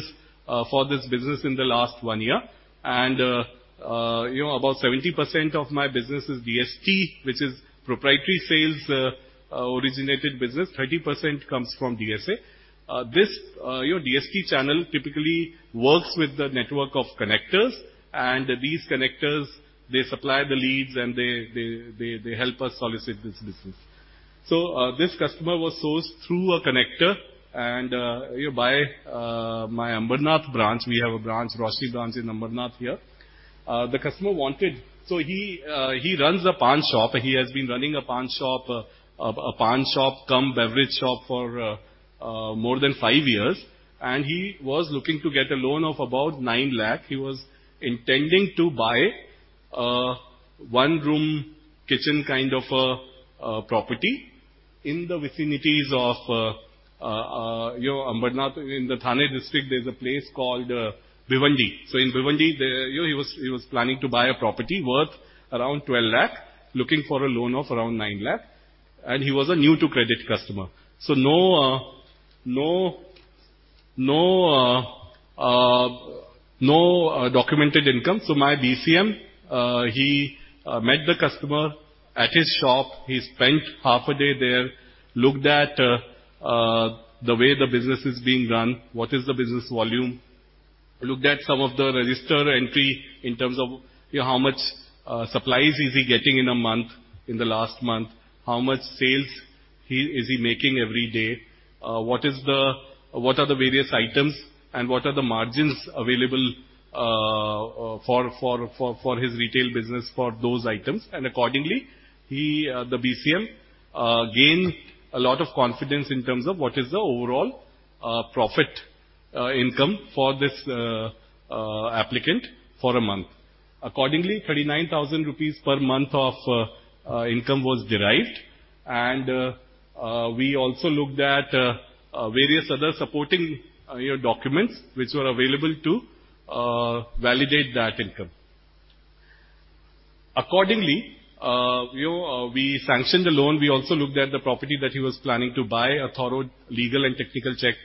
for this business in the last one year. About 70% of my business is DST, which is proprietary sales originated business. 30% comes from DSA. This, your DST channel typically works with the network of connectors, and these connectors, they supply the leads, and they help us solicit this business. So, this customer was sourced through a connector and, by, my Ambernath branch. We have a branch, Roshni branch in Ambernath here. The customer wanted, so he, he runs a paan shop. He has been running a paan shop, a paan shop cum beverage shop for, more than five years, and he was looking to get a loan of about 9 lakh. He was intending to buy, one room, kitchen kind of a, a property in the vicinities of, you know, Ambernath. In the Thane district, there's a place called Bhiwandi. So in Bhiwandi, there, you know, he was planning to buy a property worth around 12 lakh, looking for a loan of around 9 lakh, and he was a new to credit customer. So no documented income. So my BCM met the customer at his shop. He spent half a day there, looked at the way the business is being run, what is the business volume, looked at some of the register entry in terms of, how much supplies is he getting in a month, in the last month? How much sales he is he making every day? What are the various items, and what are the margins available for his retail business for those items? Accordingly, he, the BCM, gained a lot of confidence in terms of what is the overall profit income for this applicant for a month. Accordingly, 39,000 rupees per month of income was derived, and we also looked at various other supporting documents which were available to validate that income. Accordingly, we sanctioned the loan. We also looked at the property that he was planning to buy. A thorough legal and technical check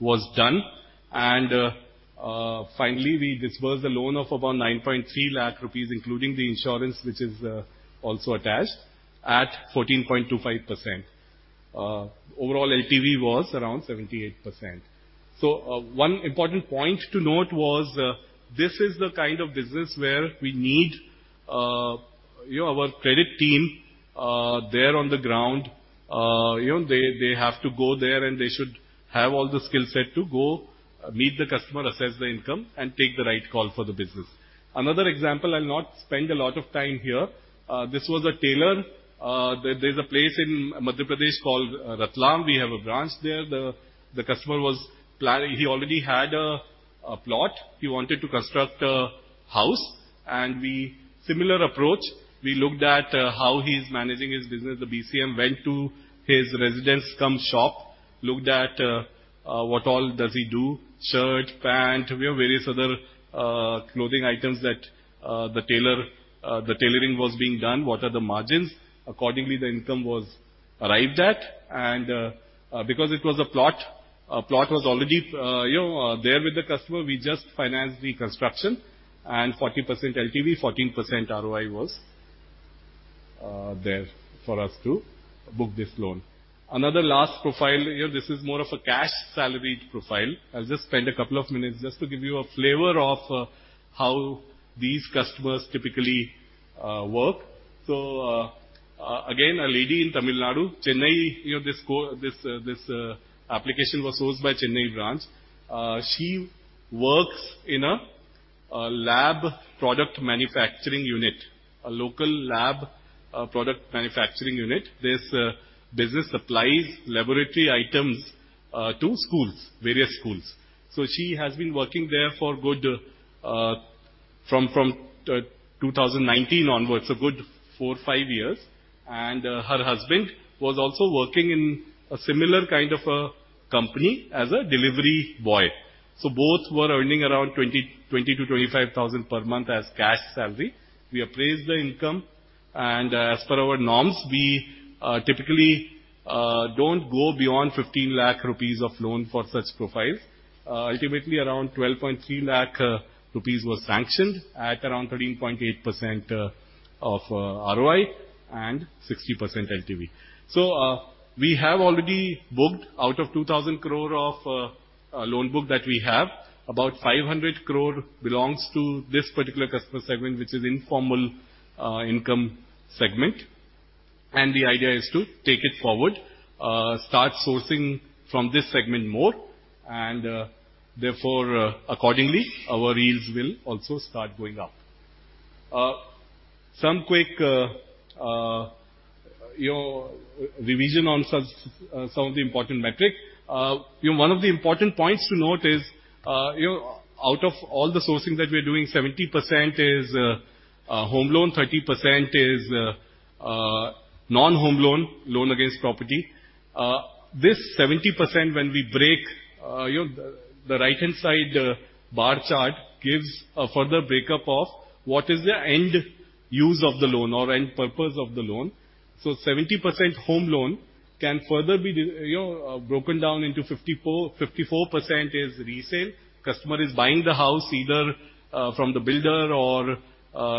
was done, and finally, we disbursed the loan of about 9.3 lakh rupees, including the insurance, which is also attached at 14.25%. Overall, LTV was around 78%. So, one important point to note was, this is the kind of business where we need, you know, our credit team, there on the ground. You know, they have to go there, and they should have all the skill set to go meet the customer, assess the income, and take the right call for the business. Another example, I'll not spend a lot of time here. This was a tailor. There's a place in Madhya Pradesh called Ratlam. We have a branch there. The customer was planning, he already had a plot. He wanted to construct a house. And we similar approach, we looked at, how he's managing his business. The BCM went to his residence cum shop, looked at, what all does he do? Shirt, pant, we have various other clothing items that the tailor the tailoring was being done. What are the margins? Accordingly, the income was arrived at, and because it was a plot, a plot was already, you know, there with the customer. We just financed the construction and 40% LTV, 14% ROI was there for us to book this loan. Another last profile here, this is more of a cash salaried profile. I'll just spend a couple of minutes just to give you a flavor of how these customers typically work. So, again, a lady in Tamil Nadu, Chennai, you know, this, this application was sourced by Chennai branch. She works in a lab product manufacturing unit, a local lab product manufacturing unit. This business supplies laboratory items to schools, various schools. So she has been working there for good, from 2019 onwards, a good 4-5 years, and her husband was also working in a similar kind of a company as a delivery boy. So both were earning around 20,000-25,000 per month as cash salary. We appraised the income, and as per our norms, we typically don't go beyond 15 lakh rupees of loan for such profiles. Ultimately, around 12.3 lakh rupees were sanctioned at around 13.8% of ROI and 60% LTV. So we have already booked out of 2,000 crore of loan book that we have. About 500 crore belongs to this particular customer segment, which is informal income segment. The idea is to take it forward, start sourcing from this segment more, and, therefore, accordingly, our yields will also start going up. Some quick, you know, revision on some of the important metrics. You know, one of the important points to note is, you know, out of all the sourcing that we're doing, 70% is home loan, 30% is non-home loan, loan against property. This 70%, when we break, you know, the right-hand side bar chart gives a further breakup of what is the end use of the loan or end purpose of the loan. 70% home loan can further be you know, broken down into 54, 54% is resale. Customer is buying the house either from the builder or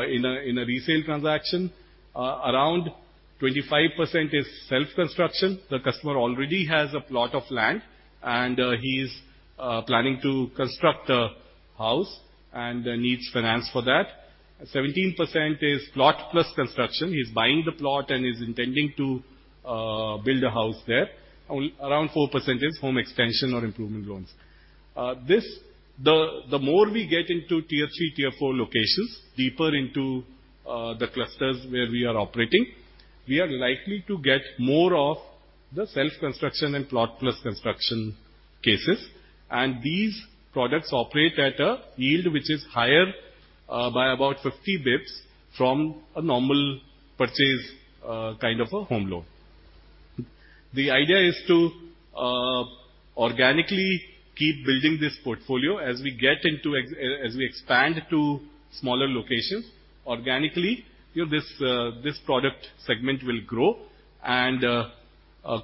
in a resale transaction. Around 25% is self-construction. The customer already has a plot of land, and he's planning to construct a house and needs finance for that. 17% is plot plus construction. He's buying the plot and is intending to build a house there. Around 4% is home extension or improvement loans. The more we get into Tier 3, Tier 4 locations, deeper into the clusters where we are operating, we are likely to get more of the self-construction and plot plus construction cases, and these products operate at a yield which is higher by about 50 basis points from a normal purchase kind of a home loan. The idea is to organically keep building this portfolio. As we expand to smaller locations, organically, you know, this product segment will grow and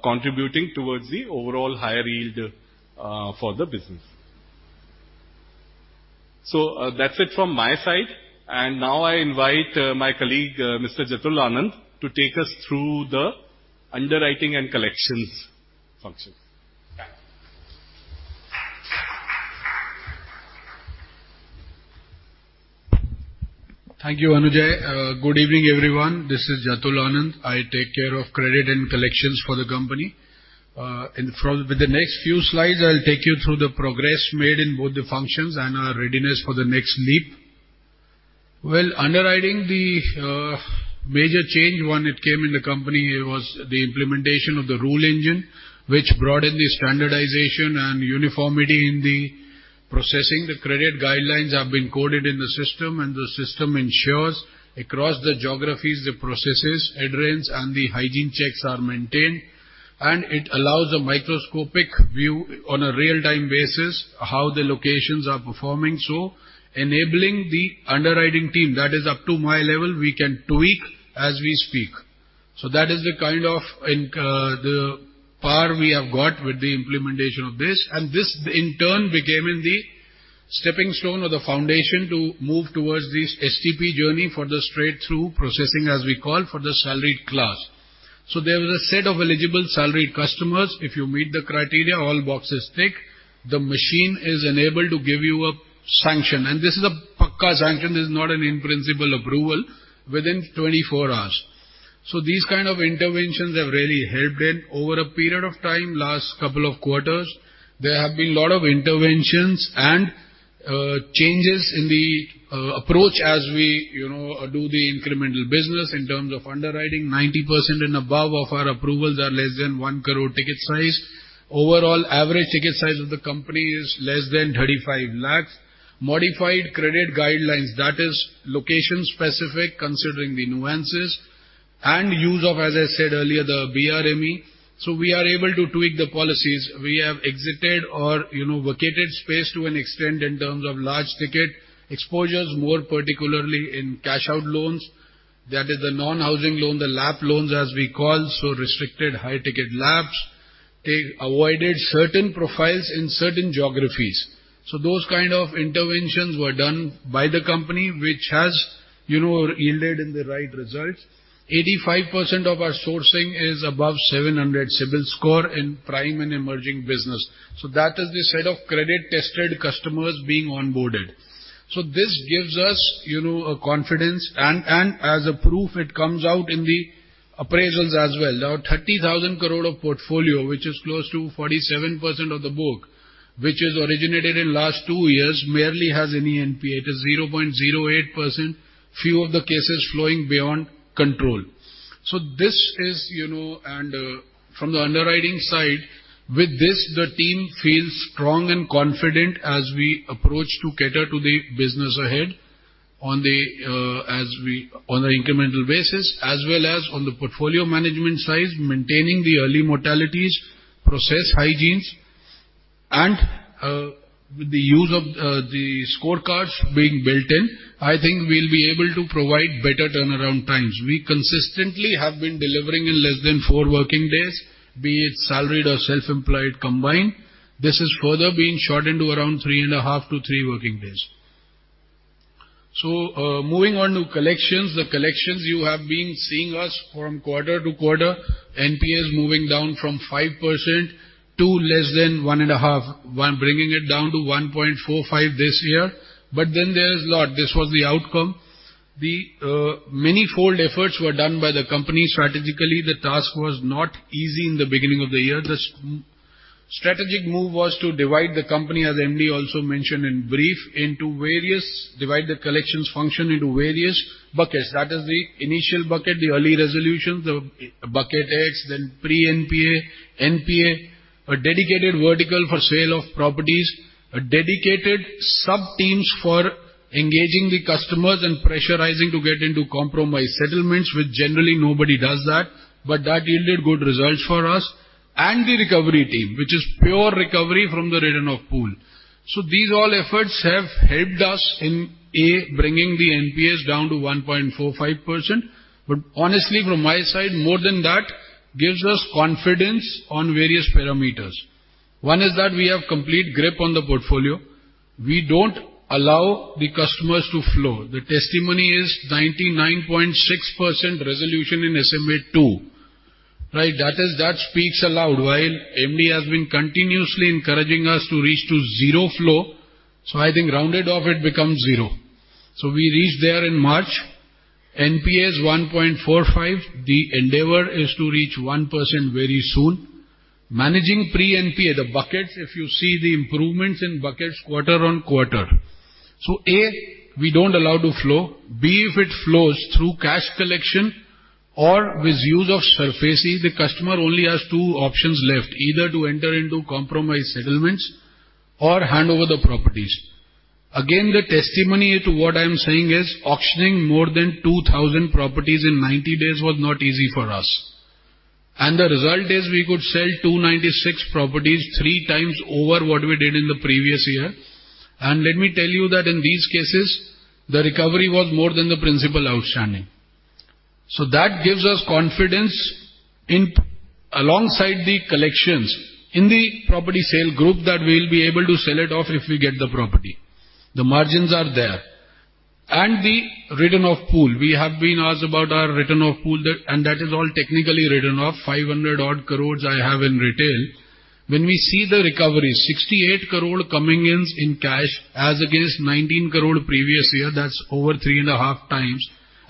contributing towards the overall higher yield for the business. So, that's it from my side. And now I invite my colleague, Mr. Jatul Anand, to take us through the underwriting and collections function. Thank you.
Thank you, Anujai. Good evening, everyone. This is Jatul Anand. I take care of credit and collections for the company. For the next few slides, I'll take you through the progress made in both the functions and our readiness for the next leap. Well, underwriting, the major change when it came in the company, it was the implementation of the rule engine, which brought in the standardization and uniformity in the processing. The credit guidelines have been coded in the system, and the system ensures across the geographies, the processes, adherence, and the hygiene checks are maintained, and it allows a microscopic view on a real-time basis, how the locations are performing. So enabling the underwriting team, that is up to my level, we can tweak as we speak. So that is the kind of power we have got with the implementation of this, and this, in turn, became the stepping stone or the foundation to move towards this STP journey for the straight-through processing, as we call, for the salaried class. So there was a set of eligible salaried customers. If you meet the criteria, all boxes tick, the machine is enabled to give you a sanction. And this is a pucca sanction, this is not an in-principle approval within 24 hours. So these kind of interventions have really helped in over a period of time, last couple of quarters, there have been a lot of interventions and, changes in the, approach as we, you know, do the incremental business in terms of underwriting. 90% and above of our approvals are less than 1 crore ticket size. Overall, average ticket size of the company is less than 35 lakh. Modified credit guidelines, that is location-specific, considering the nuances and use of, as I said earlier, the BRE. So we are able to tweak the policies. We have exited or, you know, vacated space to an extent in terms of large ticket exposures, more particularly in cash-out loans. That is the non-housing loan, the LAPs loans, as we call, so restricted high-ticket LAPs. They avoided certain profiles in certain geographies. So those kind of interventions were done by the company, which has, you know, yielded in the right results. 85% of our sourcing is above 700 CIBIL score in prime and emerging business, so that is the set of credit-tested customers being onboarded. So this gives us, you know, a confidence and, and as a proof, it comes out in the appraisals as well. Our 30,000 crore of portfolio, which is close to 47% of the book, which is originated in last 2 years, merely has any NPA. It is 0.08%, few of the cases flowing beyond control. So this is, you know, and, from the underwriting side, with this, the team feels strong and confident as we approach to cater to the business ahead on the, as we- on an incremental basis, as well as on the portfolio management side, maintaining the early mortalities, process hygienes, and, with the use of, the scorecards being built in, I think we'll be able to provide better turnaround times. We consistently have been delivering in less than four working days, be it salaried or self-employed combined. This is further being shortened to around 3.5-3 working days. So, moving on to collections. The collections you have been seeing us from quarter to quarter, NPAs moving down from 5% to less than 1.5%, one bringing it down to 1.45% this year. But then there is lot. This was the outcome. The manifold efforts were done by the company strategically. The task was not easy in the beginning of the year. The strategic move was to divide the company, as MD also mentioned in brief, into various, divide the collections function into various buckets. That is the initial bucket, the early resolutions, the bucket X, then pre-NPA, NPA, a dedicated vertical for sale of properties, a dedicated subteams for engaging the customers and pressurizing to get into compromise settlements, which generally nobody does that, but that yielded good results for us, and the recovery team, which is pure recovery from the written-off pool. So these all efforts have helped us in, A, bringing the NPAs down to 1.45%. But honestly, from my side, more than that, gives us confidence on various parameters. One is that we have complete grip on the portfolio. We don't allow the customers to flow. The testimony is 99.6% resolution in SMA-2, right? That is, that speaks aloud, while MD has been continuously encouraging us to reach to zero flow, so I think rounded off, it becomes zero. So we reached there in March. NPA is 1.45%. The endeavor is to reach 1% very soon. Managing pre-NPA, the buckets, if you see the improvements in buckets quarter-on-quarter. So, A, we don't allow to flow. B, if it flows through cash collection or with use of services, the customer only has two options left, either to enter into compromise settlements or hand over the properties. Again, the testimony to what I am saying is, auctioning more than 2,000 properties in 90 days was not easy for us. And the result is we could sell 296 properties, 3x over what we did in the previous year. And let me tell you that in these cases, the recovery was more than the principal outstanding. So that gives us confidence in, alongside the collections in the property sale group, that we'll be able to sell it off if we get the property. The margins are there. And the written-off pool, we have been asked about our written-off pool, that, and that is all technically written off, 500 odd crores I have in retail. When we see the recovery, 68 crore coming in, in cash, as against 19 crore previous year, that's over 3.5x.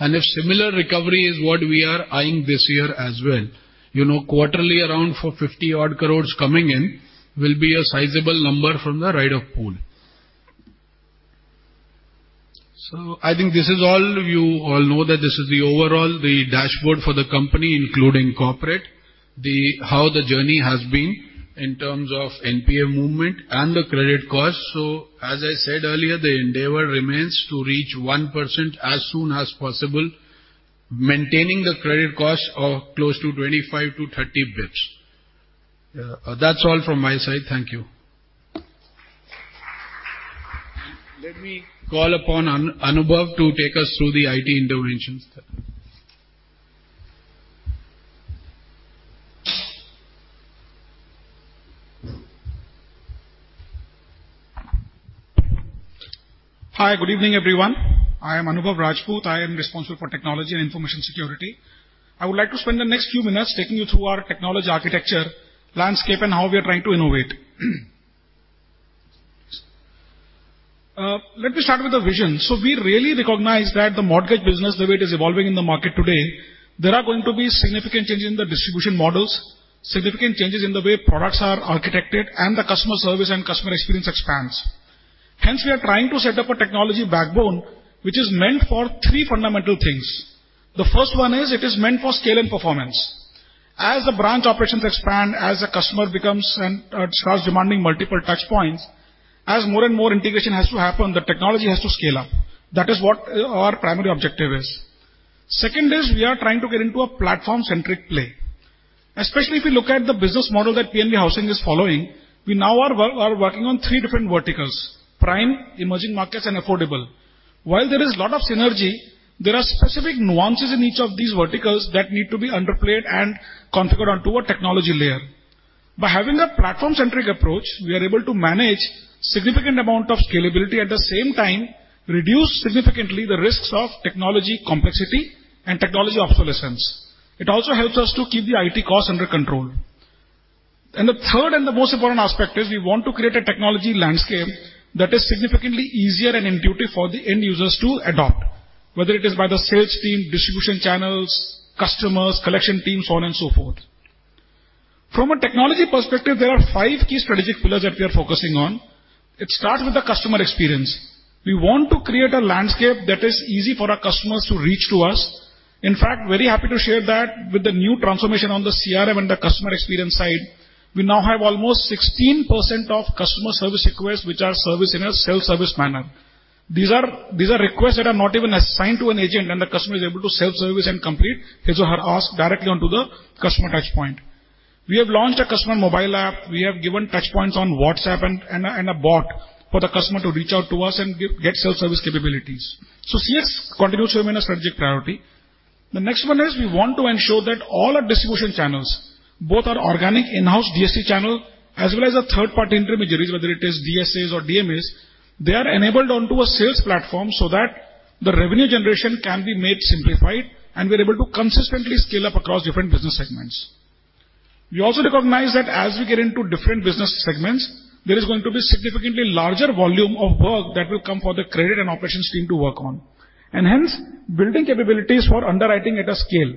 And if similar recovery is what we are eyeing this year as well, you know, quarterly, around for 50 odd crores coming in, will be a sizable number from the write-off pool. So I think this is all. You all know that this is the overall, the dashboard for the company, including corporate, the how the journey has been in terms of NPA movement and the credit cost. As I said earlier, the endeavor remains to reach 1% as soon as possible, maintaining the credit cost of close to 25-30 basis points. That's all from my side. Thank you. Let me call upon Anubhav to take us through the IT interventions.
Hi, good evening, everyone. I am Anubhav Rajput. I am responsible for Technology and Information Security. I would like to spend the next few minutes taking you through our technology architecture, landscape, and how we are trying to innovate. Let me start with the vision. So we really recognize that the mortgage business, the way it is evolving in the market today, there are going to be significant changes in the distribution models, significant changes in the way products are architected, and the customer service and customer experience expands. Hence, we are trying to set up a technology backbone, which is meant for three fundamental things. The first one is, it is meant for scale and performance. As the branch operations expand, as the customer starts demanding multiple touch points, as more and more integration has to happen, the technology has to scale up. That is what our primary objective is. Second is, we are trying to get into a platform-centric play, especially if we look at the business model that PNB Housing is following, we now are working on three different verticals: prime, emerging markets, and affordable. While there is a lot of synergy, there are specific nuances in each of these verticals that need to be underplayed and configured onto a technology layer. By having a platform-centric approach, we are able to manage significant amount of scalability, at the same time, reduce significantly the risks of technology complexity and technology obsolescence. It also helps us to keep the IT costs under control. The third and the most important aspect is we want to create a technology landscape that is significantly easier and intuitive for the end users to adopt, whether it is by the sales team, distribution channels, customers, collection teams, so on and so forth. From a technology perspective, there are five key strategic pillars that we are focusing on. It starts with the customer experience. We want to create a landscape that is easy for our customers to reach to us. In fact, very happy to share that with the new transformation on the CRM and the customer experience side, we now have almost 16% of customer service requests, which are serviced in a self-service manner. These are requests that are not even assigned to an agent, and the customer is able to self-service and complete his or her ask directly onto the customer touch point. We have launched a customer mobile app. We have given touch points on WhatsApp and a bot for the customer to reach out to us and get self-service capabilities. So CS continues to remain a strategic priority. The next one is we want to ensure that all our distribution channels, both our organic in-house DSC channel as well as our third-party intermediaries, whether it is DSAs or DMAs, they are enabled onto a sales platform so that the revenue generation can be made simplified, and we're able to consistently scale up across different business segments. We also recognize that as we get into different business segments, there is going to be significantly larger volume of work that will come for the credit and operations team to work on. And hence, building capabilities for underwriting at a scale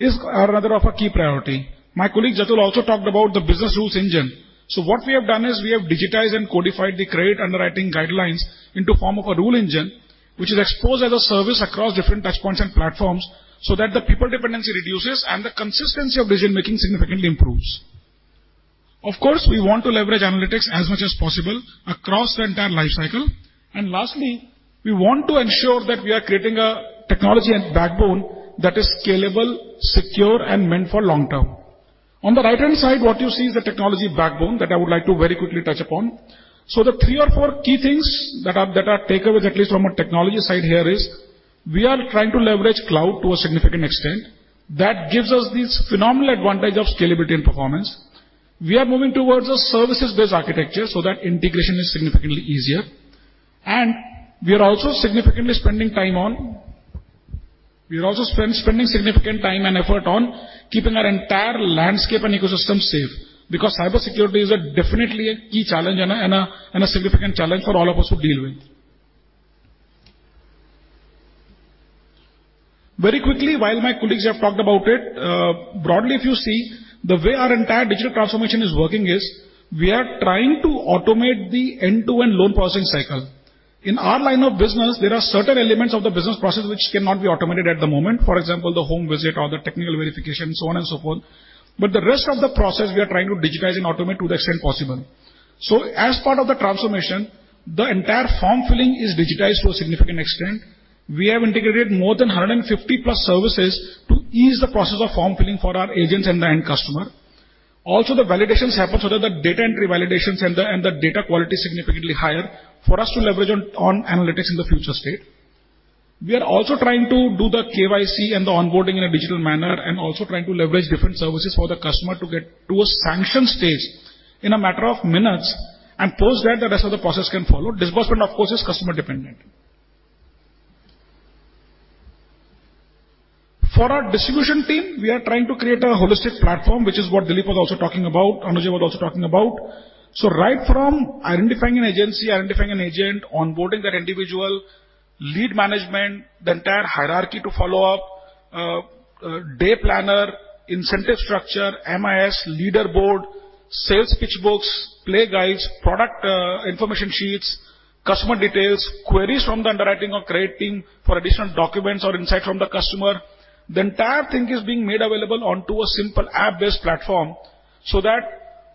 is another of a key priority. My colleague, Jatul, also talked about the business rules engine. So what we have done is we have digitized and codified the credit underwriting guidelines into form of a rule engine, which is exposed as a service across different touchpoints and platforms, so that the people dependency reduces and the consistency of decision-making significantly improves. Of course, we want to leverage analytics as much as possible across the entire life cycle. And lastly, we want to ensure that we are creating a technology and backbone that is scalable, secure, and meant for long term. On the right-hand side, what you see is the technology backbone that I would like to very quickly touch upon. So the three or four key things that are takeaways, at least from a technology side here, is we are trying to leverage cloud to a significant extent. That gives us this phenomenal advantage of scalability and performance. We are moving towards a services-based architecture so that integration is significantly easier, and we are also significantly spending time on, we are also spending significant time and effort on keeping our entire landscape and ecosystem safe, because cybersecurity is definitely a key challenge and a significant challenge for all of us to deal with. Very quickly, while my colleagues have talked about it, broadly, if you see, the way our entire digital transformation is working is we are trying to automate the end-to-end loan processing cycle. In our line of business, there are certain elements of the business process which cannot be automated at the moment. For example, the home visit or the technical verification, so on and so forth, but the rest of the process we are trying to digitize and automate to the extent possible. So as part of the transformation, the entire form filling is digitized to a significant extent. We have integrated more than 150+ services to ease the process of form filling for our agents and the end customer. Also, the validations happen so that the data entry validations and the data quality is significantly higher for us to leverage on analytics in the future state. We are also trying to do the KYC and the onboarding in a digital manner, and also trying to leverage different services for the customer to get to a sanction stage in a matter of minutes, and post that, the rest of the process can follow. Disbursement, of course, is customer dependent. For our distribution team, we are trying to create a holistic platform, which is what Dilip was also talking about, Anujai was also talking about. So right from identifying an agency, identifying an agent, onboarding that individual, lead management, the entire hierarchy to follow up, day planner, incentive structure, MIS, leaderboard, sales pitch books, play guides, product, information sheets, customer details, queries from the underwriting or credit team for additional documents or insight from the customer. The entire thing is being made available onto a simple app-based platform, so that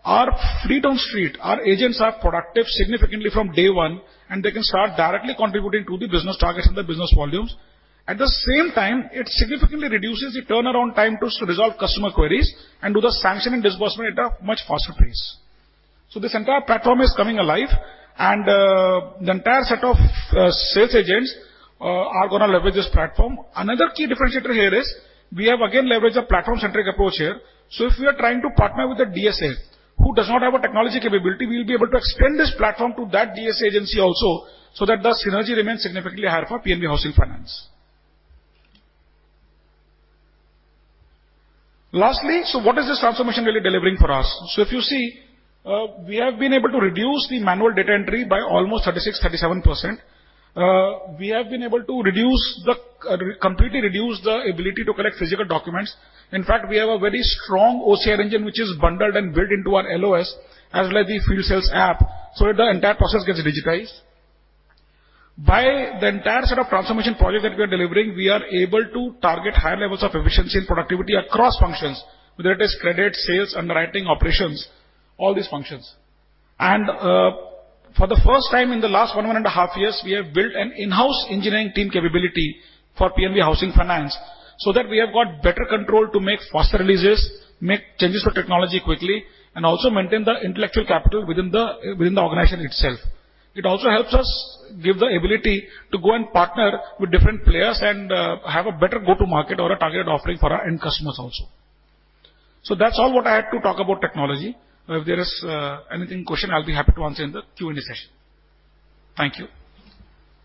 our field staff, our agents, are productive significantly from day one, and they can start directly contributing to the business targets and the business volumes. At the same time, it significantly reduces the turnaround time to resolve customer queries and do the sanction and disbursement at a much faster pace. So this entire platform is coming alive, and the entire set of sales agents are gonna leverage this platform. Another key differentiator here is we have again leveraged a platform-centric approach here. So if we are trying to partner with a DSA who does not have a technology capability, we will be able to extend this platform to that DSA agency also, so that the synergy remains significantly higher for PNB Housing Finance. Lastly, so what is this transformation really delivering for us? So if you see, we have been able to reduce the manual data entry by almost 36%-37%. We have been able to completely reduce the ability to collect physical documents. In fact, we have a very strong OCR engine, which is bundled and built into our LOS, as well as the field sales app, so that the entire process gets digitized. By the entire set of transformation projects that we are delivering, we are able to target higher levels of efficiency and productivity across functions, whether it is credit, sales, underwriting, operations, all these functions. And, for the first time in the last one and half years, we have built an in-house engineering team capability for PNB Housing Finance, so that we have got better control to make faster releases, make changes for technology quickly, and also maintain the intellectual capital within the organization itself, it also helps us give the ability to go and partner with different players and, have a better go-to market or a targeted offering for our end customers also. So that's all what I had to talk about technology. If there is any question, I'll be happy to answer in the Q&A session. Thank you.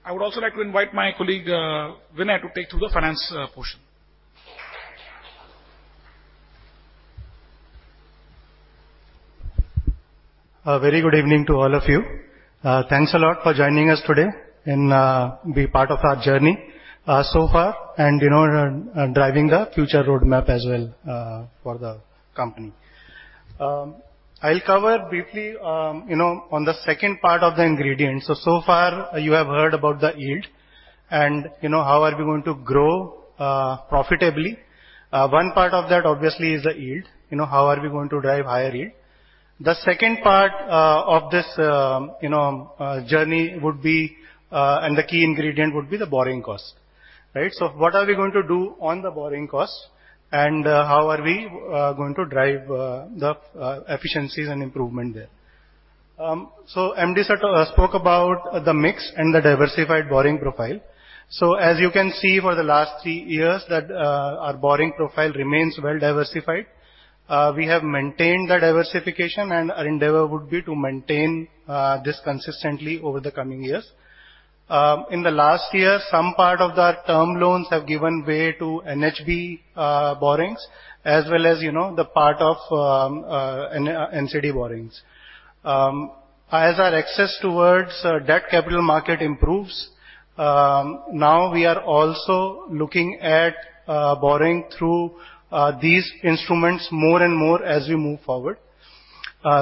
I would also like to invite my colleague, Vinay, to take through the finance portion.
A very good evening to all of you. Thanks a lot for joining us today and be part of our journey so far, and, you know, and driving the future roadmap as well for the company. I'll cover briefly, you know, on the second part of the ingredients. So, so far, you have heard about the yield and, you know, how are we going to grow profitably? One part of that, obviously, is the yield. You know, how are we going to drive higher yield? The second part of this, you know, journey would be, and the key ingredient would be the borrowing cost, right? So what are we going to do on the borrowing cost, and how are we going to drive the efficiencies and improvement there? So MD Girish spoke about the mix and the diversified borrowing profile. So as you can see, for the last three years, our borrowing profile remains well diversified. We have maintained the diversification, and our endeavor would be to maintain this consistently over the coming years. In the last year, some part of the term loans have given way to NHB borrowings, as well as, you know, the part of NCD borrowings. As our access towards debt capital market improves, now we are also looking at borrowing through these instruments more and more as we move forward.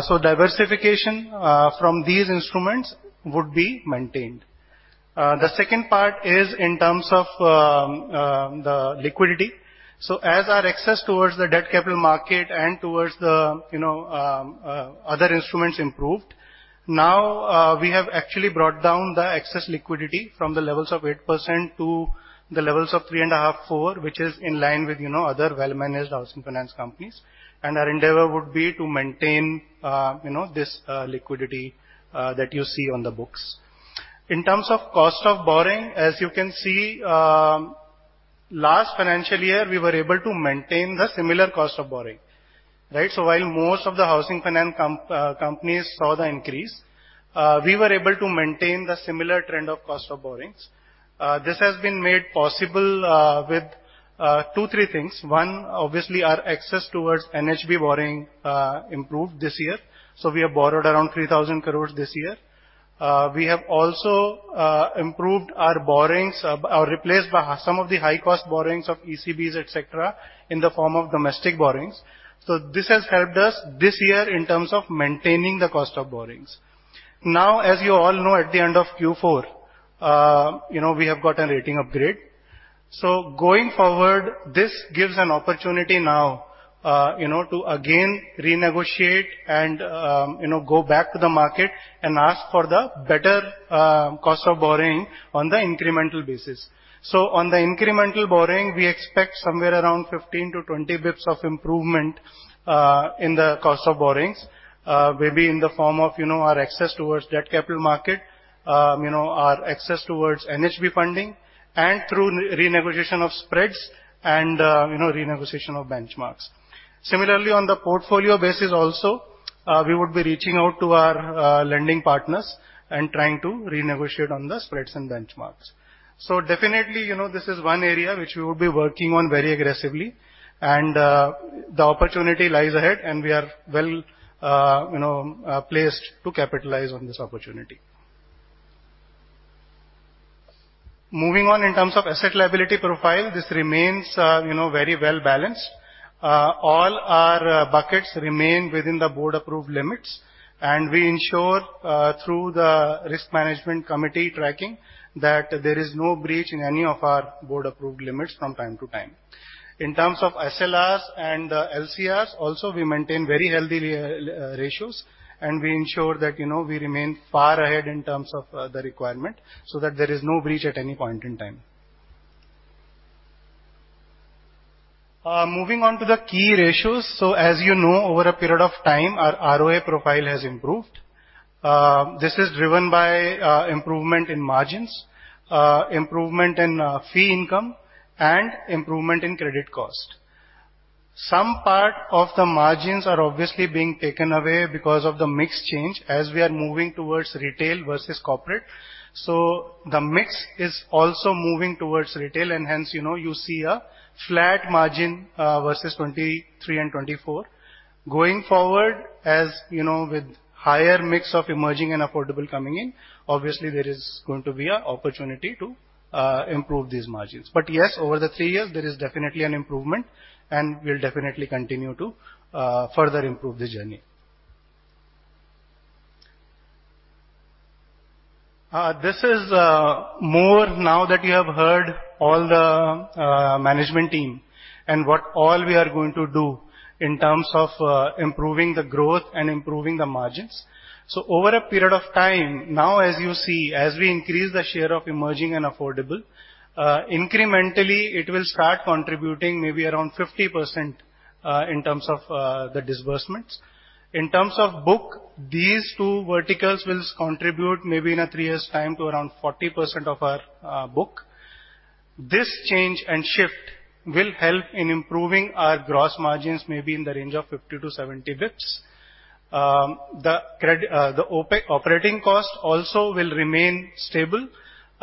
So diversification from these instruments would be maintained. The second part is in terms of the liquidity. So as our access towards the debt capital market and towards the, you know, other instruments improved, now, we have actually brought down the excess liquidity from the levels of 8% to the levels of 3.5%-4%, which is in line with, you know, other well-managed housing finance companies. And our endeavor would be to maintain, you know, this, liquidity, that you see on the books. In terms of cost of borrowing, as you can see, last financial year, we were able to maintain the similar cost of borrowing, right? So while most of the housing finance companies saw the increase, we were able to maintain the similar trend of cost of borrowings. This has been made possible with two, three things. One, obviously, our access towards NHB borrowing improved this year, so we have borrowed around 3,000 crore this year. We have also improved our borrowings or replaced by some of the high-cost borrowings of ECBs, et cetera, in the form of domestic borrowings. So this has helped us this year in terms of maintaining the cost of borrowings. Now, as you all know, at the end of Q4, you know, we have got a rating upgrade. So going forward, this gives an opportunity now, you know, to again renegotiate and, you know, go back to the market and ask for the better, cost of borrowing on the incremental basis. So on the incremental borrowing, we expect somewhere around 15-20 basis points of improvement, in the cost of borrowings, maybe in the form of, you know, our access towards debt capital market, you know, our access towards NHB funding, and through re-negotiation of spreads and, you know, renegotiation of benchmarks. Similarly, on the portfolio basis also, we would be reaching out to our, lending partners and trying to renegotiate on the spreads and benchmarks. So definitely, you know, this is one area which we will be working on very aggressively, and, the opportunity lies ahead, and we are well, you know, placed to capitalize on this opportunity. Moving on in terms of asset liability profile, this remains, you know, very well balanced. All our buckets remain within the board-approved limits, and we ensure, through the risk management committee tracking, that there is no breach in any of our board-approved limits from time to time. In terms of SLRs and the LCRs, also, we maintain very healthy ratios, and we ensure that, you know, we remain far ahead in terms of the requirement, so that there is no breach at any point in time. Moving on to the key ratios. So as you know, over a period of time, our ROA profile has improved. This is driven by improvement in margins, improvement in fee income, and improvement in credit cost. Some part of the margins are obviously being taken away because of the mix change as we are moving towards retail versus corporate. So the mix is also moving towards retail, and hence, you know, you see a flat margin versus 2023 and 2024. Going forward, as you know, with higher mix of emerging and affordable coming in, obviously, there is going to be an opportunity to improve these margins. But yes, over the three years, there is definitely an improvement, and we'll definitely continue to further improve the journey. This is more now that you have heard all the management team and what all we are going to do in terms of improving the growth and improving the margins. So over a period of time, now, as you see, as we increase the share of emerging and affordable incrementally, it will start contributing maybe around 50% in terms of the disbursements. In terms of book, these two verticals will contribute maybe in a three years' time to around 40% of our book. This change and shift will help in improving our gross margins, maybe in the range of 50-70 basis points. The operating cost also will remain stable.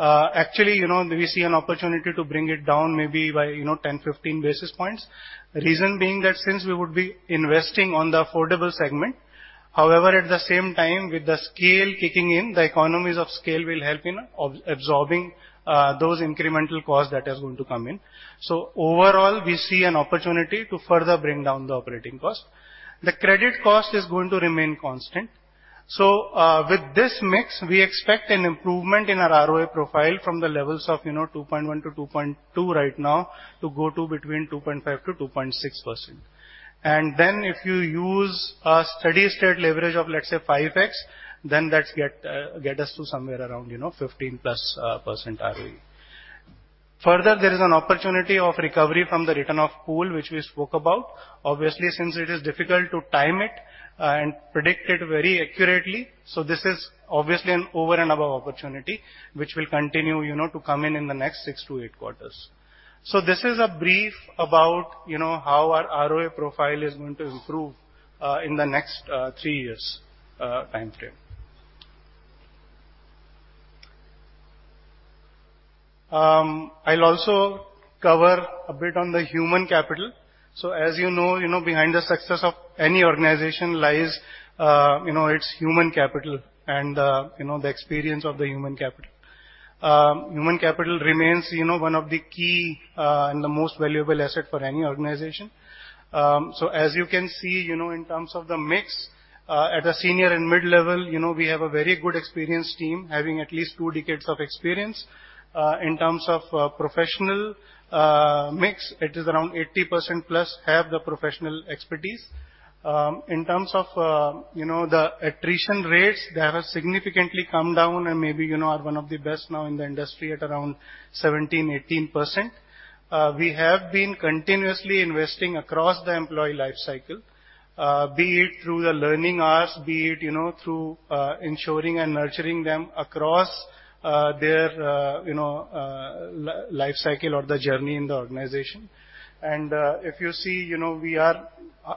Actually, you know, we see an opportunity to bring it down maybe by, you know, 10-15 basis points. Reason being that since we would be investing on the affordable segment, however, at the same time, with the scale kicking in, the economies of scale will help in absorbing those incremental costs that is going to come in. So overall, we see an opportunity to further bring down the operating cost. The credit cost is going to remain constant. So, with this mix, we expect an improvement in our ROA profile from the levels of, you know, 2.1%-2.2% right now, to go to between 2.5%-2.6%. And then, if you use a steady-state leverage of, let's say, 5x, then that gets us to somewhere around, you know, 15%+ ROE. Further, there is an opportunity of recovery from the write-off pool, which we spoke about. Obviously, since it is difficult to time it and predict it very accurately, so this is obviously an over and above opportunity, which will continue, you know, to come in in the next 6-8 quarters. So this is a brief about, you know, how our ROA profile is going to improve in the next three years time frame. I'll also cover a bit on the human capital. As you know, you know, behind the success of any organization lies, you know, its human capital and, you know, the experience of the human capital. Human capital remains, you know, one of the key, and the most valuable asset for any organization. As you can see, you know, in terms of the mix, at a senior and mid-level, you know, we have a very good experienced team, having at least two decades of experience. In terms of, professional, mix, it is around 80%+have the professional expertise. In terms of, you know, the attrition rates, they have significantly come down and maybe, you know, are one of the best now in the industry at around 17%-18%. We have been continuously investing across the employee life cycle, be it through the learning hours, be it you know through ensuring and nurturing them across their you know life cycle or the journey in the organization. And if you see, you know,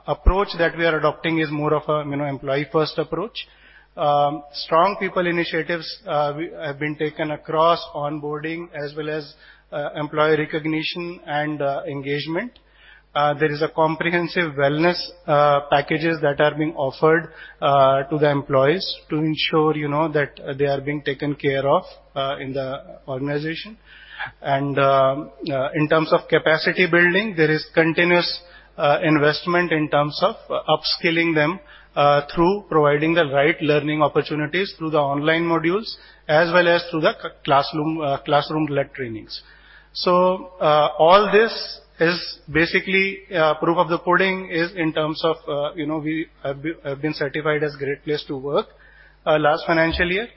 approach that we are adopting is more of a you know employee-first approach. Strong people initiatives have been taken across onboarding as well as employee recognition and engagement. There is a comprehensive wellness packages that are being offered to the employees to ensure you know that they are being taken care of in the organization. In terms of capacity building, there is continuous investment in terms of upskilling them through providing the right learning opportunities through the online modules, as well as through the classroom-led trainings. So, all this is basically proof of the pudding is in terms of, you know, we have been certified as Great Place to Work last financial year.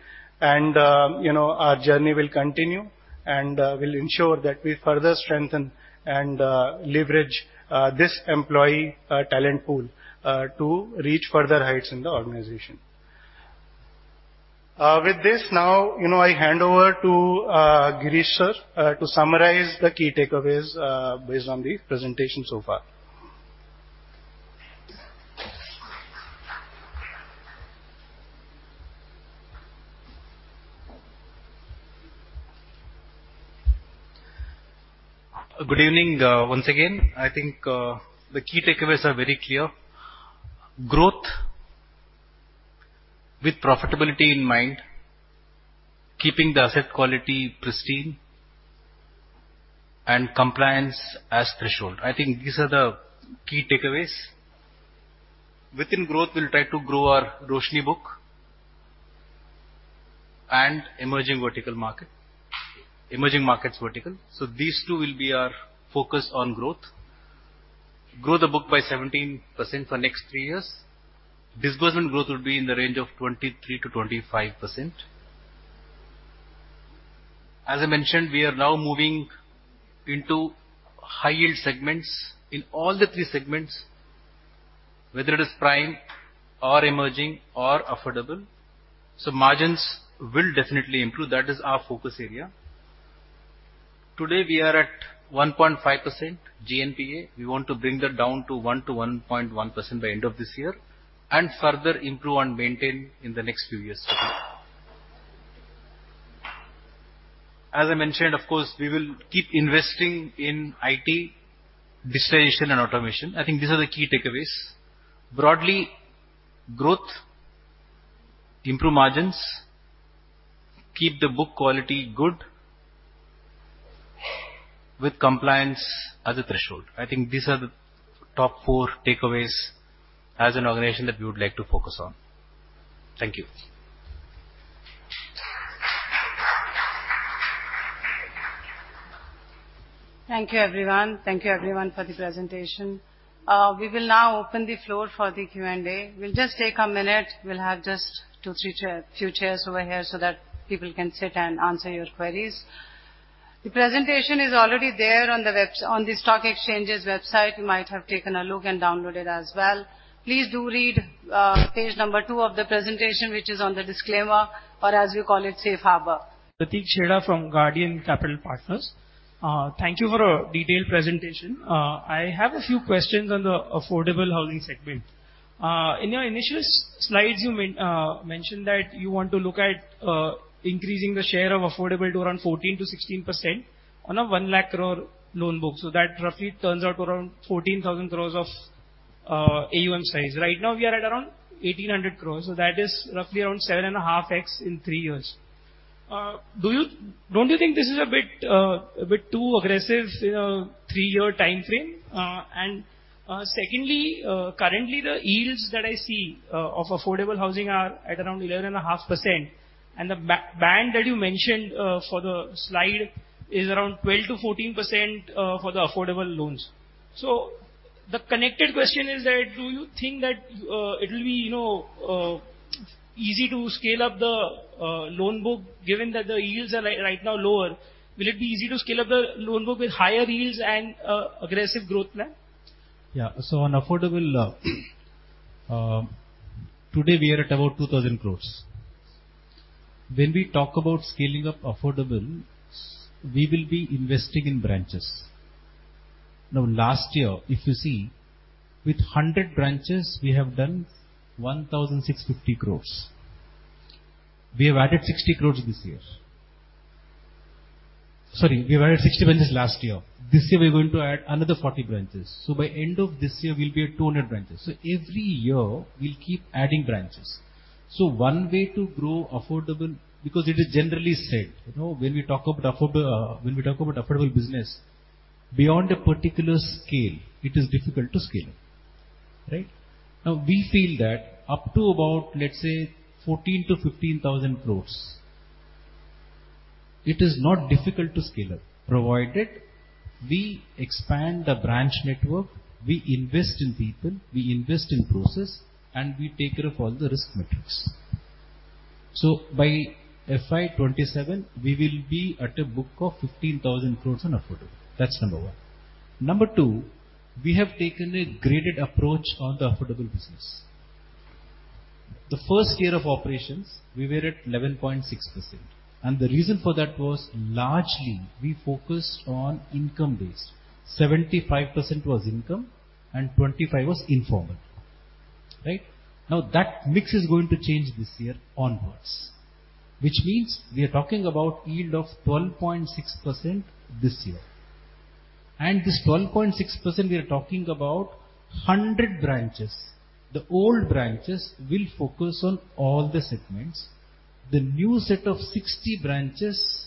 You know, our journey will continue, and we'll ensure that we further strengthen and leverage this employee talent pool to reach further heights in the organization. With this, now, you know, I hand over to Girish Sir to summarize the key takeaways based on the presentation so far.
Good evening, once again. I think, the key takeaways are very clear: growth with profitability in mind, keeping the asset quality pristine, and compliance as threshold. I think these are the key takeaways. Within growth, we'll try to grow our Roshni book and emerging vertical market, emerging markets vertical. So these two will be our focus on growth. Grow the book by 17% for next three years. Disbursement growth will be in the range of 23%-25%. As I mentioned, we are now moving into high-yield segments in all the three segments, whether it is prime or emerging or affordable, so margins will definitely improve. That is our focus area. Today, we are at 1.5% GNPA. We want to bring that down to 1%-1.1% by end of this year, and further improve and maintain in the next few years to come. As I mentioned, of course, we will keep investing in IT, digitization, and automation. I think these are the key takeaways. Broadly, growth, improve margins, keep the book quality good, with compliance as a threshold. I think these are the top four takeaways as an organization that we would like to focus on. Thank you.
Thank you, everyone. Thank you, everyone, for the presentation. We will now open the floor for the Q&A. We'll just take a minute. We'll have just a few chairs over here so that people can sit and answer your queries. The presentation is already there on the web, on the stock exchange's website. You might have taken a look and downloaded as well. Please do read page number two of the presentation, which is on the disclaimer or, as you call it, Safe Harbor.
Pratik Chheda from Guardian Capital Partners. Thank you for a detailed presentation. I have a few questions on the affordable housing segment. In your initial slides, you mentioned that you want to look at increasing the share of affordable to around 14%-16% on a 100,000 crore loan book. So that roughly turns out to around 14,000 crore of AUM size. Right now, we are at around 1,800 crore, so that is roughly around 7.5x in three years. Do you don't you think this is a bit too aggressive in a three-year timeframe? And, secondly, currently, the yields that I see of affordable housing are at around 11.5%, and the band that you mentioned for the slide is around 12%-14% for the affordable loans. So the connected question is that, do you think that it will be, you know, easy to scale up the loan book, given that the yields are right, right now lower? Will it be easy to scale up the loan book with higher yields and aggressive growth plan?
Yeah. So on affordable, today, we are at about 2,000 crore. When we talk about scaling up affordable, we will be investing in branches. Now, last year, if you see, with 100 branches, we have done 1,650 crore. We have added 60 crore this year. Sorry, we've added 60 branches last year. This year, we are going to add another 40 branches. So by end of this year, we'll be at 200 branches. So every year, we'll keep adding branches. So one way to grow affordable, because it is generally said, you know, when we talk about affordable, when we talk about affordable business, beyond a particular scale, it is difficult to scale, right? Now, we feel that up to about, let's say, 14,000-15,000 crore, it is not difficult to scale up, provided we expand the branch network, we invest in people, we invest in process, and we take care of all the risk metrics. So by FY 2027, we will be at a book of 15,000 crore on affordable. That's number one. Number two, we have taken a graded approach on the affordable business. The first year of operations, we were at 11.6%, and the reason for that was largely we focused on income-based. 75% was income and 25% was informal, right? Now, that mix is going to change this year onwards, which means we are talking about yield of 12.6% this year. And this 12.6%, we are talking about 100 branches. The old branches will focus on all the segments. The new set of 60 branches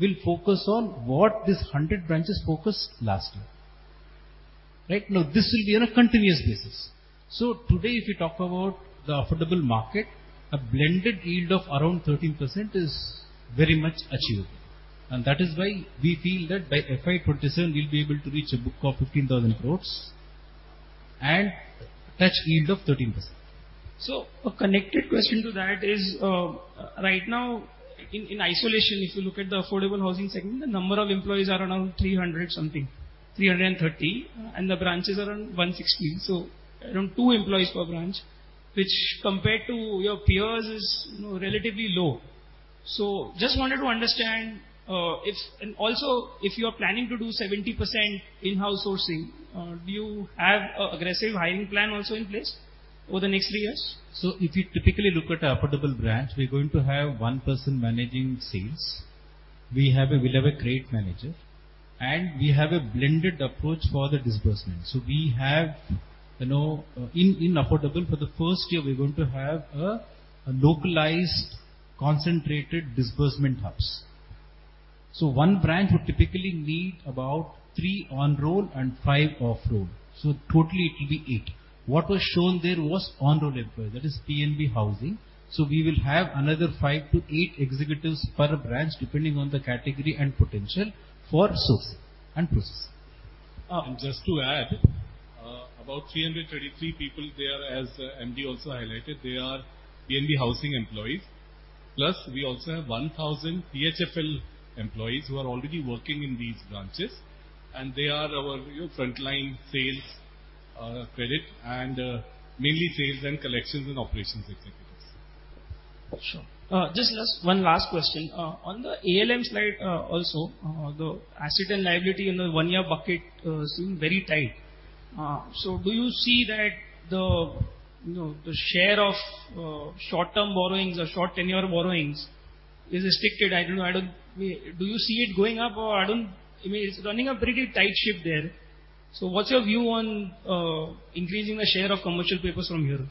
will focus on what these 100 branches focused last year. Right now, this will be on a continuous basis. So today, if you talk about the affordable market, a blended yield of around 13% is very much achievable. And that is why we feel that by FY 2027, we'll be able to reach a book of 15,000 crore and touch yield of 13%.
So a connected question to that is, right now, in isolation, if you look at the affordable housing segment, the number of employees are around 300 something, 330, and the branches are around 160, so around two employees per branch, which compared to your peers, is, you know, relatively low. So just wanted to understand, if, and also, if you are planning to do 70% in-house sourcing, do you have an aggressive hiring plan also in place over the next three years?
So if you typically look at the affordable branch, we're going to have one person managing sales. We'll have a great manager, and we have a blended approach for the disbursement. So we have, you know, in affordable, for the first year, we're going to have a localized, concentrated disbursement hubs. So one branch would typically need about three on-roll and five off-roll, so totally it will be eight. What was shown there was on-roll employees, that is PNB Housing. So we will have another five to eight executives per branch, depending on the category and potential for sourcing and processing.
Just to add, about 333 people, they are, as MD also highlighted, they are PNB Housing employees. Plus, we also have 1,000 PHFL employees who are already working in these branches, and they are our, you know, frontline sales, credit, and mainly sales and collections and operations executives.
Sure. Just one last question. On the ALM slide, also, the asset and liability in the one-year bucket seem very tight. So do you see that the, you know, the share of short-term borrowings or short tenure borrowings is restricted? Do you see it going up? I mean, it's running a pretty tight ship there. So what's your view on increasing the share of commercial papers from here?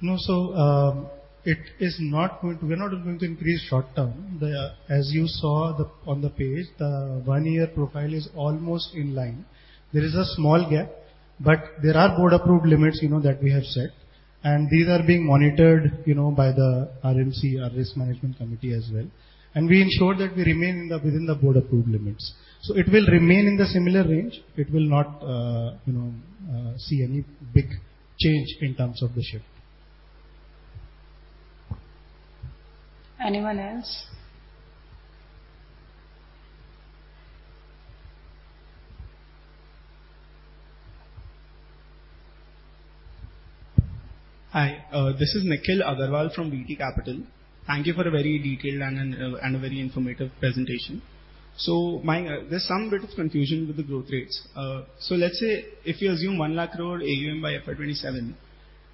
No, so it is not going to. We are not going to increase short term. As you saw on the page, the one-year profile is almost in line. There is a small gap, but there are board-approved limits, you know, that we have set, and these are being monitored, you know, by the RMC or Risk Management Committee as well. We ensure that we remain within the board-approved limits. So it will remain in the similar range. It will not, you know, see any big change in terms of the shift.
Anyone else?
Hi, this is Nikhil Agarwal from VT Capital. Thank you for a very detailed and, and, and a very informative presentation. So there's some bit of confusion with the growth rates. So let's say if you assume 100,000 crore AUM by FY 2027,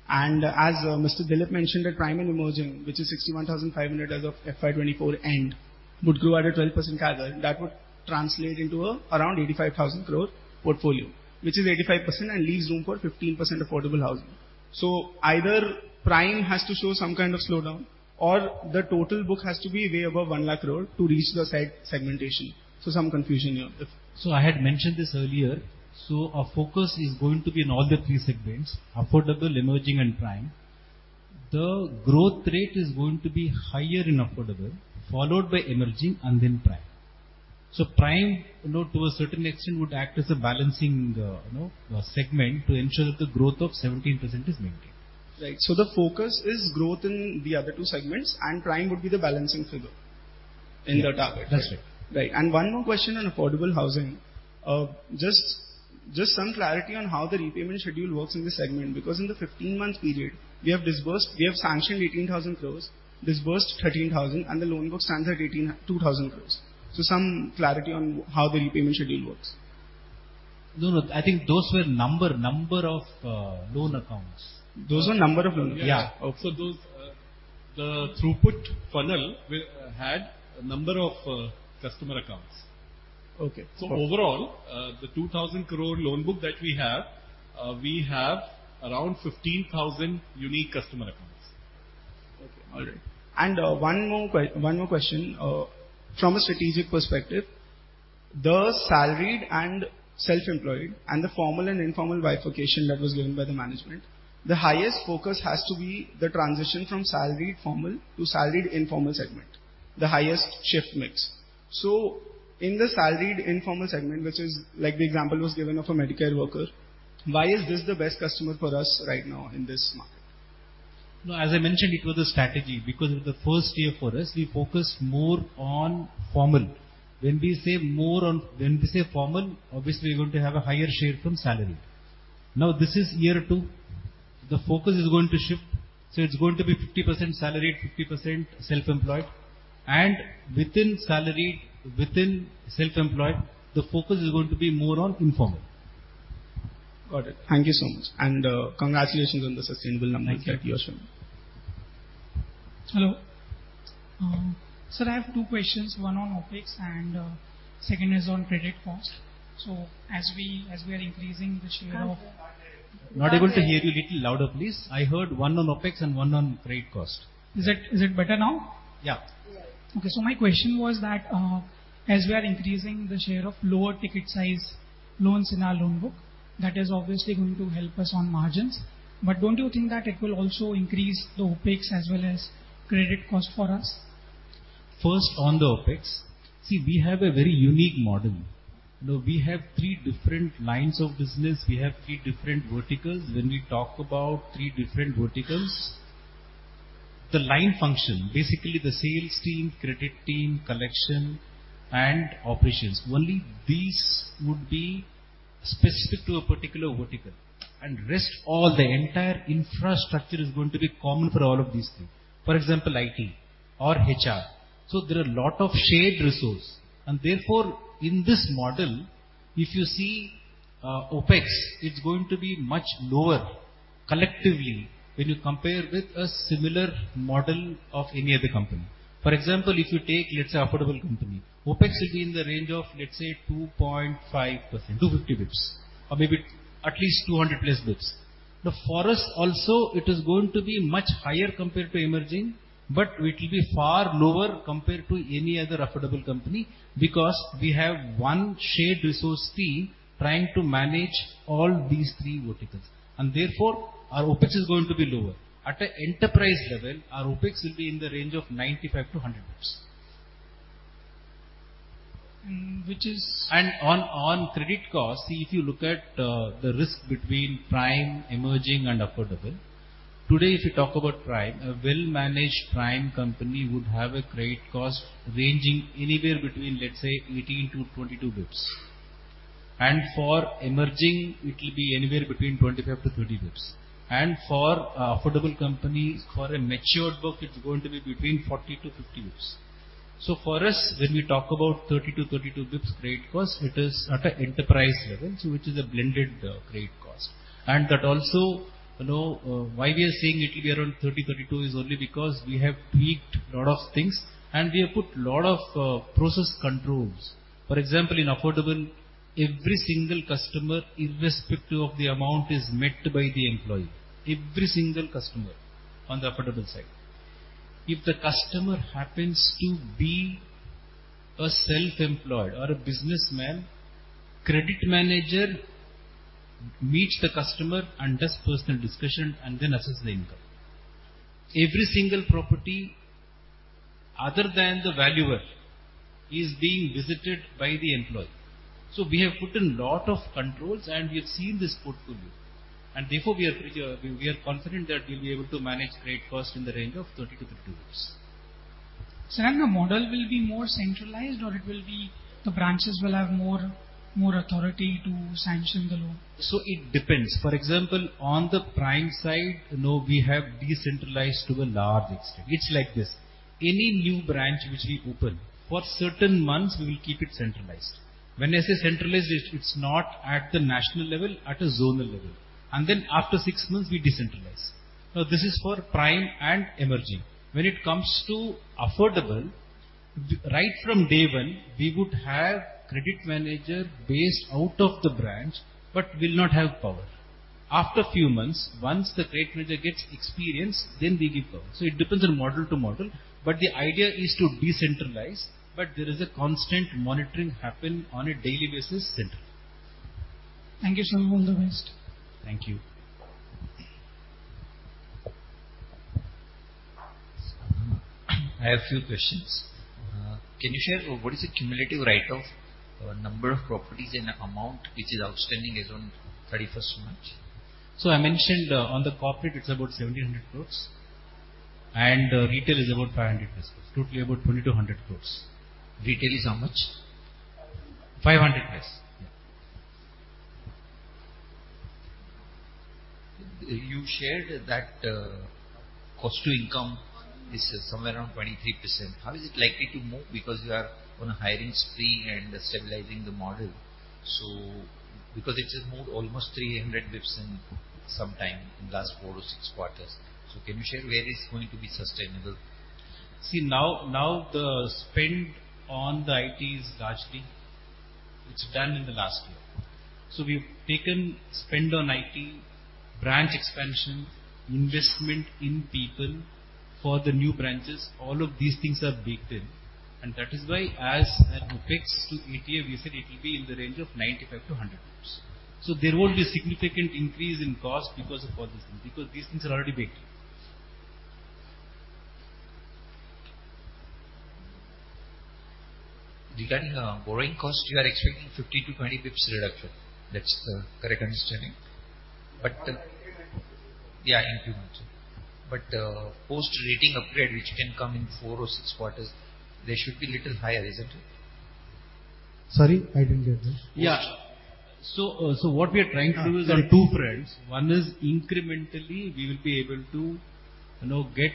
and as, Mr. Dilip mentioned, that prime and emerging, which is 61,500 crore as of FY 2024 end, would grow at a 12% CAGR, that would translate into around 85,000 crore portfolio, which is 85% and leaves room for 15% affordable housing. So either prime has to show some kind of slowdown or the total book has to be way above 100,000 crore to reach the segmentation. So some confusion here.
So I had mentioned this earlier. So our focus is going to be on all the three segments: affordable, emerging, and prime. The growth rate is going to be higher in affordable, followed by emerging and then prime. So prime, you know, to a certain extent, would act as a balancing, you know, segment to ensure that the growth of 17% is maintained.
Right. So the focus is growth in the other two segments, and prime would be the balancing figure in the target?
That's right.
Right. And one more question on affordable housing. Just, just some clarity on how the repayment schedule works in this segment, because in the 15-month period, we have disbursed, we have sanctioned 18,000 crore, disbursed 13,000 crore, and the loan book stands at 18,200 crore. So some clarity on how the repayment schedule works.
No, no, I think those were number of loan accounts.
Those were number of loan?
Yeah.
Also, those, the throughput funnel we had a number of customer accounts.
Okay.
Overall, the 2,000 crore loan book that we have, we have around 15,000 unique customer accounts.
Okay. All right. And one more question. From a strategic perspective, the salaried and self-employed and the formal and informal bifurcation that was given by the management, the highest focus has to be the transition from salaried formal to salaried informal segment, the highest shift mix. So in the salaried informal segment, which is like the example was given of a Medicare worker, why is this the best customer for us right now in this market?
No, as I mentioned, it was a strategy, because it's the first year for us, we focus more on formal. When we say formal, obviously, we're going to have a higher share from salary. Now, this is year two, the focus is going to shift, so it's going to be 50% salaried, 50% self-employed. And within salaried, within self-employed, the focus is going to be more on informal.
Got it. Thank you so much, and, congratulations on the sustainable numbers.
Thank you.
Thank you so much.
Hello. Sir, I have two questions, one on OpEx and second is on credit cost. So as we, as we are increasing the share of-
Not able to hear you. A little louder, please. I heard one on OpEx and one on credit cost.
Is it better now?
Yeah.
Okay. So my question was that, as we are increasing the share of lower ticket size loans in our loan book, that is obviously going to help us on margins, but don't you think that it will also increase the OpEx as well as credit cost for us?
First, on the OpEx, see, we have a very unique model. You know, we have three different lines of business. We have three different verticals. When we talk about three different verticals, the line function, basically the sales team, credit team, collection, and operations, only these would be specific to a particular vertical, and rest, all the entire infrastructure is going to be common for all of these things. For example, IT or HR. So there are a lot of shared resource, and therefore, in this model, if you see, OpEx, it's going to be much lower collectively when you compare with a similar model of any other company. For example, if you take, let's say, affordable company, OpEx will be in the range of, let's say, 2.5%, 250 basis points, or maybe at least 200+ basis points. Now, for us also, it is going to be much higher compared to emerging, but it will be far lower compared to any other affordable company because we have one shared resource team trying to manage all these three verticals, and therefore, our OpEx is going to be lower. At an enterprise level, our OpEx will be in the range of 95-100 basis points.
Which is-
On credit cost, if you look at the risk between prime, emerging, and affordable, today, if you talk about prime, a well-managed prime company would have a credit cost ranging anywhere between, let's say, 18-22 basis points. For emerging, it will be anywhere between 25-30 basis points. For affordable companies, for a matured book, it's going to be between 40-50 basis points. So for us, when we talk about 30-32 basis points credit cost, it is at an enterprise level, so which is a blended credit cost. And that also, you know, why we are saying it will be around 30-32 is only because we have tweaked a lot of things, and we have put a lot of process controls. For example, in affordable, every single customer, irrespective of the amount, is met by the employee, every single customer on the affordable side. If the customer happens to be a self-employed or a businessman, credit manager meets the customer and does personal discussion and then assess the income. Every single property other than the valuer is being visited by the employee. So we have put in lot of controls, and we have seen this portfolio, and therefore, we are pretty, we are confident that we'll be able to manage credit cost in the range of 30-50 basis.
Sir, and the model will be more centralized, or it will be the branches will have more authority to sanction the loan?
So it depends. For example, on the prime side, you know, we have decentralized to a large extent. It's like this: any new branch which we open, for certain months, we will keep it centralized. When I say centralized, it's not at the national level, at a zonal level, and then after six months, we decentralize. Now, this is for prime and emerging. When it comes to affordable, right from day one, we would have credit manager based out of the branch, but will not have power. After few months, once the credit manager gets experience, then we give power. So it depends on model to model, but the idea is to decentralize, but there is a constant monitoring happen on a daily basis central.
Thank you, sir. All the best.
Thank you.
I have a few questions. Can you share what is the cumulative write-off, number of properties and amount which is outstanding as on 31st March?
So I mentioned, on the corporate, it's about 1,700 crores, and retail is about 500 crores. Totally about 2,200 crores.
Retail is how much?
500 crore.
You shared that cost to income is somewhere around 23%. How is it likely to move? Because you are on a hiring spree and stabilizing the model. So because it has moved almost 300 basis sometime in the last 4-6 quarters. So can you share where it's going to be sustainable?
See, now, the spend on the IT is largely, it's done in the last year. So we've taken spend on IT, branch expansion, investment in people for the new branches, all of these things are baked in, and that is why as an OPEX to ATA, we said it will be in the range of 95-100 basis. So there won't be a significant increase in cost because of all these things, because these things are already baked in.
Regarding borrowing cost, you are expecting 50-20 basis reduction. That's the correct understanding? But-
Yeah, incremental.
Post-rating upgrade, which can come in four or six quarters, they should be little higher, isn't it? Sorry, I didn't get that.
Yeah. So, so what we are trying to do is on two fronts. One is incrementally, we will be able to, you know, get,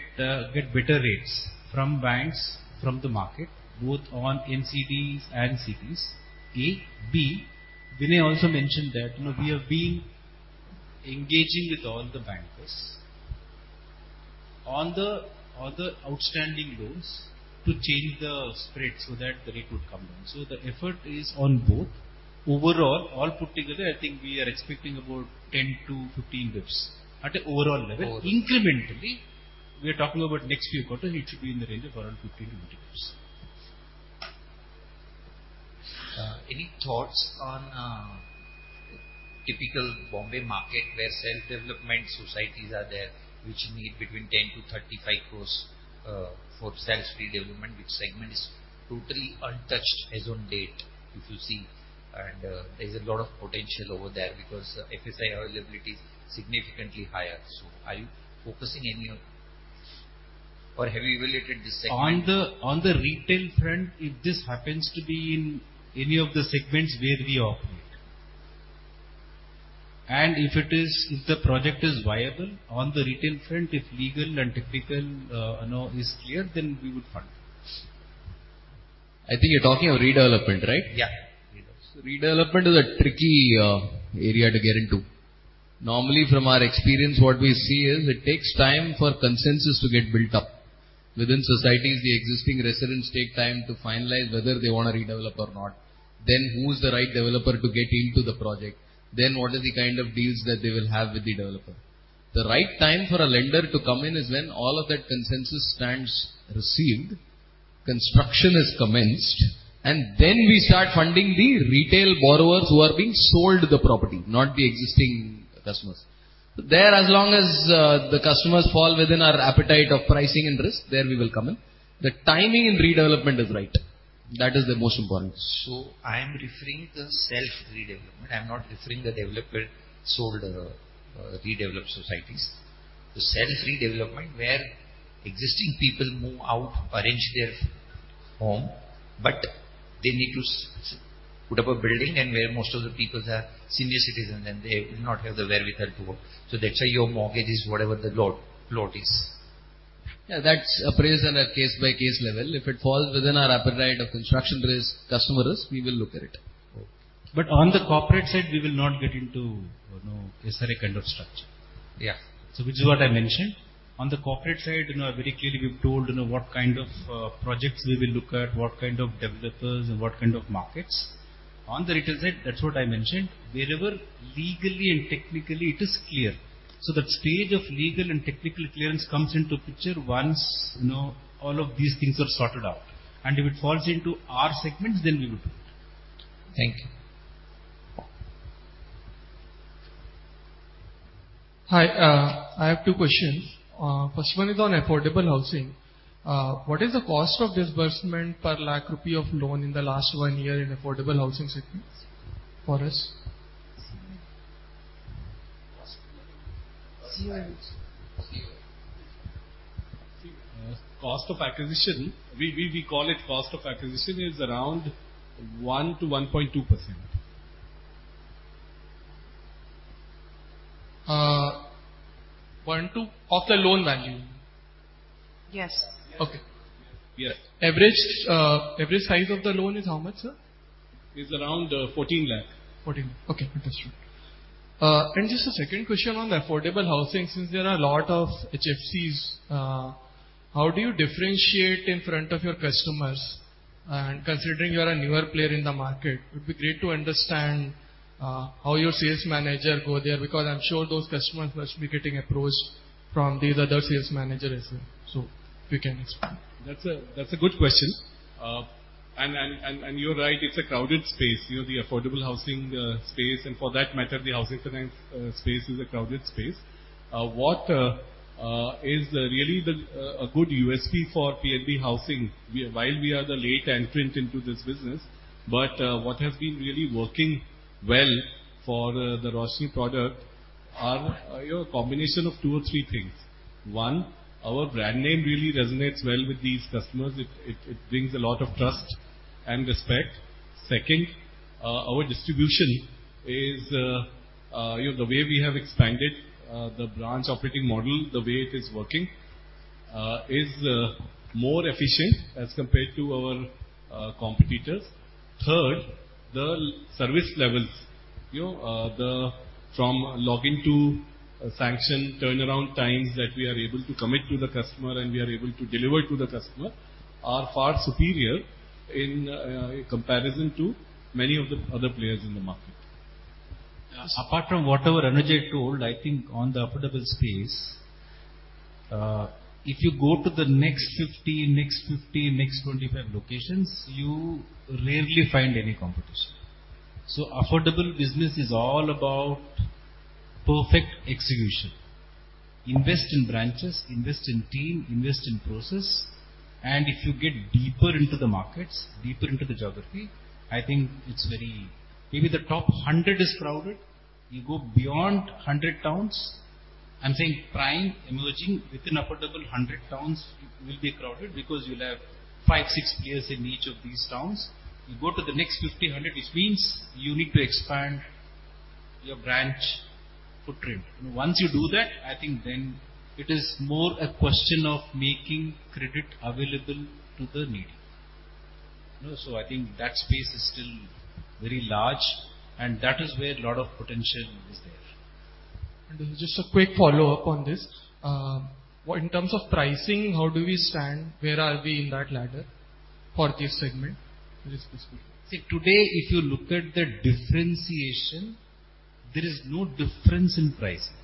get better rates from banks, from the market, both on NCDs and CDs, A. B, Vinay also mentioned that, you know, we have been engaging with all the bankers on the, on the outstanding loans to change the spread so that the rate would come down. So the effort is on both. Overall, all put together, I think we are expecting about 10-15 basis at an overall level. Incrementally, we are talking about next few quarters, it should be in the range of around 15-20 basis.
Any thoughts on typical Bombay market, where self-development societies are there, which need between 10 crore-35 crore for self-redevelopment, which segment is totally untouched as on date, if you see, and there's a lot of potential over there because FSI availability is significantly higher. So are you focusing any of... or have you evaluated this segment?
On the retail front, if this happens to be in any of the segments where we operate, and if it is, if the project is viable on the retail front, if legal and technical, you know, is clear, then we would fund it.
I think you're talking of redevelopment, right?
Yeah, redevelopment.
Redevelopment is a tricky, area to get into. Normally, from our experience, what we see is it takes time for consensus to get built up. Within societies, the existing residents take time to finalize whether they want to redevelop or not. Then, who's the right developer to get into the project? Then, what is the kind of deals that they will have with the developer? The right time for a lender to come in is when all of that consensus stands received, construction is commenced, and then we start funding the retail borrowers who are being sold the property, not the existing customers. There, as long as, the customers fall within our appetite of pricing and risk, there we will come in. The timing in redevelopment is right. That is the most important.
So I am referring to the self-redevelopment. I'm not referring to the developer-led redeveloped societies. The self-redevelopment, where existing people move out, arrange their home, but they need to put up a building, and where most of the people are senior citizens, and they do not have the wherewithal to own. So that's why your mortgage is whatever the loan, loan is.
Yeah, that's appraised on a case-by-case level. If it falls within our appetite of construction risk, customer risk, we will look at it.
But on the corporate side, we will not get into, you know, this kind of structure.
Yeah.
So which is what I mentioned. On the corporate side, you know, very clearly, we've told, you know, what kind of projects we will look at, what kind of developers and what kind of markets. On the retail side, that's what I mentioned, wherever legally and technically it is clear. So that stage of legal and technical clearance comes into picture once, you know, all of these things are sorted out, and if it falls into our segments, then we would do it.
Thank you.
Hi, I have two questions. First one is on affordable housing. What is the cost of disbursement per lakh rupee of loan in the last one year in affordable housing segment for us?
Cost of acquisition, we call it cost of acquisition, is around 1%-1.2%.
1%, 2% of the loan value?
Yes.
Okay.
Yes.
Average, average size of the loan is how much, sir?
Is around 14 lakh.
14 lakh, okay, that's right. And just a second question on the affordable housing, since there are a lot of HFCs, how do you differentiate in front of your customers? And considering you are a newer player in the market, it'd be great to understand how your sales manager go there, because I'm sure those customers must be getting approached from these other sales managers as well. So if you can explain.
That's a good question. You're right, it's a crowded space, you know, the affordable housing space, and for that matter, the housing finance space is a crowded space. What is really a good USP for PNB Housing, we, while we are the late entrant into this business, but what has been really working well for the Roshni product are, you know, a combination of two or three things. One, our brand name really resonates well with these customers. It brings a lot of trust and respect. Second, our distribution is, you know, the way we have expanded the branch operating model, the way it is working is more efficient as compared to our competitors. Third, the service levels, you know, the from login to sanction turnaround times that we are able to commit to the customer and we are able to deliver to the customer are far superior in comparison to many of the other players in the market.
Apart from whatever Anuj told, I think on the affordable space, if you go to the next 50, next 50, next 25 locations, you rarely find any competition. So affordable business is all about perfect execution. Invest in branches, invest in team, invest in process, and if you get deeper into the markets, deeper into the geography, I think it's very, maybe the top 100 is crowded. You go beyond 100 towns, I'm saying prime, emerging, within affordable 100 towns will be crowded because you'll have 5, 6 players in each of these towns. You go to the next 50, 100, which means you need to expand your branch footprint. And once you do that, I think then it is more a question of making credit available to the needy. You know, so I think that space is still very large, and that is where a lot of potential is there.
Just a quick follow-up on this. In terms of pricing, how do we stand? Where are we in that ladder for this segment, for this business?
See, today, if you look at the differentiation, there is no difference in pricing.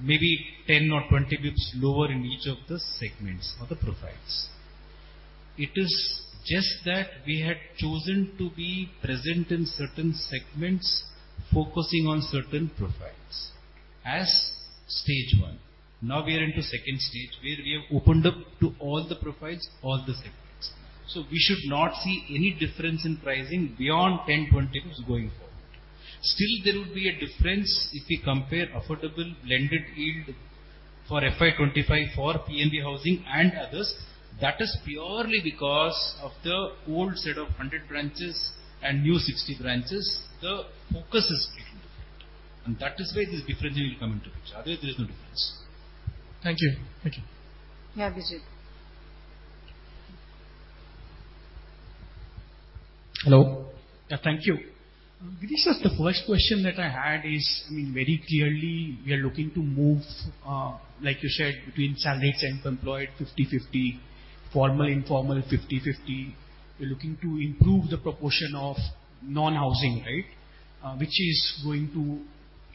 Maybe 10 or 20 bips lower in each of the segments or the profiles. It is just that we had chosen to be present in certain segments, focusing on certain profiles as stage one. Now, we are into second stage, where we have opened up to all the profiles, all the segments. So we should not see any difference in pricing beyond 10, 20 bips going forward. Still, there would be a difference if we compare affordable blended yield for FY 2025 for PNB Housing and others. That is purely because of the old set of 100 branches and new 60 branches, the focus is a little different, and that is where this difference will come into picture. Otherwise, there is no difference.
Thank you. Thank you.
Yeah, Vijit.
Hello. Yeah, thank you. Vijit, the first question that I had is, I mean, very clearly, we are looking to move, like you said, between salaried and employed, 50/50, formal, informal, 50/50. We're looking to improve the proportion of non-housing, right? Which is going to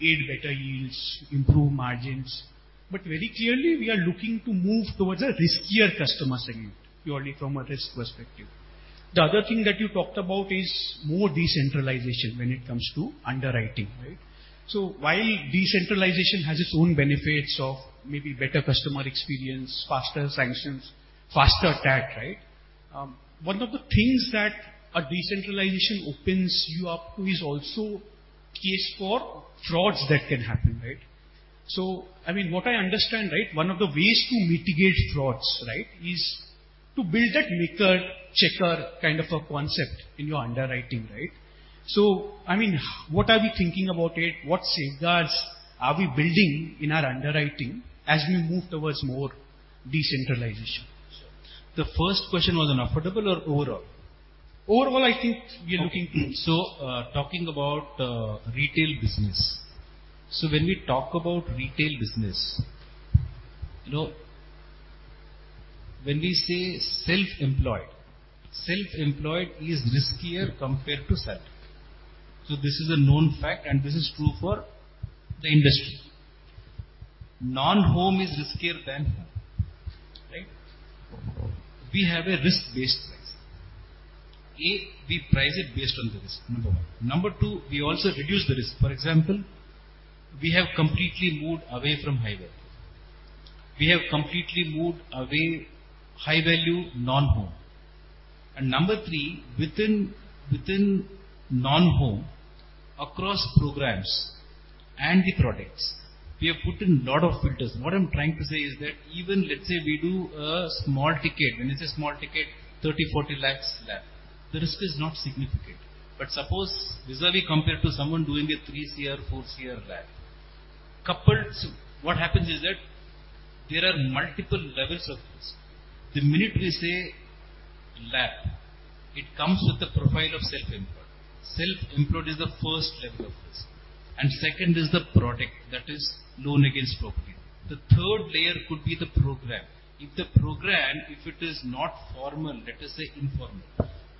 aid better yields, improve margins. But very clearly, we are looking to move towards a riskier customer segment, purely from a risk perspective. The other thing that you talked about is more decentralization when it comes to underwriting, right? So while decentralization has its own benefits of maybe better customer experience, faster sanctions, faster TAT, right? One of the things that a decentralization opens you up to is also case for frauds that can happen, right? So I mean, what I understand, right, one of the ways to mitigate frauds, right, is to build that maker-checker kind of a concept in your underwriting, right? So I mean, what are we thinking about it? What safeguards are we building in our underwriting as we move towards more decentralization?
The first question was on affordable or overall?
Overall, I think we are looking-
So, talking about retail business. So when we talk about retail business, you know, when we say self-employed, self-employed is riskier compared to salaried. So this is a known fact, and this is true for the industry. Non-home is riskier than home, right? We have a risk-based pricing. A, we price it based on the risk, number one. Number two, we also reduce the risk. For example, we have completely moved away from high value. We have completely moved away high value, non-home. And number three, within non-home, across programs and the products, we have put in a lot of filters. What I'm trying to say is that even let's say we do a small ticket, when it's a small ticket, 30-40 lakh LAP, the risk is not significant. But suppose vis-a-vis, compared to someone doing a 3-4 crore LAP. Coupled, what happens is that there are multiple levels of risk. The minute we say LAP, it comes with a profile of self-employed. Self-employed is the first level of risk, and second is the product, that is loan against property. The third layer could be the program. If the program, if it is not formal, let us say informal.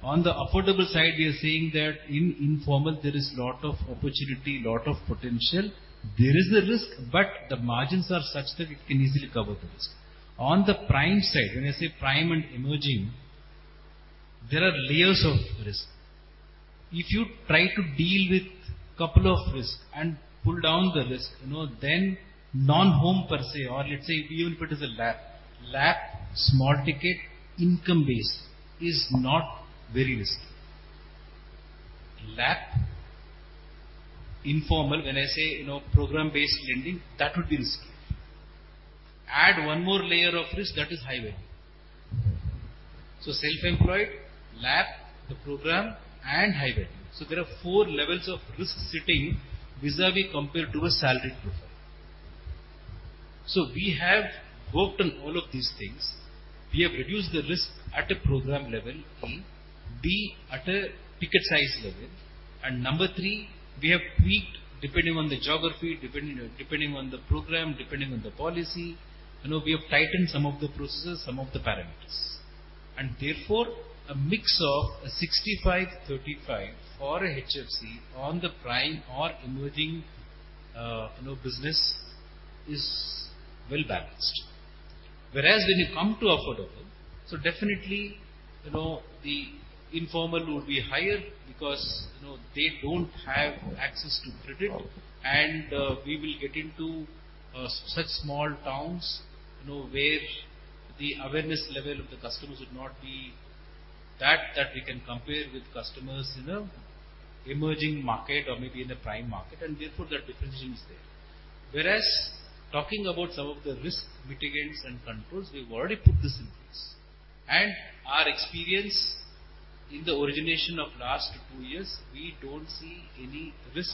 On the affordable side, we are saying that in informal, there is a lot of opportunity, a lot of potential. There is a risk, but the margins are such that it can easily cover the risk. On the prime side, when I say prime and emerging, there are layers of risk. If you try to deal with couple of risk and pull down the risk, you know, then non-home per se, or let's say even if it is a LAP, LAP, small ticket, income base is not very risky. LIG, informal, when I say, you know, program-based lending, that would be risky. Add one more layer of risk, that is high value. So self-employed, LIG, the program, and high value. So there are four levels of risk sitting vis-a-vis compared to a salaried profile. So we have worked on all of these things. We have reduced the risk at a program level, A. B, at a ticket size level. And number three, we have tweaked, depending on the geography, depending on the program, depending on the policy. You know, we have tightened some of the processes, some of the parameters. And therefore, a mix of a 65-35 for a HFC on the prime or emerging, you know, business is well balanced. Whereas when you come to affordable, so definitely, you know, the informal would be higher because, you know, they don't have access to credit. We will get into such small towns, you know, where the awareness level of the customers would not be that that we can compare with customers in a emerging market or maybe in a prime market, and therefore, that differentiation is there. Whereas, talking about some of the risk mitigants and controls, we've already put this in place. Our experience in the origination of last two years, we don't see any risk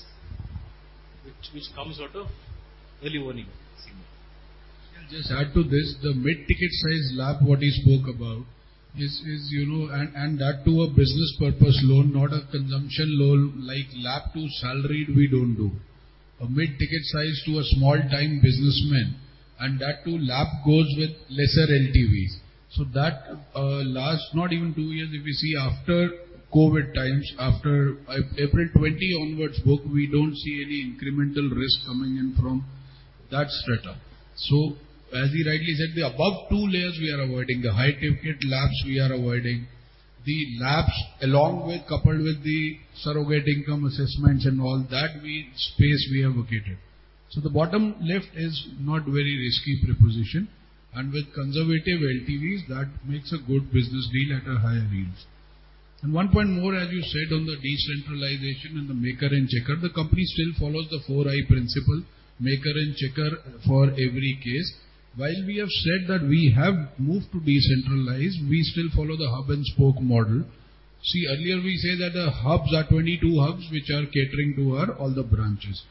which comes out of early warning signal.
I'll just add to this, the mid-ticket size LAP, what he spoke about, is, you know, and that to a business purpose loan, not a consumption loan, like LAP to salaried, we don't do. A mid-ticket size to a small time businessman, and that to LAP goes with lesser LTVs. So that, last not even two years, if you see after COVID times, after April 2020 onwards book, we don't see any incremental risk coming in from that strata. So as he rightly said, the above two layers we are avoiding, the high-ticket LAPs we are avoiding. The LAPs, along with, coupled with the surrogate income assessments and all that, we space we have vacated. So the bottom left is not very risky proposition, and with conservative LTVs, that makes a good business deal at a higher yields. And one point more, as you said on the decentralization and the maker and checker, the company still follows the four eye principle, maker and checker for every case. While we have said that we have moved to decentralized, we still follow the hub and spoke model. See, earlier we say that the hubs are 22 hubs, which are catering to our all the branches.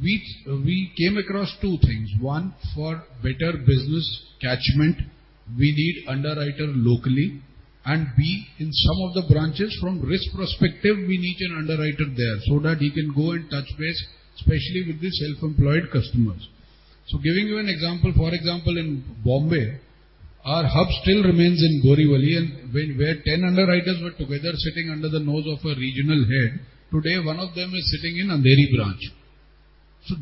We, we came across two things: one, for better business catchment, we need underwriter locally, and b, in some of the branches, from risk perspective, we need an underwriter there so that he can go and touch base, especially with the self-employed customers. So giving you an example, for example, in Bombay, our hub still remains in Goregaon, and, where 10 underwriters were together sitting under the nose of a regional head, today, one of them is sitting in Andheri branch.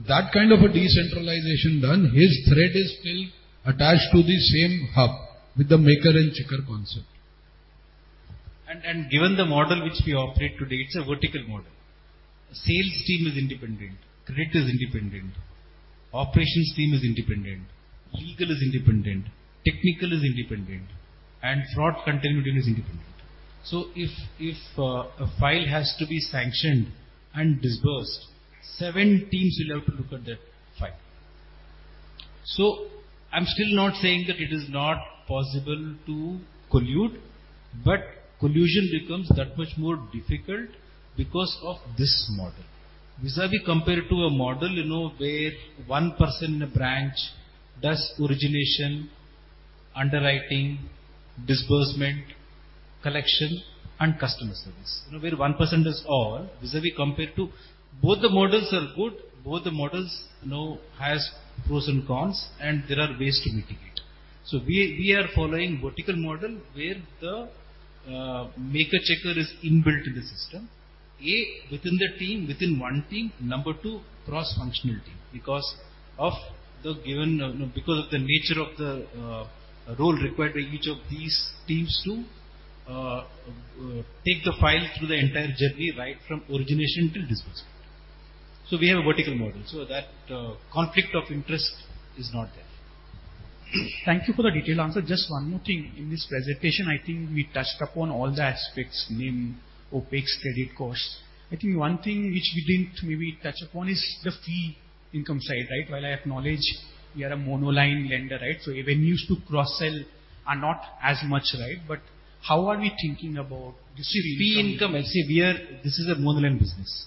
That kind of a decentralization done, his thread is still attached to the same hub with the maker and checker concept.
Given the model which we operate today, it's a vertical model. Sales team is independent, credit is independent, operations team is independent, legal is independent, technical is independent, and fraud continuity is independent. So if, if, a file has to be sanctioned and disbursed, seven teams will have to look at that file. So I'm still not saying that it is not possible to collude, but collusion becomes that much more difficult because of this model. Vis-à-vis, compared to a model, you know, where one person in a branch does origination, underwriting, disbursement, collection, and customer service. You know, where one person does all, vis-à-vis compared to, both the models are good, both the models, you know, has pros and cons, and there are ways to mitigate. So we, we are following vertical model, where the, maker checker is inbuilt in the system. A, within the team, within one team. Number two, cross-functionality, because of the given, because of the nature of the role required by each of these teams to take the file through the entire journey, right from origination till disbursement. So we have a vertical model, so that conflict of interest is not there.
Thank you for the detailed answer. Just one more thing. In this presentation, I think we touched upon all the aspects, namely OPEX, credit cost. I think one thing which we didn't maybe touch upon is the fee income side, right? While I acknowledge we are a monoline lender, right? So avenues to cross-sell are not as much, right. But how are we thinking about this fee income?
See, fee income. I say we are, this is a monoline business.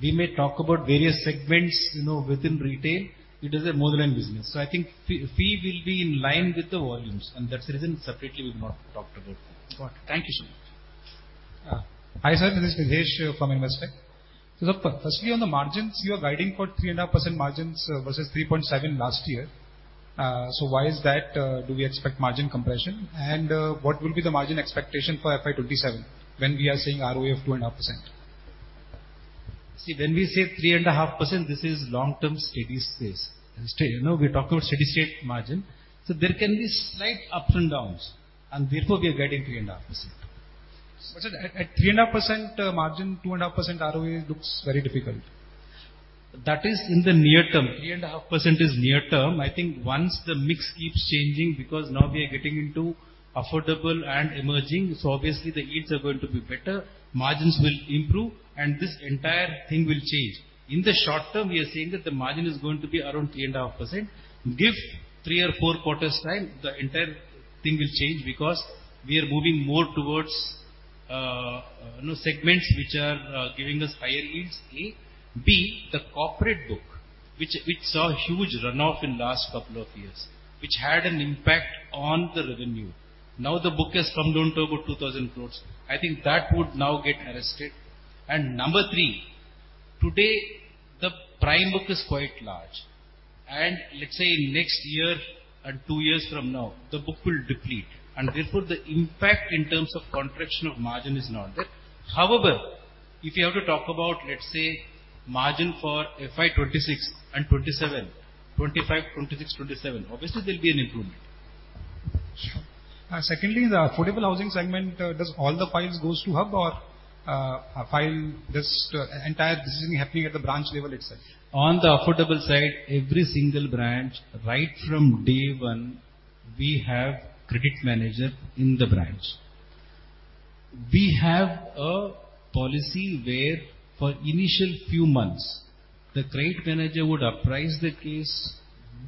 We may talk about various segments, you know, within retail. It is a monoline business. So I think fee, fee will be in line with the volumes, and that's the reason separately we've not talked about it.
Got it. Thank you so much.
Hi, sir, this is Rakesh from Investec. Firstly, on the margins, you are guiding for 3.5% margins versus 3.7% last year. Why is that? Do we expect margin compression? And, what will be the margin expectation for FY 2027 when we are seeing ROE of 2.5%?
See, when we say 3.5%, this is long-term steady state. You know, we talked about steady state margin, so there can be slight ups and downs, and therefore, we are getting 3.5%.
But at 3.5% margin, 2.5% ROE looks very difficult.
That is in the near term. 3.5% is near term. I think once the mix keeps changing, because now we are getting into affordable and emerging, so obviously the yields are going to be better, margins will improve, and this entire thing will change. In the short term, we are saying that the margin is going to be around 3.5%. Give three or four quarters time, the entire thing will change because we are moving more towards, you know, segments which are giving us higher yields, A. B, the corporate book, which, which saw a huge runoff in last couple of years, which had an impact on the revenue. Now, the book has come down to about 2,000 crore. I think that would now get arrested. Number three, today, the prime book is quite large, and let's say in next year and two years from now, the book will deplete, and therefore, the impact in terms of contraction of margin is not there. However, if you have to talk about, let's say, margin for FY 2026 and 2027, 2025, 2026, 2027, obviously, there will be an improvement.
Sure. Secondly, the affordable housing segment, does all the files goes to hub or, a file, does entire decision happening at the branch level itself?
On the affordable side, every single branch, right from day one, we have credit manager in the branch. We have a policy where for initial few months, the credit manager would apprise the case,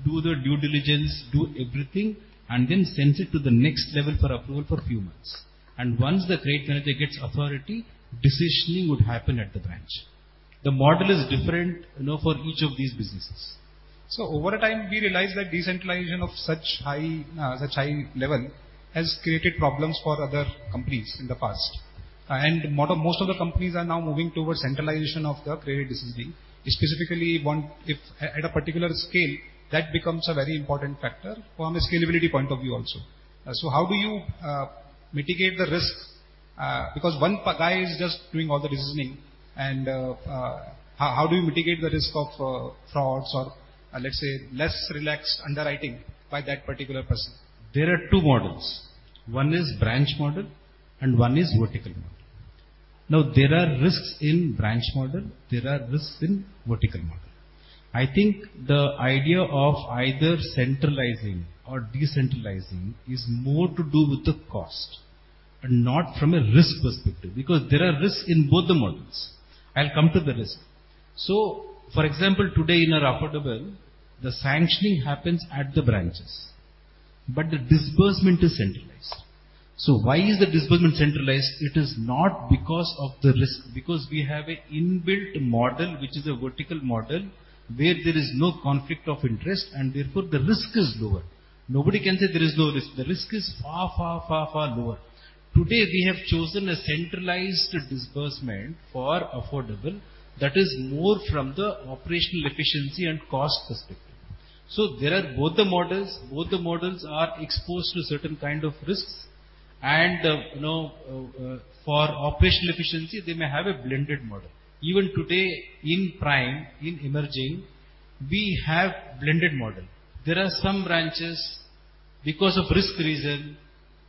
do the due diligence, do everything, and then sends it to the next level for approval for a few months. Once the credit manager gets authority, decisioning would happen at the branch. The model is different, you know, for each of these businesses.
So over time, we realized that decentralization of such high level has created problems for other companies in the past, and most of the companies are now moving towards centralization of the credit decisioning. Specifically, if at a particular scale, that becomes a very important factor from a scalability point of view also. So how do you mitigate the risk? Because one guy is just doing all the decisioning, and how do you mitigate the risk of frauds or, let's say, less relaxed underwriting by that particular person?
There are two models. One is branch model and one is vertical model. Now, there are risks in branch model, there are risks in vertical model. I think the idea of either centralizing or decentralizing is more to do with the cost and not from a risk perspective, because there are risks in both the models. I'll come to the risk. So, for example, today in our affordable, the sanctioning happens at the branches, but the disbursement is centralized. So why is the disbursement centralized? It is not because of the risk, because we have an inbuilt model, which is a vertical model, where there is no conflict of interest, and therefore, the risk is lower. Nobody can say there is no risk. The risk is far, far, far, far lower. Today, we have chosen a centralized disbursement for affordable that is more from the operational efficiency and cost perspective. So there are both the models. Both the models are exposed to certain kind of risks and, you know, for operational efficiency, they may have a blended model. Even today, in prime, in emerging, we have blended model. There are some branches, because of risk reason,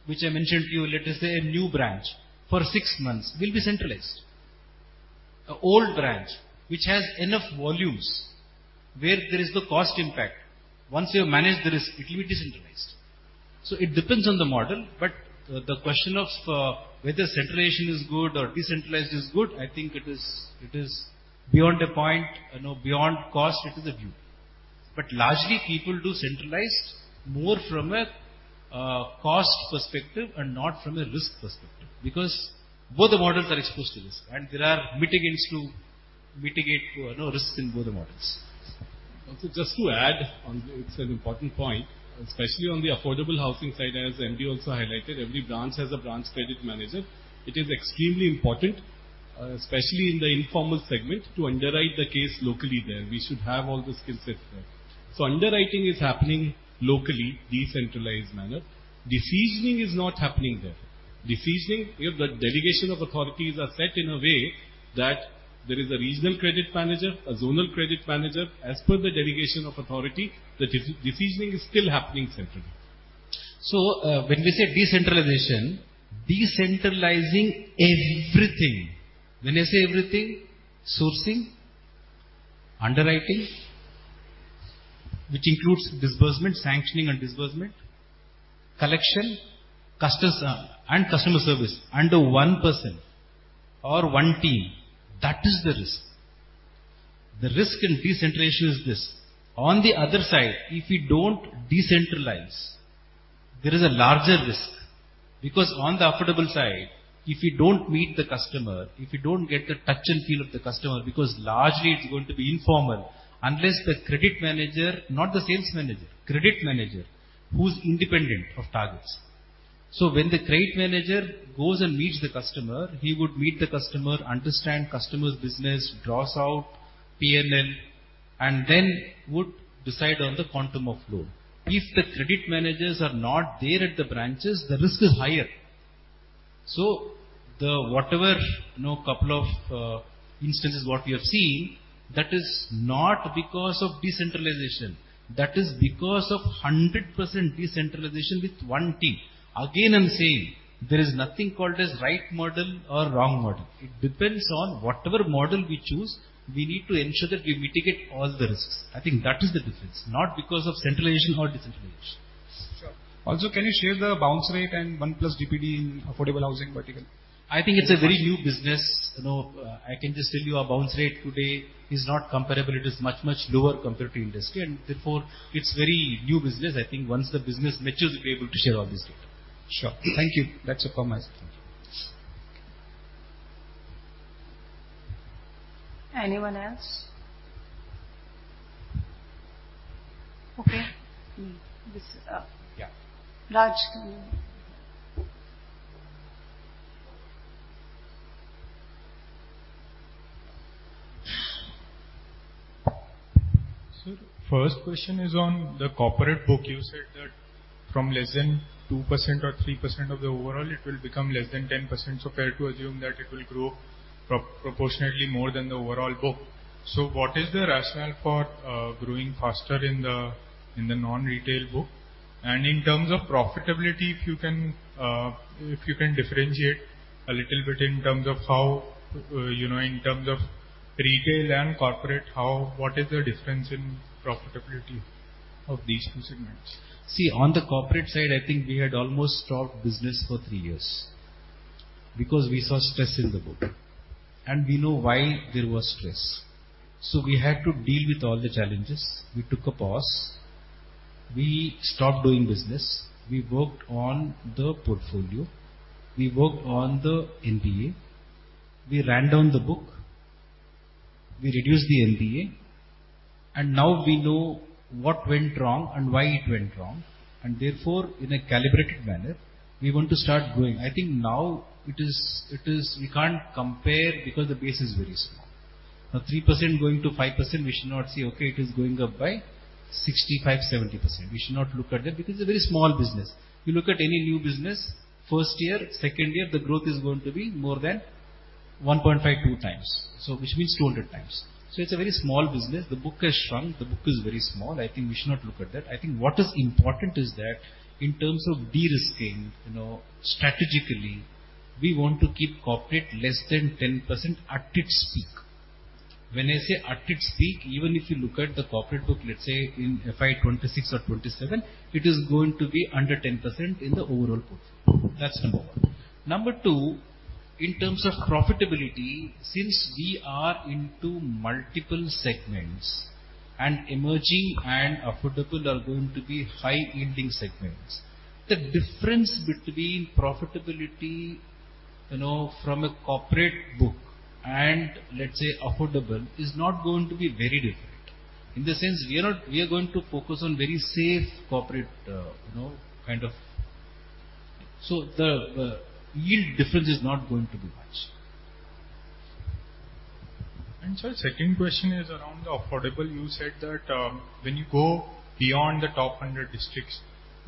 which I mentioned to you, let us say a new branch, for six months will be centralized. An old branch, which has enough volumes where there is the cost impact, once you have managed the risk, it will be decentralized. So it depends on the model, but the question of, whether centralization is good or decentralized is good, I think it is, it is beyond a point, you know, beyond cost, it is a view. But largely, people do centralized more from a cost perspective and not from a risk perspective, because both the models are exposed to risk, and there are mitigants to mitigate, you know, risks in both the models.
Also, just to add on, it's an important point, especially on the affordable housing side, as MD also highlighted, every branch has a branch credit manager. It is extremely important, especially in the informal segment, to underwrite the case locally there. We should have all the skill sets there.
So underwriting is happening locally, decentralized manner. Decisioning is not happening there. Decisioning, we have the delegation of authorities are set in a way that there is a regional credit manager, a zonal credit manager, as per the delegation of authority, the decisioning is still happening centrally.
So, when we say decentralization, decentralizing everything. When I say everything, sourcing, underwriting, which includes disbursement, sanctioning and disbursement, collection, customs, and customer service under one person or one team, that is the risk. The risk in decentralization is this. On the other side, if we don't decentralize, there is a larger risk, because on the affordable side, if you don't meet the customer, if you don't get the touch and feel of the customer, because largely it's going to be informal, unless the credit manager, not the sales manager, credit manager, who's independent of targets. So when the credit manager goes and meets the customer, he would meet the customer, understand customer's business, draws out PNL, and then would decide on the quantum of loan. If the credit managers are not there at the branches, the risk is higher. So the whatever, you know, couple of instances what we have seen, that is not because of decentralization. That is because of 100% decentralization with one team. Again, I'm saying there is nothing called as right model or wrong model. It depends on whatever model we choose, we need to ensure that we mitigate all the risks. I think that is the difference, not because of centralization or decentralization.
Sure. Also, can you share the bounce rate and 1+ DPD in affordable housing vertical?
I think it's a very new business. You know, I can just tell you our bounce rate today is not comparable. It is much, much lower compared to industry, and therefore, it's very new business. I think once the business matures, we'll be able to share all this data.
Sure. Thank you. That's a promise.
Anyone else? Okay. This is,
Yeah.
Raj Kanika.
Sir, first question is on the corporate book. You said that from less than 2% or 3% of the overall, it will become less than 10%. So fair to assume that it will grow proportionately more than the overall book. So what is the rationale for growing faster in the, in the non-retail book? And in terms of profitability, if you can differentiate a little bit in terms of how, you know, in terms of retail and corporate, how, what is the difference in profitability of these two segments?
See, on the corporate side, I think we had almost stopped business for three years because we saw stress in the book, and we know why there was stress. So we had to deal with all the challenges. We took a pause. We stopped doing business. We worked on the portfolio, we worked on the NPA, we ran down the book, we reduced the NPA, and now we know what went wrong and why it went wrong, and therefore, in a calibrated manner, we want to start growing. I think now it is, we can't compare because the base is very small. Now, 3% going to 5%, we should not say, "kay, it is going up by 65%-70%." We should not look at that because it's a very small business. You look at any new business, first year, second year, the growth is going to be more than 1.5x, 2x, so which means 200x. So it's a very small business. The book has shrunk. The book is very small. I think we should not look at that. I think what is important is that in terms of de-risking, you know, strategically, we want to keep corporate less than 10% at its peak. When I say at its peak, even if you look at the corporate book, let's say in FY 2026 or 2027, it is going to be under 10% in the overall portfolio. That's number one. Number two, in terms of profitability, since we are into multiple segments, and emerging and affordable are going to be high-yielding segments, the difference between profitability, you know, from a corporate book and let's say, affordable, is not going to be very different. In the sense, we are going to focus on very safe corporate, you know. So the yield difference is not going to be much.
And sir, second question is around the affordable. You said that, when you go beyond the top 100 districts,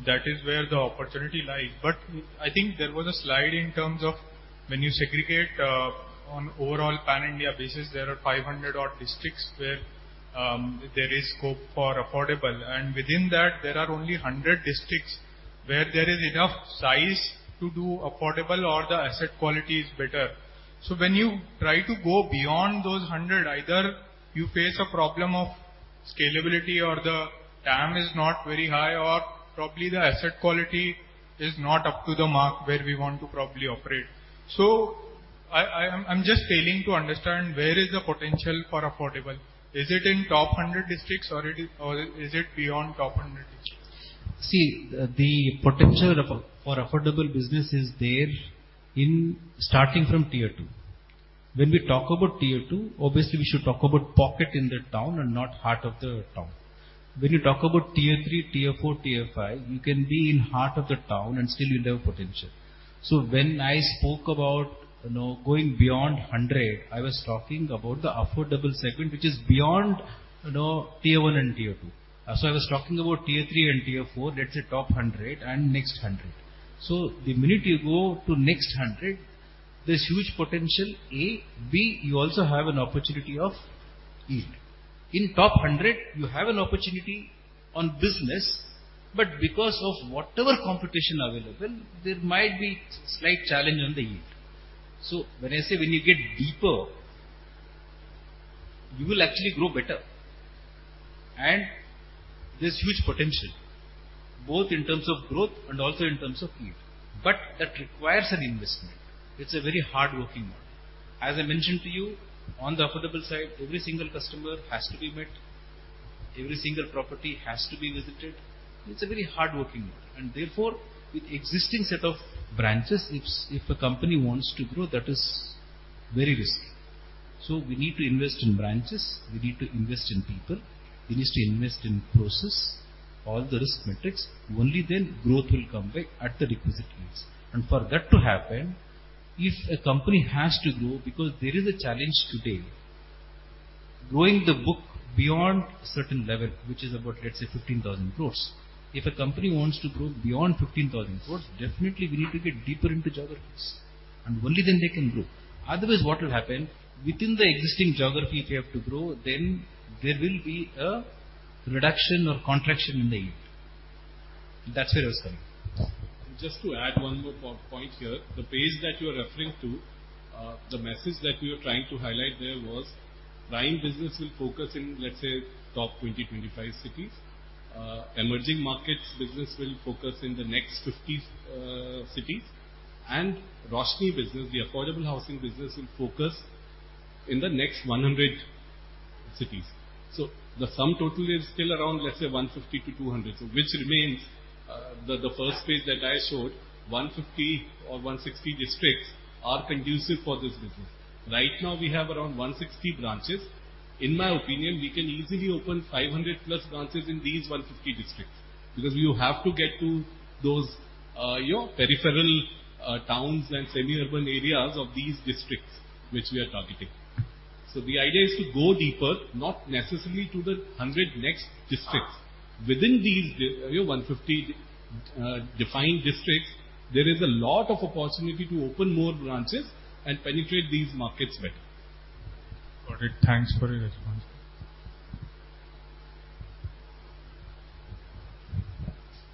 that is where the opportunity lies. But I think there was a slide in terms of when you segregate, on overall pan-India basis, there are 500 odd districts where, there is scope for affordable, and within that, there are only 100 districts where there is enough size to do affordable or the asset quality is better. So when you try to go beyond those 100, either you face a problem of scalability or the TAM is not very high, or probably the asset quality is not up to the mark where we want to probably operate. So I, I, I'm just failing to understand where is the potential for affordable? Is it in top 100 districts or it is, or is it beyond top 100 districts?
See, the potential for affordable business is there in starting from Tier 2, when we talk about Tier 2, obviously, we should talk about pocket in the town and not heart of the town. When you talk about Tier 3, Tier 4, Tier 5, you can be in heart of the town and still you'll have potential. So when I spoke about, you know, going beyond 100, I was talking about the affordable segment, which is beyond, you know, Tier 1 and Tier 2. So I was talking about Tier 3 and Tier 4, let's say top 100 and next 100. So the minute you go to next 100, there's huge potential, A. B, you also have an opportunity of yield. In top 100, you have an opportunity on business, but because of whatever competition available, there might be slight challenge on the yield. So when I say when you get deeper, you will actually grow better. And there's huge potential, both in terms of growth and also in terms of yield, but that requires an investment. It's a very hardworking model. As I mentioned to you, on the affordable side, every single customer has to be met, every single property has to be visited. It's a very hardworking model, and therefore, with existing set of branches, if a company wants to grow, that is very risky. So we need to invest in branches, we need to invest in people, we need to invest in process, all the risk metrics, only then growth will come back at the requisite pace. And for that to happen, if a company has to grow, because there is a challenge today, growing the book beyond a certain level, which is about, let's say, 15,000 crore. If a company wants to grow beyond 15,000 crore, definitely we need to get deeper into geographies, and only then they can grow. Otherwise, what will happen, within the existing geography, if you have to grow, then there will be a reduction or contraction in the yield. That's where I was coming.
Just to add one more point here. The page that you are referring to, the message that we are trying to highlight there was Prime business will focus in, let's say, top 20-25 cities. Emerging markets business will focus in the next 50 cities. And Roshni business, the affordable housing business, will focus in the next 100 cities. So the sum total is still around, let's say, 150-200. So which remains, the first page that I showed, 150 or 160 districts are conducive for this business. Right now, we have around 160 branches. In my opinion, we can easily open 500+ branches in these 150 districts, because you have to get to those, you know, peripheral towns and semi-urban areas of these districts which we are targeting. So the idea is to go deeper, not necessarily to the 100 next districts. Within these, you know, 150 defined districts, there is a lot of opportunity to open more branches and penetrate these markets better.
Got it. Thanks for your response.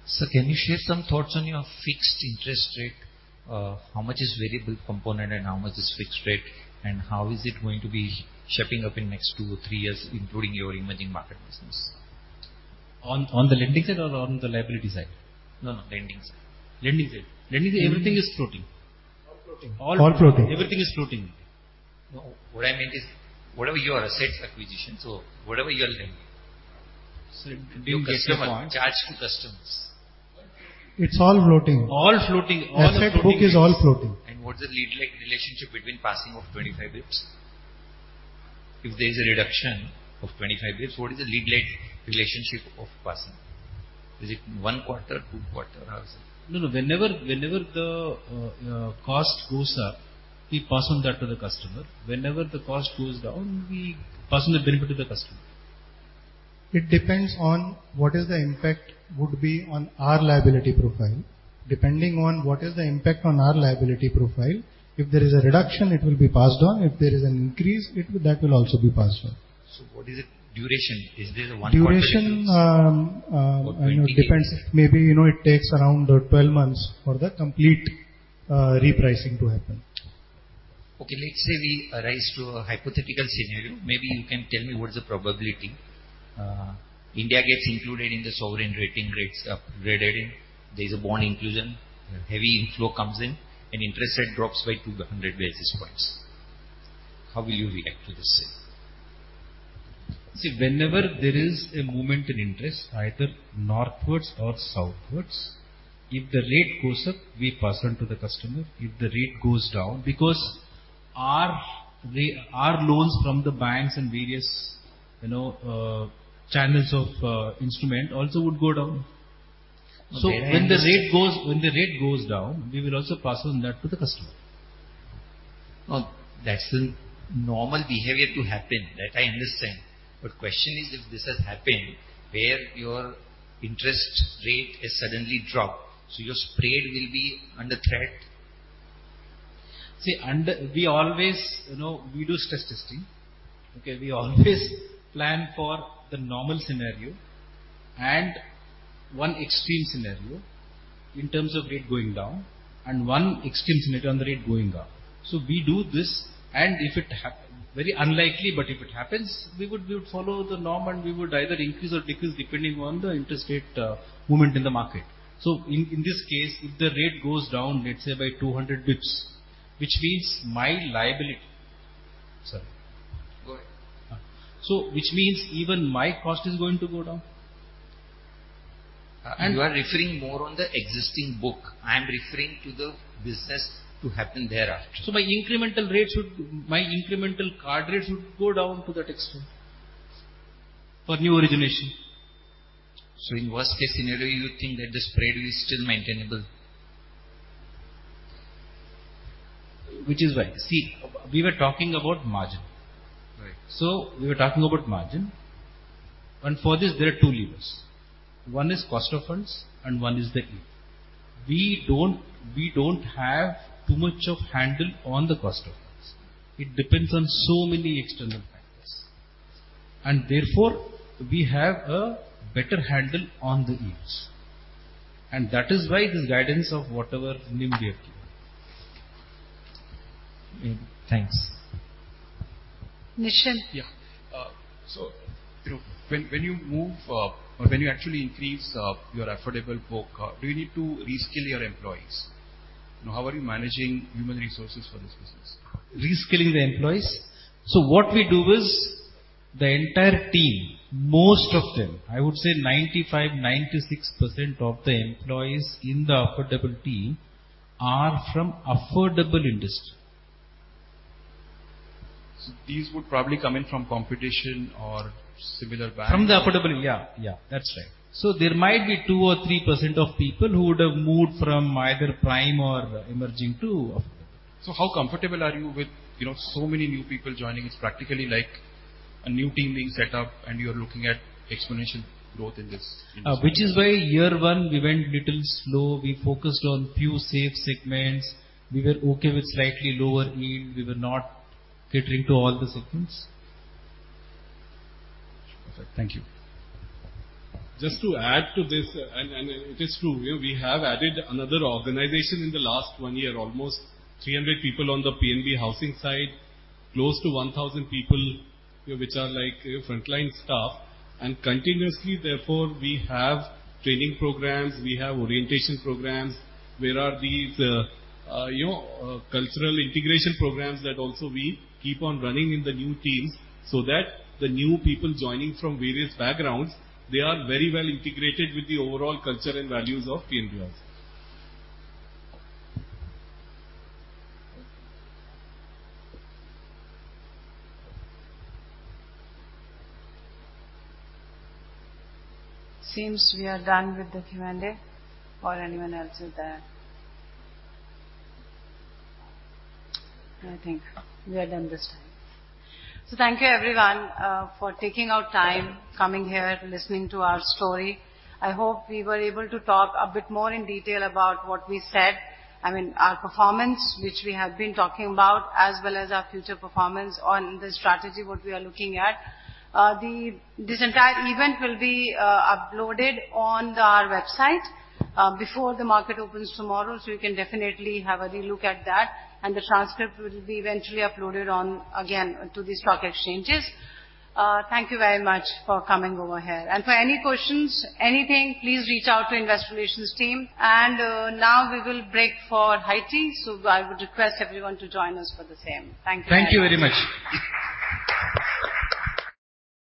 Sir, can you share some thoughts on your fixed interest rate? How much is variable component and how much is fixed rate, and how is it going to be shaping up in next two or three years, including your emerging market business?
On the lending side or on the liability side?
No, no, lending side.
Lending side. Lending side, everything is floating.
All floating.
All floating.
Everything is floating.
No, what I meant is, whatever your assets acquisition, so whatever you are lending-
Sir, do you get your-
Charge to customers.
It's all floating.
All floating, all the floating.
Asset book is all floating.
What is the lead, like, relationship between passing of 25 bps? If there is a reduction of 25 bps, what is the lead, like, relationship of passing? Is it one quarter, two quarter or so?
No, no. Whenever the cost goes up, we pass on that to the customer. Whenever the cost goes down, we pass on the benefit to the customer.
It depends on what is the impact would be on our liability profile. Depending on what is the impact on our liability profile, if there is a reduction, it will be passed on. If there is an increase, it will, that will also be passed on.
What is the duration? Is there a 1 quarter-
Duration, you know, depends. Maybe, you know, it takes around 12 months for the complete repricing to happen.
Okay, let's say we arrive at a hypothetical scenario. Maybe you can tell me what is the probability. India gets included in the sovereign rating rates, upgraded. There is a bond inclusion, heavy inflow comes in, and interest rate drops by 200 basis points. How will you react to this say?
See, whenever there is a movement in interest, either northwards or southwards, if the rate goes up, we pass on to the customer. If the rate goes down, because our loans from the banks and various, you know, channels of instrument also would go down.
So there are-
When the rate goes down, we will also pass on that to the customer.
Now, that's the normal behavior to happen. That I understand. But question is, if this has happened, where your interest rate has suddenly dropped, so your spread will be under threat?
See, we always, you know, we do stress testing, okay? We always plan for the normal scenario and one extreme scenario in terms of rate going down and one extreme scenario on the rate going up. So we do this, and if it happen, very unlikely, but if it happens, we would, we would follow the norm, and we would either increase or decrease, depending on the interest rate movement in the market. So in this case, if the rate goes down, let's say, by 200 basis points, which means my liability. Sorry.
Go ahead.
So which means even my cost is going to go down.
You are referring more on the existing book. I am referring to the business to happen thereafter.
So my incremental rate should, my incremental card rate should go down to that extent for new origination.
In worst-case scenario, you think that the spread is still maintainable?
Which is why. See, we were talking about margin.
Right.
So we were talking about margin, and for this there are two levers. One is cost of funds and one is the yield. We don't, we don't have too much of handle on the cost of funds. It depends on so many external factors, and therefore, we have a better handle on the yields. And that is why the guidance of whatever NIM we have given.
Thanks.
Nischal?
Yeah. So, you know, when you move, or when you actually increase your affordable book, do you need to reskill your employees? You know, how are you managing human resources for this business?
Reskilling the employees? So what we do is, the entire team, most of them, I would say 95%-96% of the employees in the affordable team are from affordable industry.
So these would probably come in from competition or similar banks?
From the affordable, yeah, yeah. That's right. So there might be 2% or 3% of people who would have moved from either prime or emerging to affordable.
So how comfortable are you with, you know, so many new people joining? It's practically like a new team being set up, and you're looking at exponential growth in this, in this-
Which is why year one, we went little slow. We focused on few safe segments. We were okay with slightly lower yield. We were not catering to all the segments.
Perfect. Thank you.
Just to add to this, it is true. We have added another organization in the last one year, almost 300 people on the PNB Housing side, close to 1,000 people, which are like frontline staff. Continuously, therefore, we have training programs. We have orientation programs, you know, cultural integration programs that also we keep on running in the new teams, so that the new people joining from various backgrounds, they are very well integrated with the overall culture and values of PNB Housing.
Seems we are done with the Q&A or anyone else with that? I think we are done this time. So thank you everyone, for taking out time, coming here, listening to our story. I hope we were able to talk a bit more in detail about what we said. I mean, our performance, which we have been talking about, as well as our future performance on the strategy, what we are looking at. The, this entire event will be, uploaded on our website, before the market opens tomorrow, so you can definitely have a relook at that, and the transcript will be eventually uploaded on, again, to the stock exchanges. Thank you very much for coming over here. And for any questions, anything, please reach out to Investor Relations team. Now we will break for high tea, so I would request everyone to join us for the same. Thank you.
Thank you very much.